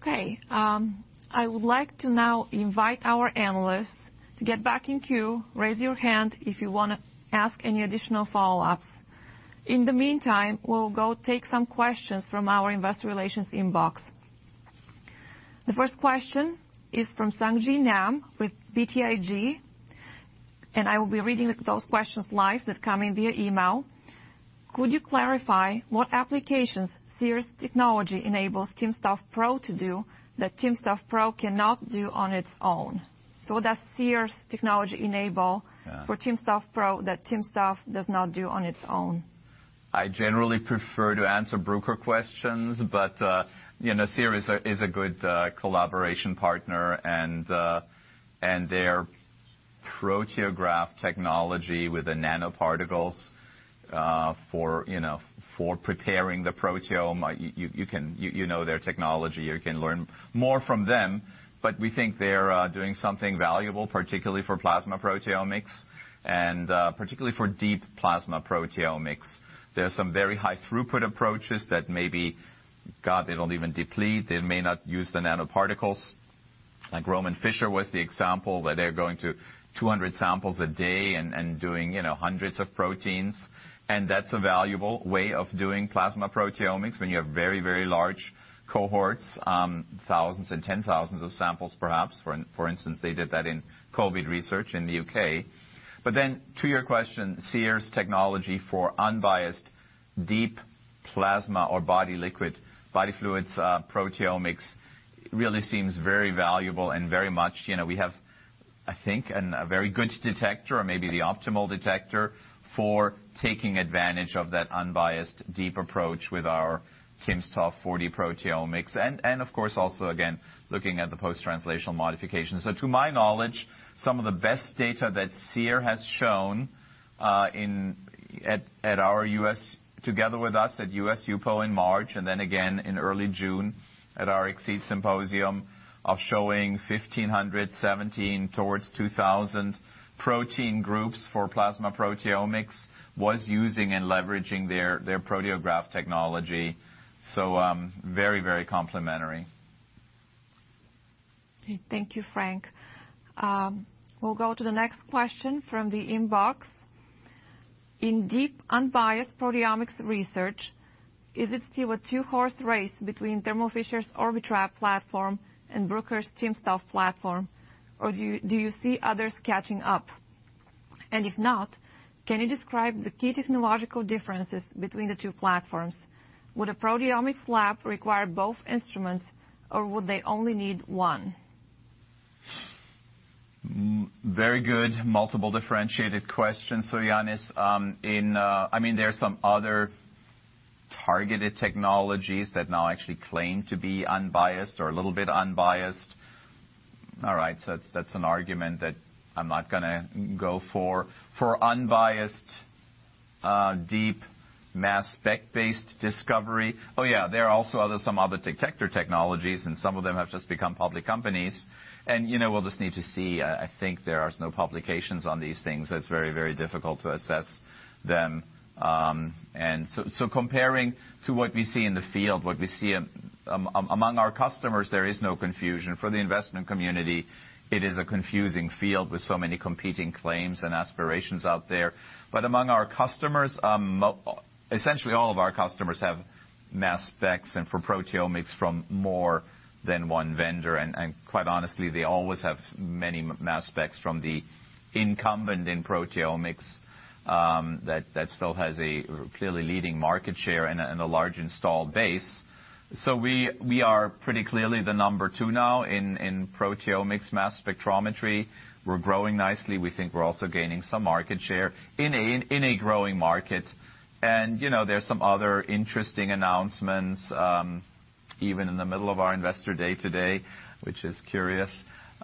Okay. I would like to now invite our analysts to get back in queue. Raise your hand if you want to ask any additional follow-ups. In the meantime, we'll go take some questions from our investor relations inbox. The first question is from Sung Ji Nam with BTIG, and I will be reading those questions live that come in via email. Could you clarify what applications Seer's technology enables timsTOF Pro to do that timsTOF Pro cannot do on its own? So what does Seer's technology enable for timsTOF Pro that timsTOF does not do on its own? I generally prefer to answer Bruker questions, but Seer is a good collaboration partner, and their Proteograph technology with the nanoparticles for preparing the proteome, you know their technology. You can learn more from them. We think they're doing something valuable, particularly for plasma proteomics and particularly for deep plasma proteomics. There's some very high throughput approaches that maybe, God, they don't even deplete. They may not use the nanoparticles. Roman Fischer was the example where they're going to 200 samples a day and doing hundreds of proteins, and that's a valuable way of doing plasma proteomics when you have very, very large cohorts, thousands and ten thousands of samples, perhaps. For instance, they did that in COVID research in the U.K. To your question, Seer's technology for unbiased deep plasma or body fluids proteomics really seems very valuable and very much. We have, I think, a very good detector or maybe the optimal detector for taking advantage of that unbiased deep approach with our timsTOF 4D proteomics, and of course, also again, looking at the post-translational modifications. To my knowledge, some of the best data that Seer has shown in together with us at US HUPO in March and then again in early June at our eXceed Symposium of showing 1,517 towards 2,000 protein groups for plasma proteomics was using and leveraging their Proteograph technology. Very, very complementary. Okay, thank you, Frank. We'll go to the next question from the inbox. In deep, unbiased proteomics research, is it still a two-horse race between Thermo Fisher's Orbitrap platform and Bruker's timsTOF platform, or do you see others catching up? If not, can you describe the key technological differences between the two platforms? Would a proteomics lab require both instruments, or would they only need one? Very good. Multiple differentiated questions. Yannis, there are some other targeted technologies that now actually claim to be unbiased or a little bit unbiased. All right, that's an argument that I'm not going to go for. For unbiased, deep mass spec-based discovery, there are also some other detector technologies, and some of them have just become public companies, and we'll just need to see. I think there are no publications on these things. It's very, very difficult to assess them. Comparing to what we see in the field, what we see among our customers, there is no confusion. For the investment community, it is a confusing field with so many competing claims and aspirations out there. Among our customers, essentially all of our customers have mass specs and for proteomics from more than one vendor. Quite honestly, they always have many mass specs from the incumbent in proteomics that still has a clearly leading market share and a large installed base. We are pretty clearly the number two now in proteomics mass spectrometry. We're growing nicely. We think we're also gaining some market share in a growing market. There's some other interesting announcements, even in the middle of our Investor Day today, which is curious.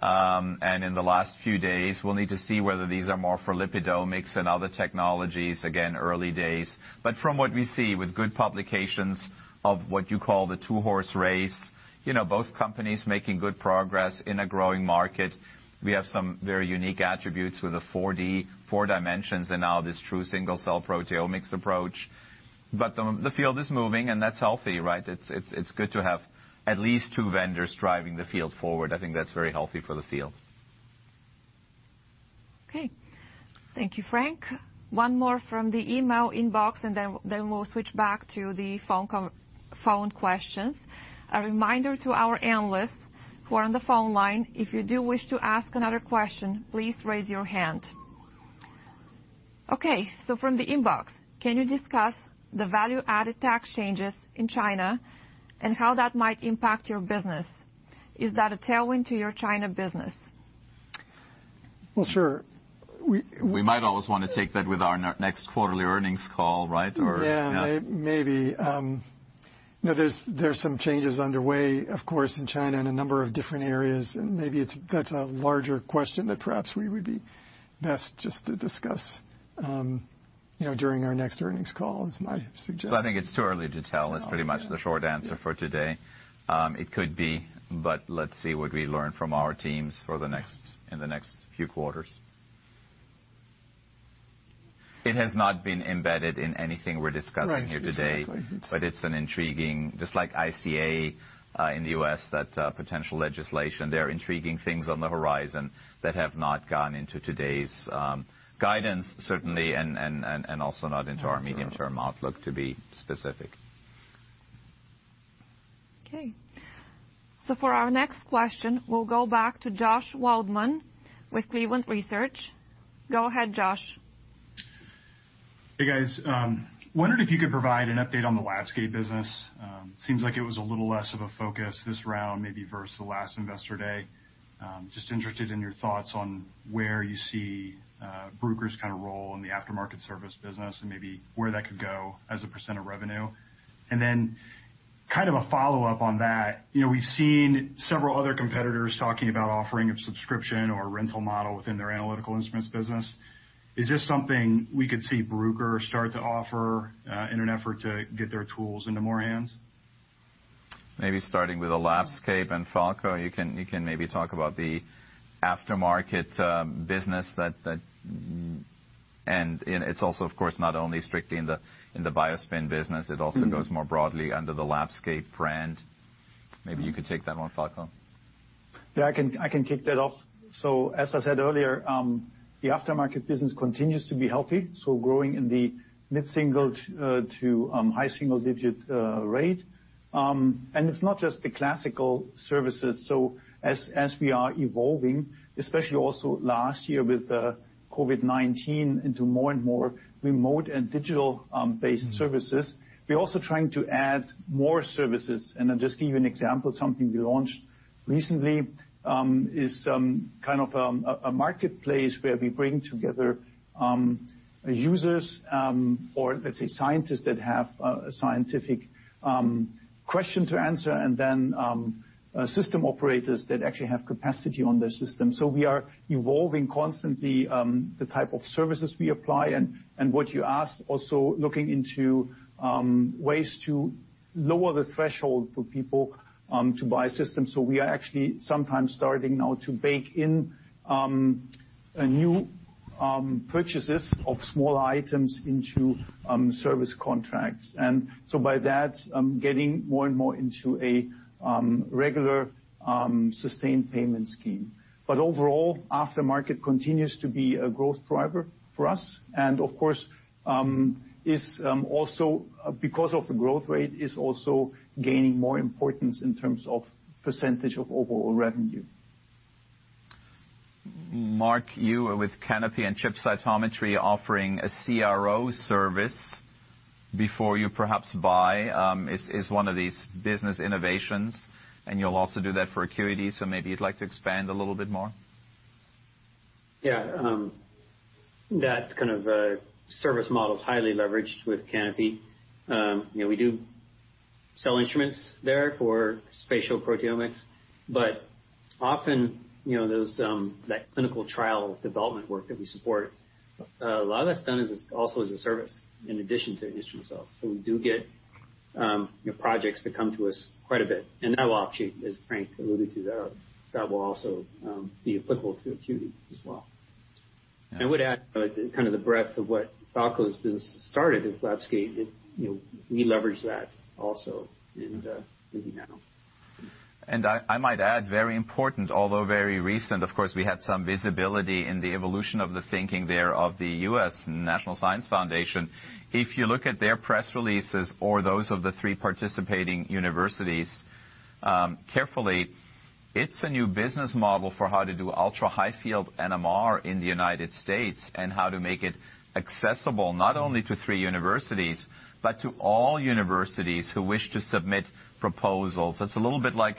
In the last few days, we'll need to see whether these are more for lipidomics and other technologies. Again, early days. From what we see with good publications of what you call the two-horse race, both companies making good progress in a growing market. We have some very unique attributes with the 4D, four dimensions, and now this true single-cell proteomics approach. The field is moving, and that's healthy, right? It's good to have at least two vendors driving the field forward. I think that's very healthy for the field. Okay. Thank you, Frank. One more from the email inbox, and then we'll switch back to the phone questions. A reminder to our analysts who are on the phone line, if you do wish to ask another question, please raise your hand. Okay, from the inbox, can you discuss the value-added tax changes in China and how that might impact your business? Is that a tailwind to your China business? Well, sure. We might always want to take that with our next quarterly earnings call, right? Yeah, maybe. There's some changes underway, of course, in China in a number of different areas, and maybe that's a larger question that perhaps we would be best just to discuss during our next earnings call is my suggestion. I think it's too early to tell is pretty much the short answer for today. It could be, but let's see what we learn from our teams in the next few quarters. It has not been embedded in anything we're discussing here today. Right. It's intriguing, just like ICA in the U.S., that potential legislation. There are intriguing things on the horizon that have not gone into today's guidance, certainly, and also not into our medium-term outlook, to be specific. Okay. For our next question, we'll go back to Josh Waldman with Cleveland Research. Go ahead, Josh. Hey, guys. Wondering if you could provide an update on the LabScape business. Seems like it was a little less of a focus this round, maybe versus the last Investor Day. Just interested in your thoughts on where you see Bruker's role in the aftermarket service business and maybe where that could go as a percent of revenue. Kind of a follow-up on that, we've seen several other competitors talking about offering a subscription or rental model within their analytical instruments business. Is this something we could see Bruker start to offer in an effort to get their tools into more hands? Maybe starting with the LabScape and Falko, you can maybe talk about the aftermarket business. It's also, of course, not only strictly in the BioSpin business, it also goes more broadly under the LabScape brand. Maybe you could take that one, Falko. Yeah, I can kick that off. As I said earlier, the aftermarket business continues to be healthy. Growing in the mid-single to high single-digit rate. It's not just the classical services. As we are evolving, especially also last year with COVID-19, into more and more remote and digital-based services, we're also trying to add more services. I'll just give you an example, something we launched recently is kind of a marketplace where we bring together the users, or let's say scientists that have a scientific question to answer, and then system operators that actually have capacity on their system. We are evolving constantly the type of services we apply and, what you ask, also looking into ways to lower the threshold for people to buy systems. We are actually sometimes starting now to bake in a new. Purchases of small items into service contracts. By that, getting more and more into a regular sustained payment scheme. Overall, aftermarket continues to be a growth driver for us, and of course, because of the growth rate, is also gaining more importance in terms of percentage of overall revenue. Mark, you are with Canopy and ChipCytometry offering a CRO service before you perhaps buy, is one of these business innovations, and you'll also do that for Acuity. Maybe you'd like to expand a little bit more. Yeah. That kind of service model is highly leveraged with Canopy. We do sell instruments there for spatial proteomics, but often there's that clinical trial development work that we support. A lot of that's done also as a service in addition to instrument sales. We do get projects that come to us quite a bit. That will actually, as Frank alluded to, that will also be applicable to Acuity as well. I would add, the breadth of what Falko's business started with LabScape, we leverage that also in the NANO. I might add, very important, although very recent, of course, we had some visibility in the evolution of the thinking there of the U.S. National Science Foundation. If you look at their press releases or those of the three participating universities carefully, it is a new business model for how to do ultra-high field NMR in the United States and how to make it accessible not only to three universities, but to all universities who wish to submit proposals. It is a little bit like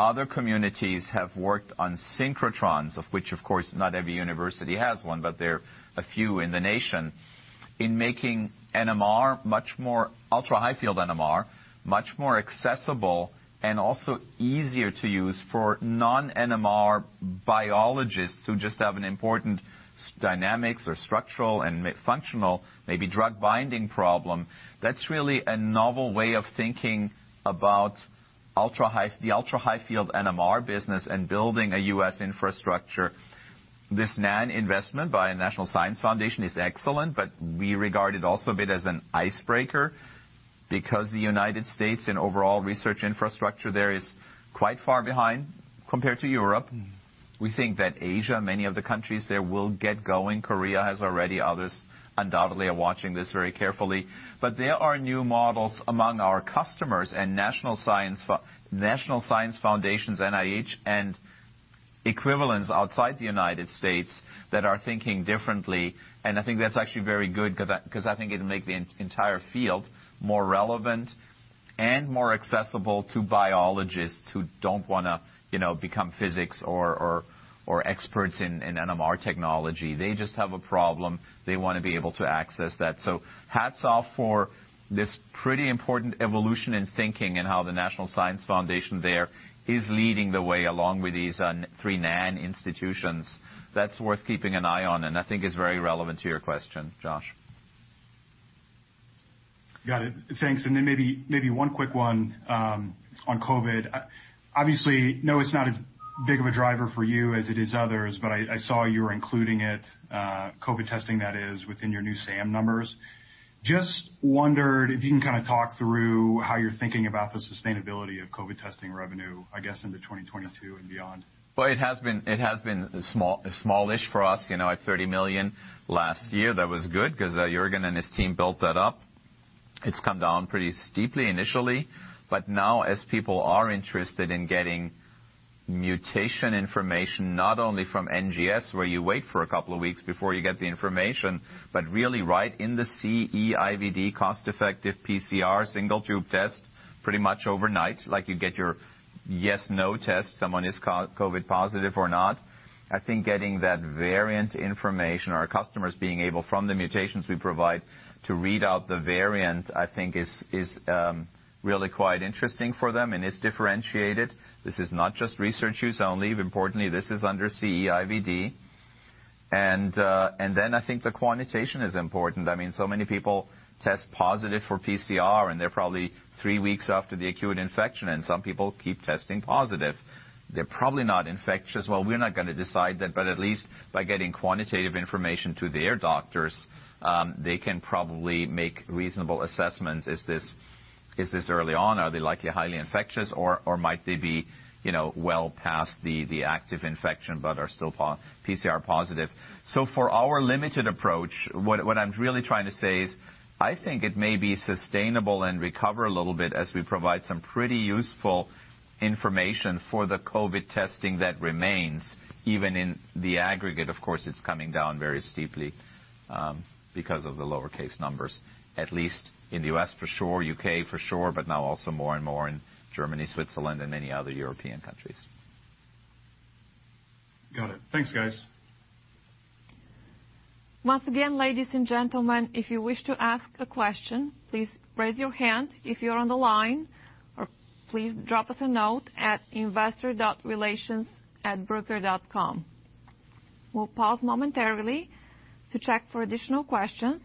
other communities have worked on synchrotrons, of which, of course, not every university has one, but there are a few in the nation, in making ultra-high field NMR much more accessible and also easier to use for non-NMR biologists who just have an important dynamics or structural and functional, maybe drug binding problem. That's really a novel way of thinking about the ultra-high field NMR business and building a U.S. infrastructure. This NSF investment by National Science Foundation is excellent, we regard it also a bit as an icebreaker because the United States and overall research infrastructure there is quite far behind compared to Europe. We think that Asia, many of the countries there will get going. Korea has already. Others undoubtedly are watching this very carefully. There are new models among our customers and National Science Foundations, NIH, and equivalents outside the United States that are thinking differently. I think that's actually very good because I think it'll make the entire field more relevant and more accessible to biologists who don't want to become physics or experts in NMR technology. They just have a problem. They want to be able to access that. Hats off for this pretty important evolution in thinking and how the National Science Foundation there is leading the way along with these three NAN institutions. That is worth keeping an eye on, and I think is very relevant to your question, Josh. Got it. Thanks. Maybe one quick one on COVID. Obviously, know it's not as big of a driver for you as it is others, but I saw you were including it, COVID testing that is, within your new SAM numbers. Just wondered if you can kind of talk through how you're thinking about the sustainability of COVID testing revenue, I guess into 2022 and beyond. It has been smallish for us, at $30 million last year. That was good because Juergen and his team built that up. It's come down pretty steeply initially. Now as people are interested in getting mutation information, not only from NGS, where you wait for a couple of weeks before you get the information, but really right in the CE-IVD cost-effective PCR single tube test, pretty much overnight, like you get your yes/no test, someone is COVID-19 positive or not. I think getting that variant information, our customers being able, from the mutations we provide, to read out the variant, I think is really quite interesting for them and is differentiated. This is not just research use only. Importantly, this is under CE-IVD. I think the quantitation is important. Many people test positive for PCR, and they're probably three weeks after the acute infection, and some people keep testing positive. They're probably not infectious. We're not going to decide that, but at least by getting quantitative information to their doctors, they can probably make reasonable assessments. Is this early on? Are they highly infectious or might they be well past the active infection but are still PCR positive? For our limited approach, what I'm really trying to say is, I think it may be sustainable and recover a little bit as we provide some pretty useful information for the COVID testing that remains, even in the aggregate, of course, it's coming down very steeply because of the lowercase numbers, at least in the U.S. for sure, U.K. for sure, but now also more and more in Germany, Switzerland, and many other European countries. Got it. Thanks, guys. Once again, ladies and gentlemen, if you wish to ask a question, please raise your hand if you're on the line, or please drop us a note at investor.relations@bruker.com. We'll pause momentarily to check for additional questions.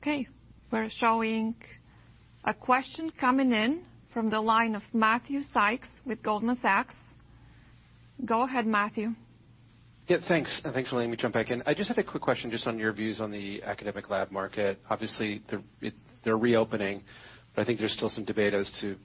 Okay. We're showing a question coming in from the line of Matthew Sykes with Goldman Sachs. Go ahead, Matthew. Yeah, thanks. Thanks for letting me jump back in. I just have a quick question just on your views on the academic lab market. Obviously, they're reopening, but I think there's still some debate as to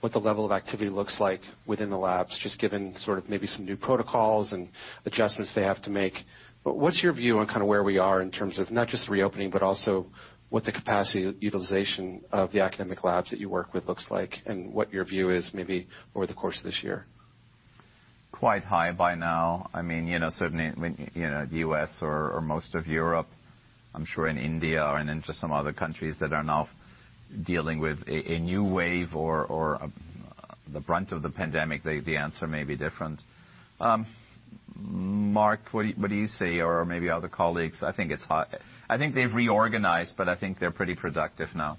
what the level of activity looks like within the labs, just given sort of maybe some new protocols and adjustments they have to make. What's your view on kind of where we are in terms of not just reopening, but also what the capacity utilization of the academic labs that you work with looks like and what your view is maybe over the course of this year? Quite high by now. Certainly, the U.S. or most of Europe, I'm sure in India and in just some other countries that are now dealing with a new wave or the brunt of the pandemic, the answer may be different. Mark, what do you see or maybe other colleagues? I think they've reorganized, but I think they're pretty productive now.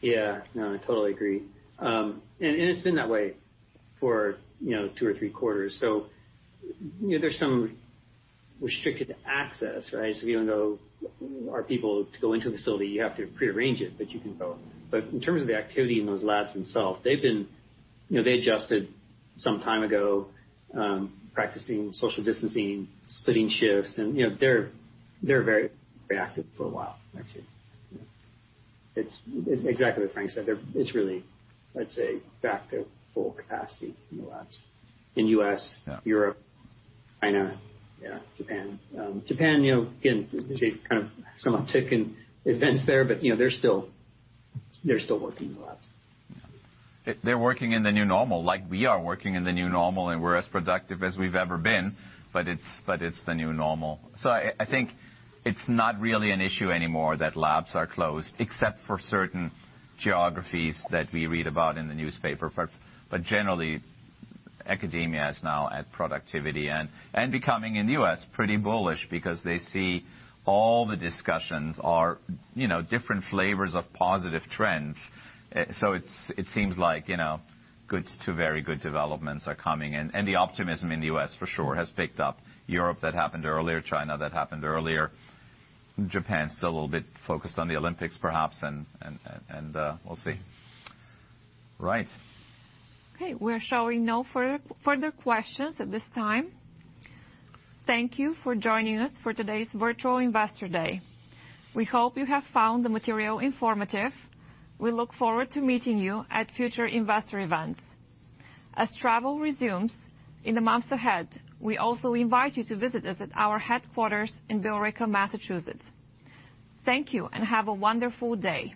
Yeah. No, I totally agree. It's been that way for two or three quarters. There's some restricted access, right? You know our people go into a facility, you have to prearrange it, but you can go. In terms of the activity in those labs themselves, they've adjusted some time ago, practicing social distancing, splitting shifts, and they're very active for a while, actually. It's exactly what Frank said. It's really, let's say, back to full capacity in the labs in U.S., Europe, China, Japan. Japan, again, kind of some uptick in events there, but they're still working in the labs. They're working in the new normal, like we are working in the new normal, and we're as productive as we've ever been, but it's the new normal. I think it's not really an issue anymore that labs are closed, except for certain geographies that we read about in the newspaper. Generally, academia is now at productivity and becoming, in the U.S., pretty bullish because they see all the discussions are different flavors of positive trends. It seems like good to very good developments are coming in, and the optimism in the U.S. for sure has picked up. Europe, that happened earlier, China, that happened earlier. Japan's still a little bit focused on the Olympics, perhaps, and we'll see. Right. We're showing no further questions at this time. Thank you for joining us for today's Virtual Investor Day. We hope you have found the material informative. We look forward to meeting you at future investor events. As travel resumes in the months ahead, we also invite you to visit us at our headquarters in Billerica, Massachusetts. Thank you, and have a wonderful day.